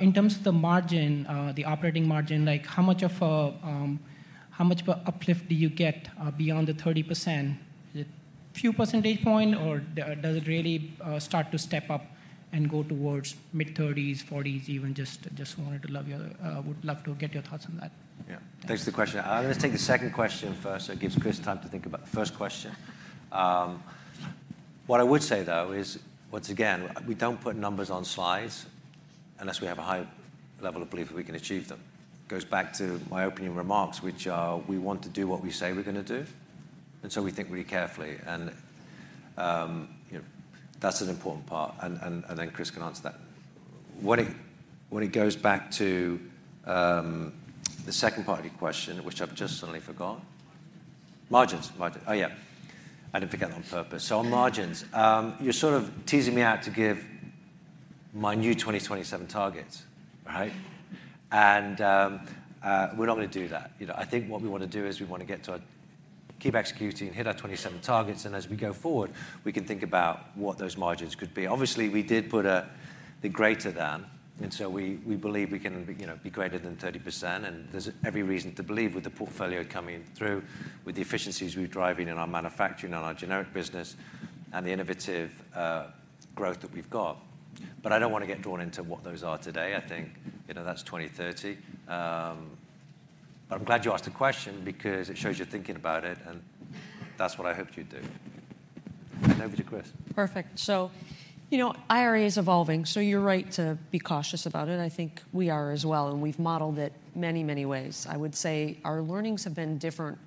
In terms of the margin, the operating margin, how much of an uplift do you get beyond the 30%? Is it a few percentage points, or does it really start to Step-up and go towards mid-30s, 40%? Even just wanted to love your, would love to get your thoughts on that. Yeah. Thanks for the question. I'm going to take the second question first so it gives Chris time to think about the first question. What I would say, though, is once again, we do not put numbers on slides unless we have a high level of belief that we can achieve them. It goes back to my opening remarks, which are we want to do what we say we're going to do. We think really carefully. That is an important part. Chris can answer that. When it goes back to the second part of your question, which I have just suddenly forgotten, margins. Margins. Oh yeah. I did not forget that on purpose. On margins, you are sort of teasing me out to give my new 2027 targets, right? We are not going to do that. You know, I think what we want to do is we want to keep executing, hit our 2027 targets. As we go forward, we can think about what those margins could be. Obviously, we did put a greater than. We believe we can be greater than 30%. There is every reason to believe with the portfolio coming through, with the efficiencies we are driving in our manufacturing and our generic business and the innovative growth that we have got. I do not want to get drawn into what those are today. I think, you know, that is 2030. I am glad you asked the question because it shows you are thinking about it. That is what I hoped you would do. Over to Chris. Perfect. You know, IRA is evolving. You are right to be cautious about it. I think we are as well. We have modeled it many, many ways. I would say our learnings have been different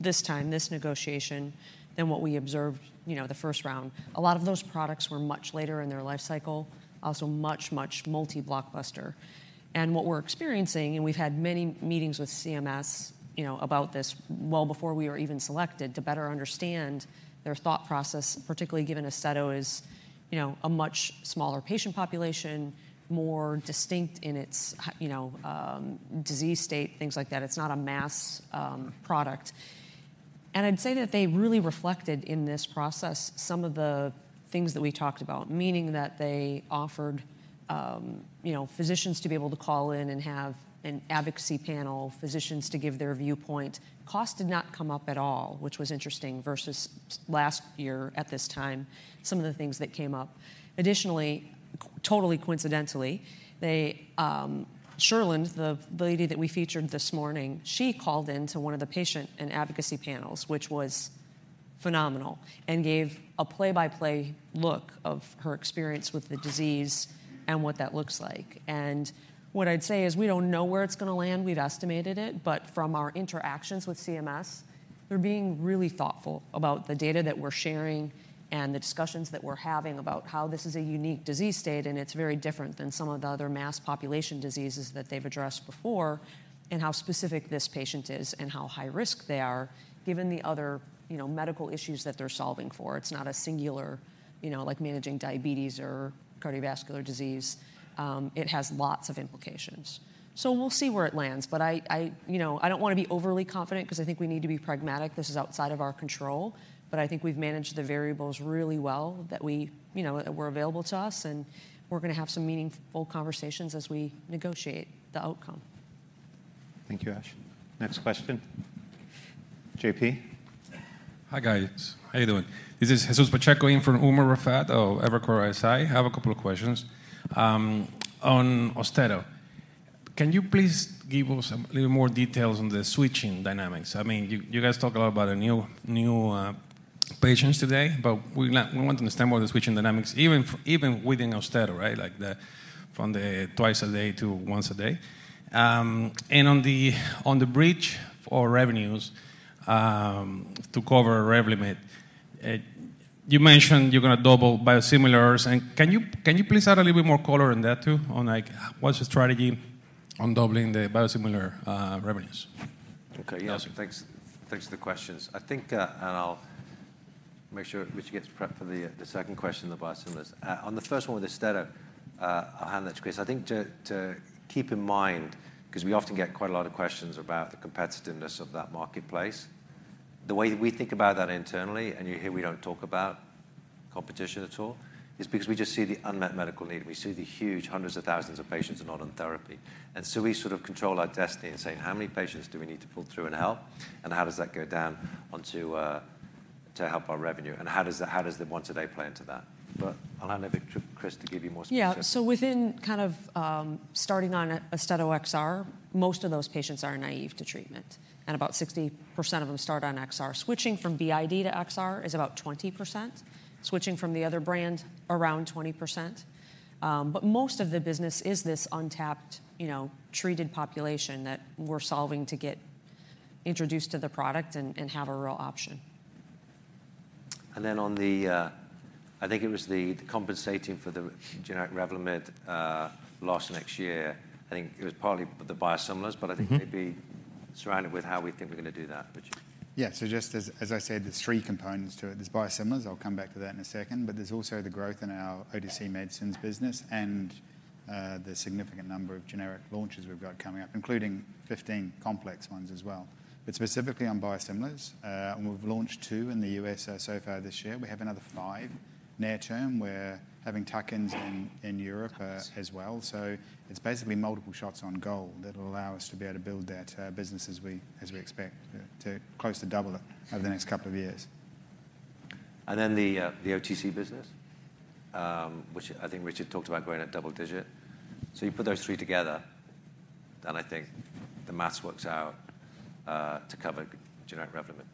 this time, this negotiation, than what we observed, you know, the first round. A lot of those products were much later in their life cycle, also much, much multi-blockbuster. What we're experiencing, and we've had many meetings with CMS, you know, about this well before we were even selected to better understand their thought process, particularly given AUSTEDO is, you know, a much smaller patient population, more distinct in its, you know, disease state, things like that. It's not a mass product. I'd say that they really reflected in this process some of the things that we talked about, meaning that they offered, you know, physicians to be able to call in and have an advocacy panel, physicians to give their viewpoint. Cost did not come up at all, which was interesting versus last year at this time, some of the things that came up. Additionally, totally coincidentally, Sherland, the lady that we featured this morning, she called into one of the patient and advocacy panels, which was phenomenal, and gave a play-by-play look of her experience with the disease and what that looks like. What I'd say is we do not know where it's going to land. We've estimated it. From our interactions with CMS, they're being really thoughtful about the data that we're sharing and the discussions that we're having about how this is a unique disease state and it's very different than some of the other mass population diseases that they've addressed before and how specific this patient is and how high risk they are, given the other, you know, medical issues that they're solving for. It's not a singular, you know, like managing diabetes or cardiovascular disease. It has lots of implications. We'll see where it lands. But I, you know, I don't want to be overly confident because I think we need to be pragmatic. This is outside of our control. I think we've managed the variables really well that we, you know, that were available to us. We're going to have some meaningful conversations as we negotiate the outcome. Thank you, Ash. Next question. JP? Hi, guys. How are you doing? This is Jesus Pacheco for Umer Raffat, Evercore ISI. I have a couple of questions on AUSTEDO. Can you please give us a little more details on the switching dynamics? I mean, you guys talk a lot about the new patients today, but we want to understand more of the switching dynamics, even within AUSTEDO, right? Like the from the twice a day to once a day. On the bridge or revenues to cover revenue limit, you mentioned you're going to double biosimilars. Can you please add a little bit more color on that too? Like what's the strategy on doubling the biosimilar revenues? Okay. Yeah. Thanks for the questions. I think, and I'll make sure Richard gets prepped for the second question, the biosimilars. On the first one with AUSTEDO, I'll hand that to Chris. I think to keep in mind, because we often get quite a lot of questions about the competitiveness of that marketplace, the way that we think about that internally, and you hear we don't talk about competition at all, is because we just see the unmet medical need. We see the huge hundreds of thousands of patients are not on therapy. We sort of control our destiny in saying how many patients do we need to pull through and help, and how does that go down to help our revenue, and how does the once a day play into that? I'll hand that to Chris to give you more specifics. Yeah. Within kind of starting on AUSTEDO XR, most of those patients are naive to treatment. About 60% of them start on XR. Switching from BID to XR is about 20%. Switching from the other brand, around 20%. Most of the business is this untapped, you know, treated population that we're solving to get introduced to the product and have a real option. I think it was the compensating for the generic revenue limit last next year, I think it was partly the biosimilars, but I think maybe surrounded with how we think we're going to do that, Richard. Yeah. Just as I said, there's three components to it. There's biosimilars. I'll come back to that in a second. There's also the growth in our ODC medicines business and the significant number of generic launches we've got coming up, including 15 complex ones as well. Specifically on biosimilars, we've launched two in the U.S. so far this year. We have another five near term. We're having tuck-ins in Europe as well. It's basically multiple shots on goal that will allow us to be able to build that business as we expect to close to double it over the next couple of years. Then the OTC business, which I think Richard talked about going at double digit. You put those three together, then I think the maths works out to cover generic revenue limit.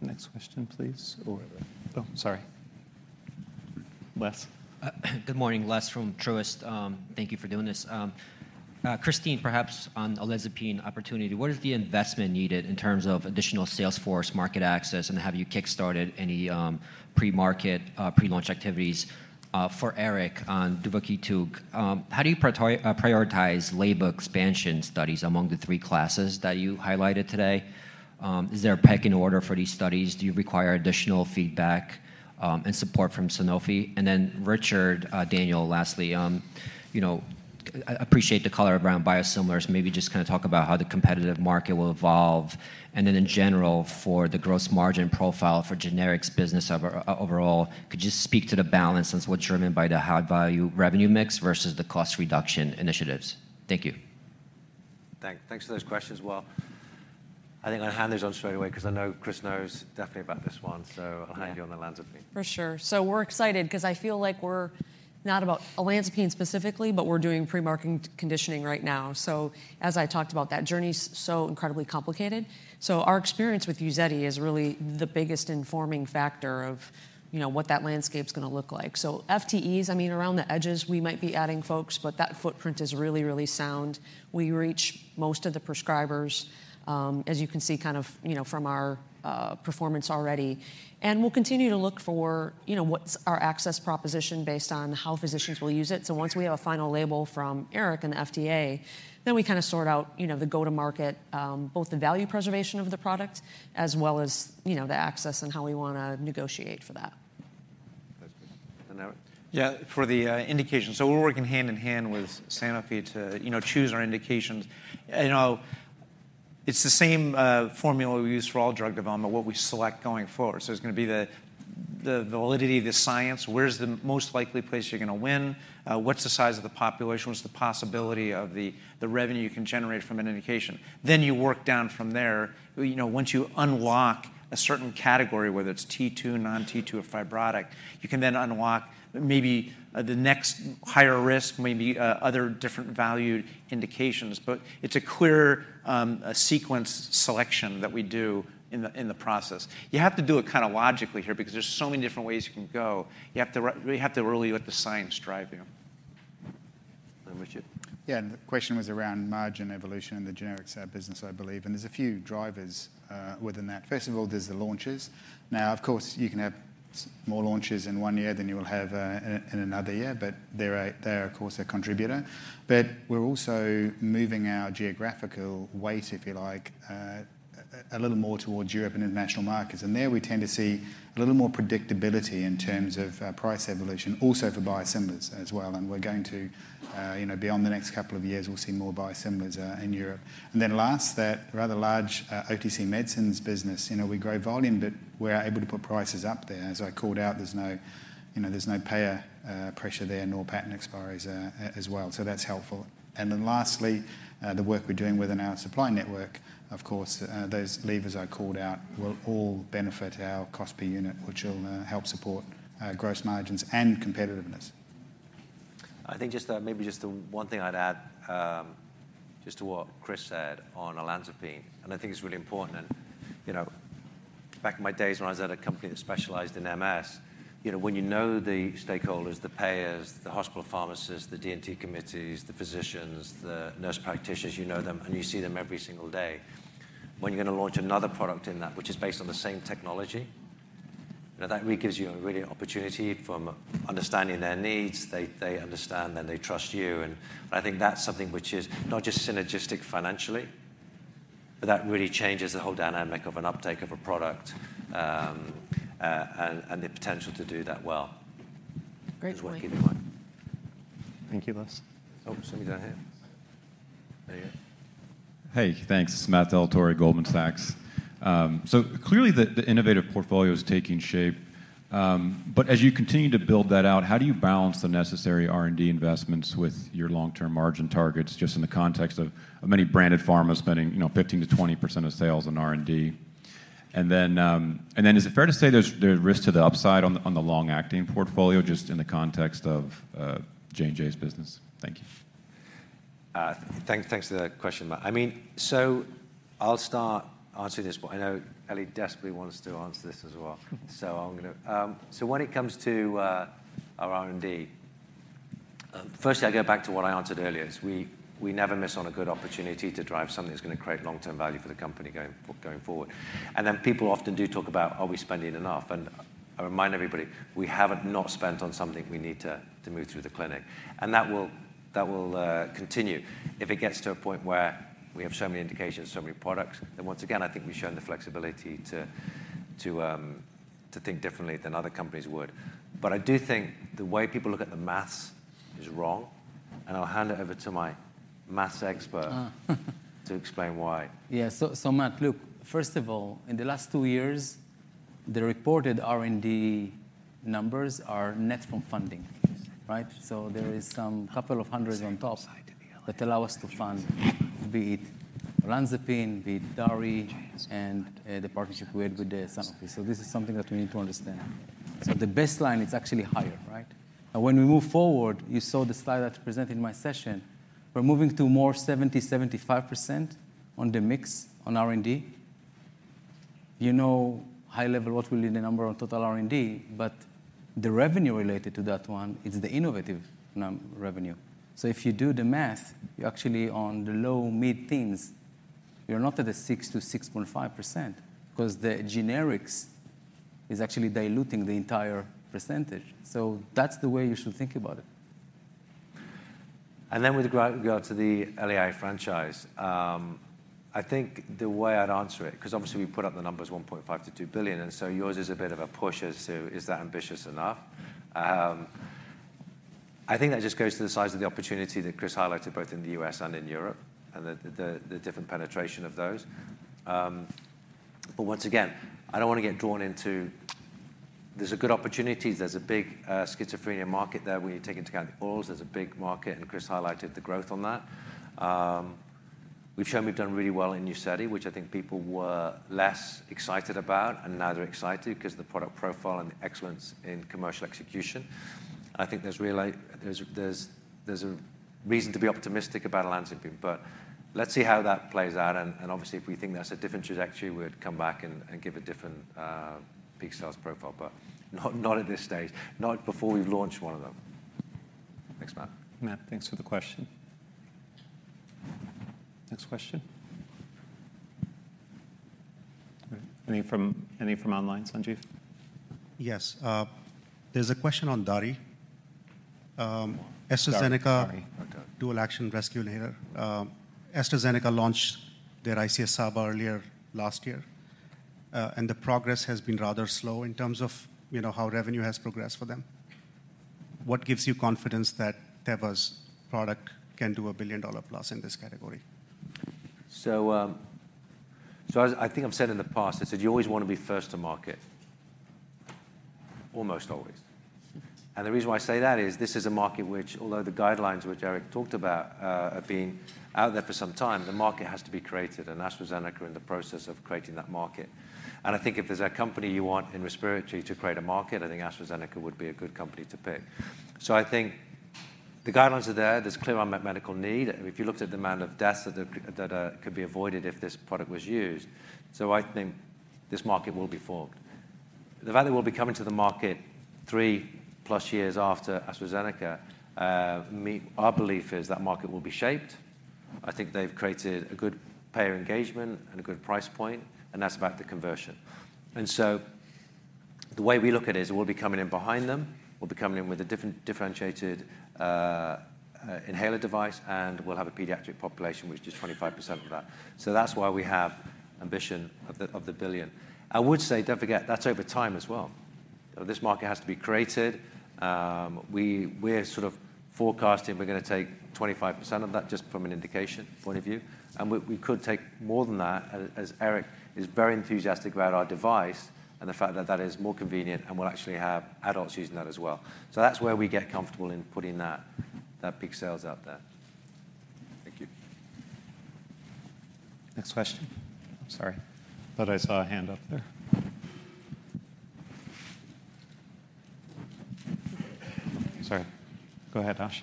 Next question, please. Oh, sorry. Les? Good morning, Les from Truist. Thank you for doing this. Christine, perhaps on an olanzapine opportunity, what is the investment needed in terms of additional Salesforce market access and have you kickstarted any pre-market, pre-launch activities? For Eric on duvakitug, how do you prioritize label expansion studies among the three classes that you highlighted today? Is there a pecking order for these studies? Do you require additional feedback and support from Sanofi? Then Richard Daniell, lastly, you know, I appreciate the color around biosimilars. Maybe just kind of talk about how the competitive market will evolve. In general, for the gross margin profile for generics business overall, could you speak to the balance and what you meant by the high-value revenue mix versus the cost reduction initiatives? Thank you. Thanks for those questions as well. I think I'll hand those on straight away because I know Chris knows definitely about this one. I'll hand you on the olanzapine. For sure. We're excited because I feel like we're not about olanzapine specifically, but we're doing pre-market conditioning right now. As I talked about, that journey is so incredibly complicated. Our experience with UZEDY is really the biggest informing factor of what that landscape is going to look like. FTEs, I mean, around the edges, we might be adding folks, but that footprint is really, really sound. We reach most of the prescribers, as you can see kind of, you know, from our performance already. We will continue to look for, you know, what's our access proposition based on how physicians will use it. Once we have a final label from Eric and the FDA, then we kind of sort out, you know, the go-to-market, both the value preservation of the product as well as, you know, the access and how we want to negotiate for that. That's good. Eric? Yeah. For the indication, we are working hand in hand with Sanofi to, you know, choose our indications. You know, it's the same formula we use for all drug development, what we select going forward. It's going to be the validity, the science, where's the most likely place you're going to win, what's the size of the population, what's the possibility of the revenue you can generate from an indication. You work down from there, you know, once you unlock a certain category, whether it's T2, non-T2, or fibrotic, you can then unlock maybe the next higher risk, maybe other different valued indications. It's a clear sequence selection that we do in the process. You have to do it kind of logically here because there are so many different ways you can go. You have to really let the science drive you. Richard? Yeah. The question was around margin evolution in the generics business, I believe. There are a few drivers within that. First of all, there's the launches. Now, of course, you can have more launches in one year than you will have in another year, but they are, of course, a contributor. We are also moving our geographical weight, if you like, a little more towards Europe and international markets. There we tend to see a little more predictability in terms of price evolution, also for biosimilars as well. We are going to, you know, beyond the next couple of years, see more biosimilars in Europe. Last, that rather large OTC medicines business, you know, we grow volume, but we are able to put prices up there. As I called out, there is no, you know, there is no payer pressure there, nor patent expires as well. That is helpful. Lastly, the work we're doing within our supply network, of course, those levers I called out will all benefit our cost per unit, which will help support gross margins and competitiveness. I think just maybe just the one thing I'd add just to what Chris said on olanzapine. I think it's really important. You know, back in my days when I was at a company that specialized in MS, you know, when you know the stakeholders, the payers, the hospital pharmacists, the D&T committees, the physicians, the nurse practitioners, you know them and you see them every single day. When you're going to launch another product in that, which is based on the same technology, you know, that really gives you a real opportunity from understanding their needs. They understand, then they trust you. I think that's something which is not just synergistic financially, but that really changes the whole dynamic of an uptake of a product and the potential to do that well. Great point. Thank you, Les. Oh, somebody's down here. There you go. Hey, thanks. Matt Dellatorre, Goldman Sachs. Clearly the innovative portfolio is taking shape. As you continue to build that out, how do you balance the necessary R&D investments with your long-term margin targets just in the context of many branded pharmas spending, you know, 15%-20% of sales on R&D? Is it fair to say there's risk to the upside on the long-acting portfolio just in the context of J&J's business? Thank you. Thanks for the question. I mean, I'll start answering this, but I know Eli desperately wants to answer this as well. I'm going to, so when it comes to our R&D, firstly, I go back to what I answered earlier. We never miss on a good opportunity to drive something that's going to create long-term value for the company going forward. People often do talk about, are we spending enough? I remind everybody, we haven't not spent on something we need to move through the clinic. That will continue. If it gets to a point where we have so many indications, so many products, once again, I think we've shown the flexibility to think differently than other companies would. I do think the way people look at the maths is wrong. I'll hand it over to my maths expert to explain why. Yeah. Matt, look, first of all, in the last two years, the reported R&D numbers are net from funding, right? There is some couple of hundreds on top that allow us to fund, be it lansophone, be it DARI, and the partnership we had with Sanofi. This is something that we need to understand. The baseline, it's actually higher, right? When we move forward, you saw the slide I presented in my session, we're moving to more 70-75% on the mix on R&D. You know, high level, what will be the number on total R&D, but the revenue related to that one, it's the innovative revenue. If you do the math, you're actually on the low, mid things. You're not at the 6-6.5% because the generics is actually diluting the entire percentage. That's the way you should think about it. With regard to the LAI franchise, I think the way I'd answer it, because obviously we put up the numbers $1.5 billion-$2 billion, and so yours is a bit of a push as to, is that ambitious enough? I think that just goes to the size of the opportunity that Chris highlighted both in the U.S. and in Europe and the different penetration of those. Once again, I don't want to get drawn into there's a good opportunity. There's a big schizophrenia market there when you take into account the LAIs. There's a big market, and Chris highlighted the growth on that. We've shown we've done really well in UZEDY, which I think people were less excited about, and now they're excited because of the product profile and the excellence in commercial execution. I think there's really a reason to be optimistic about a lansophone, but let's see how that plays out. Obviously, if we think that's a different trajectory, we'd come back and give a different peak sales profile, but not at this stage, not before we've launched one of them. Thanks, Matt. Matt, thanks for the question. Next question. Any from online, Sanjeev? Yes. There's a question on DARI. AstraZeneca, dual action rescue inhaler. AstraZeneca launched their ICS/SABA earlier last year, and the progress has been rather slow in terms of, you know, how revenue has progressed for them. What gives you confidence that Teva's product can do a billion dollar plus in this category? I think I've said in the past, I said you always want to be first to market, almost always. The reason why I say that is this is a market which, although the guidelines which Eric talked about have been out there for some time, the market has to be created, and AstraZeneca are in the process of creating that market. I think if there's a company you want in respiratory to create a market, I think AstraZeneca would be a good company to pick. I think the guidelines are there. There's clear unmet medical need. If you looked at the amount of deaths that could be avoided if this product was used, I think this market will be formed. The fact that we'll be coming to the market three plus years after AstraZeneca, our belief is that market will be shaped. I think they've created a good payer engagement and a good price point, and that's about the conversion. The way we look at it is we'll be coming in behind them. We'll be coming in with a differentiated inhaler device, and we'll have a pediatric population, which is just 25% of that. That's why we have ambition of the billion. I would say, don't forget, that's over time as well. This market has to be created. We're sort of forecasting we're going to take 25% of that just from an indication point of view. We could take more than that, as Eric is very enthusiastic about our device and the fact that it is more convenient, and we'll actually have adults using that as well. That's where we get comfortable in putting that peak sales out there. Thank you. Next question. I'm sorry. Thought I saw a hand up there. Sorry. Go ahead, Ash.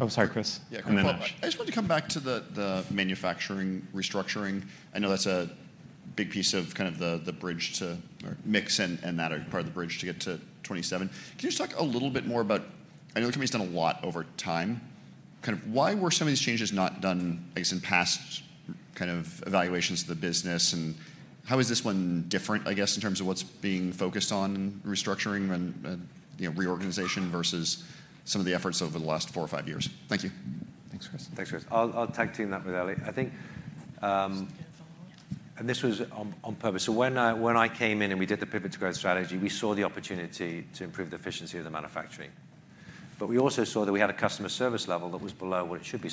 Oh, sorry, Chris. Yeah, come in. I just wanted to come back to the manufacturing restructuring. I know that's a big piece of kind of the bridge to mix and that are part of the bridge to get to 27. Can you just talk a little bit more about, I know the company's done a lot over time, kind of why were some of these changes not done, I guess, in past kind of evaluations of the business, and how is this one different, I guess, in terms of what's being focused on restructuring and reorganization versus some of the efforts over the last four or five years? Thank you. Thanks Chris. Thanks, Chris. I'll tag team that with Eli. I think, and this was on purpose. When I came in and we did the Pivot to Growth strategy, we saw the opportunity to improve the efficiency of the manufacturing. We also saw that we had a customer service level that was below what it should be.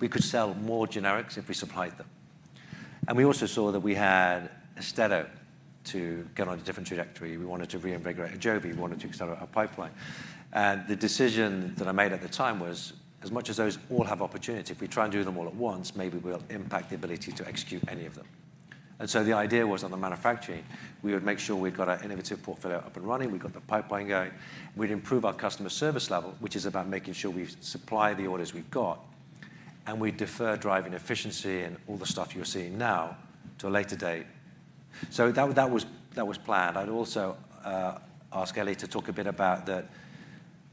We could sell more generics if we supplied them. We also saw that we had AUSTEDO to get on a different trajectory. We wanted to reinvigorate AJOVY. We wanted to accelerate our pipeline. The decision that I made at the time was, as much as those all have opportunity, if we try and do them all at once, maybe we'll impact the ability to execute any of them. The idea was on the manufacturing, we would make sure we've got our innovative portfolio up and running. We've got the pipeline going. We'd improve our customer service level, which is about making sure we supply the orders we've got, and we defer driving efficiency and all the stuff you're seeing now to a later date. That was planned. I'd also ask Eli to talk a bit about that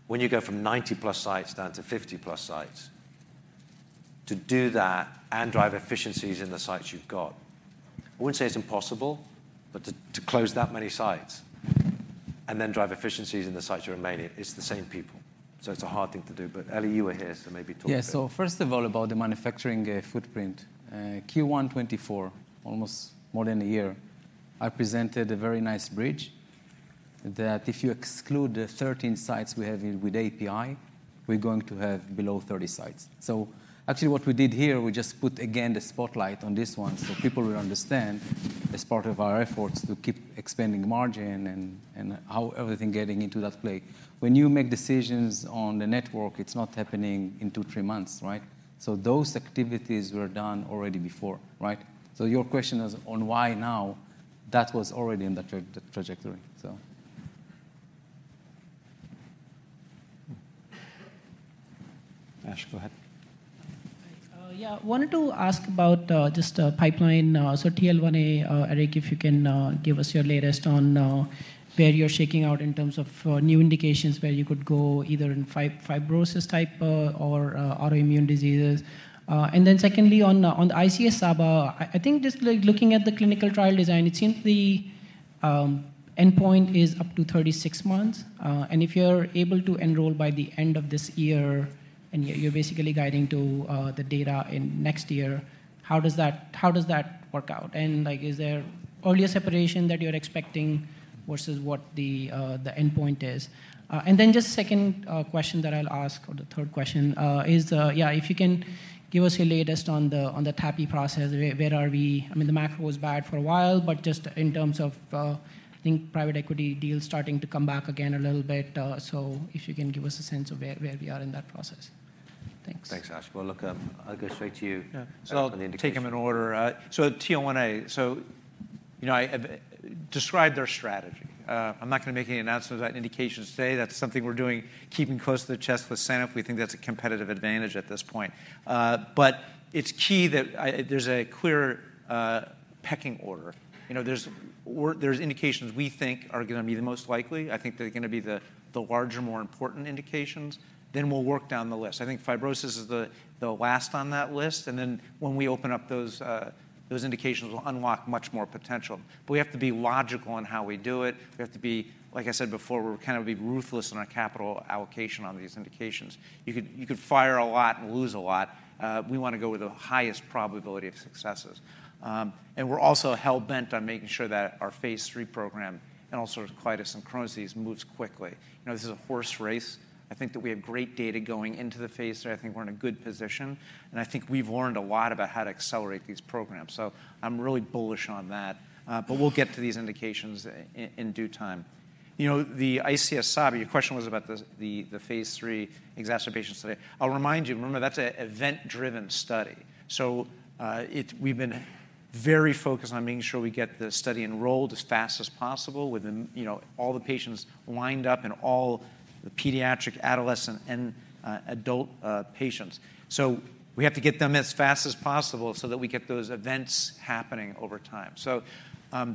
when you go from 90-plus sites down to 50-plus sites to do that and drive efficiencies in the sites you've got. I wouldn't say it's impossible, but to close that many sites and then drive efficiencies in the sites you're in, it's the same people. It's a hard thing to do. Eli, you were here, so maybe talk about it. Yeah. First of all, about the manufacturing footprint, Q1 2024, almost more than a year, I presented a very nice bridge that if you exclude the 13 sites we have with API, we're going to have below 30 sites. What we did here, we just put again the spotlight on this one so people will understand as part of our efforts to keep expanding margin and how everything is getting into that play. When you make decisions on the network, it is not happening in two, three months, right? Those activities were done already before, right? Your question is on why now, that was already in the trajectory. Ash, go ahead. Yeah, I wanted to ask about just a pipeline. So TL1A, Eric, if you can give us your latest on where you are shaking out in terms of new indications where you could go either in fibrosis type or autoimmune diseases. Secondly, on the ICS/SABA, I think just looking at the clinical trial design, it seems the endpoint is up to 36 months. If you're able to enroll by the end of this year and you're basically guiding to the data in next year, how does that work out? Is there earlier separation that you're expecting versus what the endpoint is? The second question that I'll ask, or the third question, is if you can give us your latest on the TAPI process, where are we? I mean, the macro was bad for a while, but just in terms of, I think, private equity deals starting to come back again a little bit. If you can give us a sense of where we are in that process. Thanks. Thanks, Ash. Look, I'll go straight to you. Take them in order. TL1A, you know I described their strategy. I'm not going to make any announcements about indications today. That's something we're doing, keeping close to the chest with Sanofi. We think that's a competitive advantage at this point. It is key that there's a clear pecking order. There are indications we think are going to be the most likely. I think they're going to be the larger, more important indications. We will work down the list. I think fibrosis is the last on that list. When we open up those indications, we will unlock much more potential. We have to be logical in how we do it. We have to be, like I said before, we're kind of ruthless in our capital allocation on these indications. You could fire a lot and lose a lot. We want to go with the highest probability of successes. We are also hell-bent on making sure that our phase III program and also synchronicities moves quickly. This is a horse race. I think that we have great data going into the phase III. I think we're in a good position. I think we've learned a lot about how to accelerate these programs. I'm really bullish on that. We'll get to these indications in due time. The ICS/SABA, your question was about the phase III exacerbation study. I'll remind you, remember that's an event-driven study. We've been very focused on making sure we get the study enrolled as fast as possible with all the patients lined up and all the pediatric, adolescent, and adult patients. We have to get them as fast as possible so that we get those events happening over time.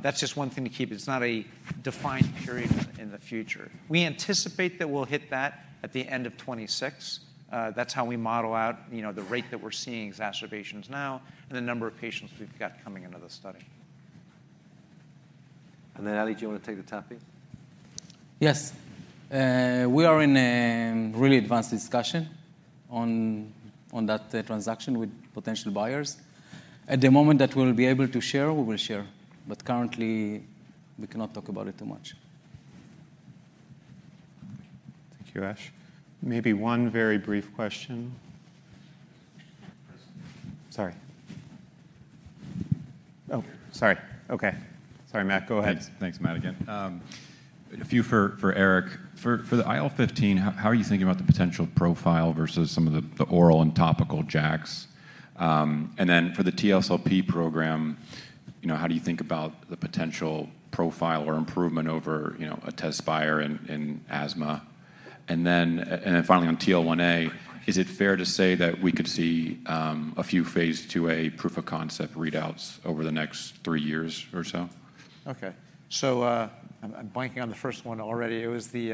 That's just one thing to keep. It's not a defined period in the future. We anticipate that we'll hit that at the end of 2026. That's how we model out the rate that we're seeing exacerbations now and the number of patients we've got coming into the study. Eli, do you want to take the TAPI? Yes. We are in a really advanced discussion on that transaction with potential buyers. At the moment that we'll be able to share, we will share. Currently, we cannot talk about it too much. Thank you, Ash. Maybe one very brief question. Sorry. Oh, sorry. Okay. Sorry, Matt. Go ahead. Thanks, Matt again. A few for Eric. For the IL-15, how are you thinking about the potential profile versus some of the oral and topical JAKs? For the TSLP program, how do you think about the potential profile or improvement over a test buyer in asthma? Finally on TL1A, is it fair to say that we could see a few phase II a proof of concept readouts over the next three years or so? Okay. I'm blanking on the first one already. It was the...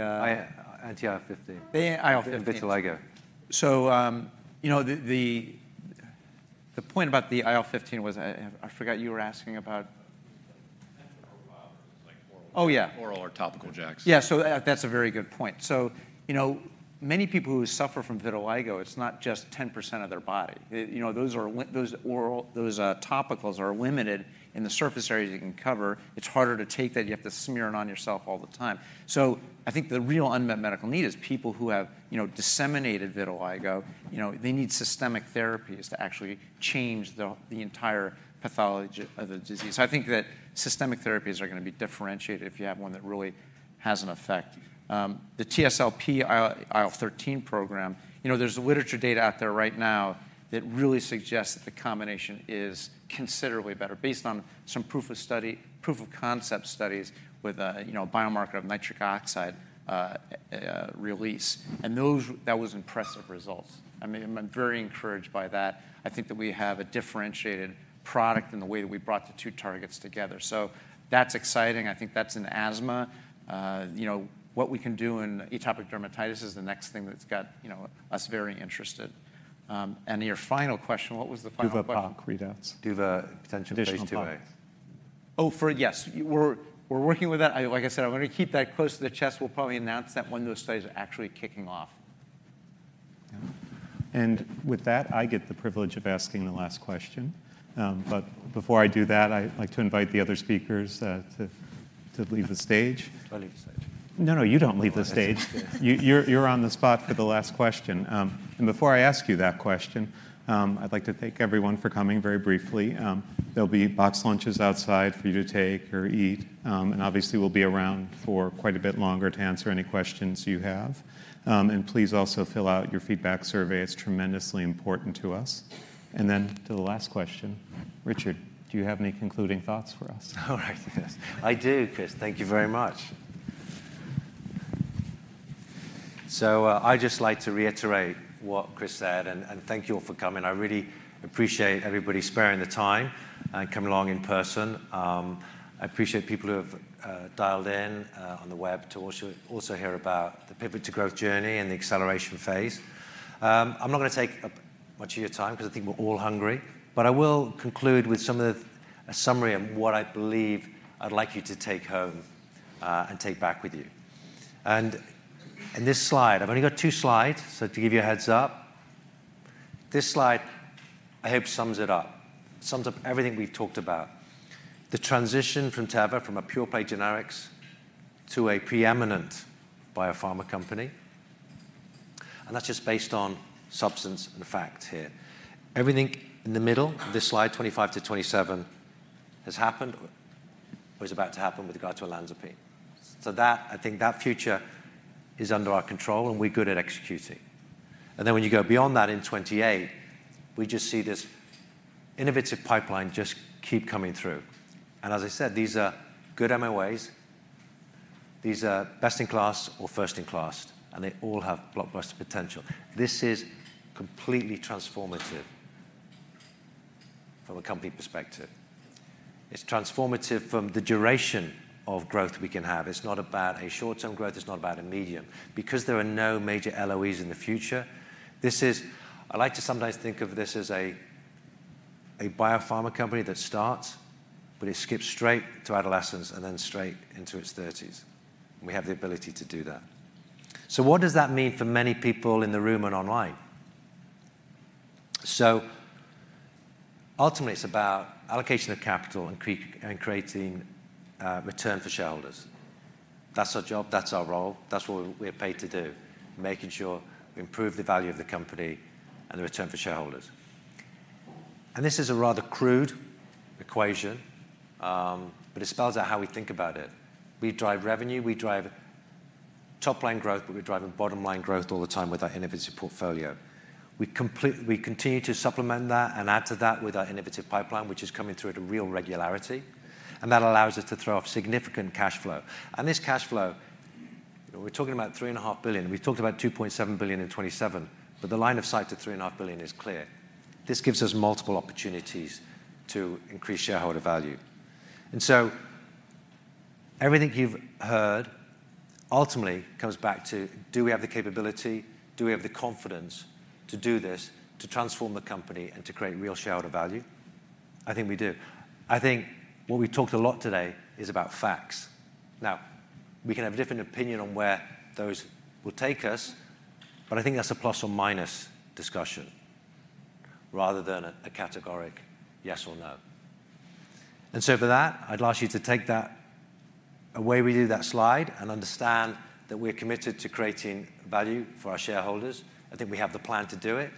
Anti IL-15. The IL-15. The point about the IL-15 was I forgot you were asking about. Oh, yeah. Oral or topical JAKs. Yeah, that's a very good point. Many people who suffer from vitiligo, it's not just 10% of their body. Those topicals are limited in the surface areas you can cover. It's harder to take that. You have to smear it on yourself all the time. I think the real unmet medical need is people who have disseminated vitiligo, they need systemic therapies to actually change the entire pathology of the disease. I think that systemic therapies are going to be differentiated if you have one that really has an effect. The TSLP/IL-13 program, there's literature data out there right now that really suggests that the combination is considerably better based on some proof of concept studies with a biomarker of nitric oxide release. That was impressive results. I mean, I'm very encouraged by that. I think that we have a differentiated product in the way that we brought the two targets together. That's exciting. I think that's in asthma. What we can do in atopic dermatitis is the next thing that's got us very interested. Your final question, what was the final question? Do the potential phase II a. Oh, yes. We're working with that. Like I said, I'm going to keep that close to the chest. We'll probably announce that when those studies are actually kicking off. With that, I get the privilege of asking the last question. Before I do that, I'd like to invite the other speakers to leave the stage. Do I leave the stage? No, no, you don't leave the stage. You're on the spot for the last question. Before I ask you that question, I'd like to thank everyone for coming very briefly. There will be box lunches outside for you to take or eat. Obviously, we'll be around for quite a bit longer to answer any questions you have. Please also fill out your feedback survey. It's tremendously important to us. To the last question, Richard, do you have any concluding thoughts for us? All right. Yes. I do, Chris. Thank you very much. I'd just like to reiterate what Chris said and thank you all for coming. I really appreciate everybody sparing the time and coming along in person. I appreciate people who have dialed in on the web to also hear about the Pivot to Growth journey and the acceleration phase. I'm not going to take much of your time because I think we're all hungry. I will conclude with a summary of what I believe I'd like you to take home and take back with you. In this slide, I've only got two slides, so to give you a heads up. This slide, I hope, sums it up. It sums up everything we've talked about. The transition from Teva, from a pure-play generics to a preeminent biopharma company. That's just based on substance and fact here. Everything in the middle, this slide 25 to 27, has happened or is about to happen with regard to olanzapine. I think that future is under our control and we're good at executing. When you go beyond that in 28, we just see this innovative pipeline just keep coming through. As I said, these are good MOAs. These are best-in-class or first in class, and they all have blockbuster potential. This is completely transformative from a company perspective. It's transformative from the duration of growth we can have. It's not about a short-term growth. It's not about a medium. Because there are no major LOEs in the future, I like to sometimes think of this as a biopharma company that starts, but it skips straight to adolescence and then straight into its 30s. We have the ability to do that. What does that mean for many people in the room and online? Ultimately, it's about allocation of capital and creating return for shareholders. That's our job. That's our role. That's what we're paid to do. Making sure we improve the value of the company and the return for shareholders. This is a rather crude equation, but it spells out how we think about it. We drive revenue. We drive top-line growth, but we're driving bottom-line growth all the time with our innovative portfolio. We continue to supplement that and add to that with our innovative pipeline, which is coming through at a real regularity. That allows us to throw off significant cash flow. This cash flow, we're talking about $3.5 billion. We talked about $2.7 billion in 2027, but the line of sight to $3.5 billion is clear. This gives us multiple opportunities to increase shareholder value. Everything you've heard ultimately comes back to, do we have the capability? Do we have the confidence to do this, to transform the company and to create real shareholder value? I think we do. I think what we talked a lot today is about facts. We can have a different opinion on where those will take us, but I think that's a plus or minus discussion rather than a categoric yes or no. For that, I'd like you to take that away with you, that slide, and understand that we're committed to creating value for our shareholders. I think we have the plan to do it.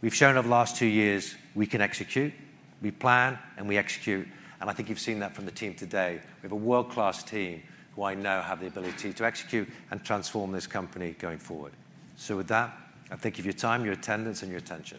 We've shown over the last two years, we can execute. We plan and we execute. I think you've seen that from the team today. We have a world-class team who I know have the ability to execute and transform this company going forward. With that, I thank you for your time, your attendance, and your attention.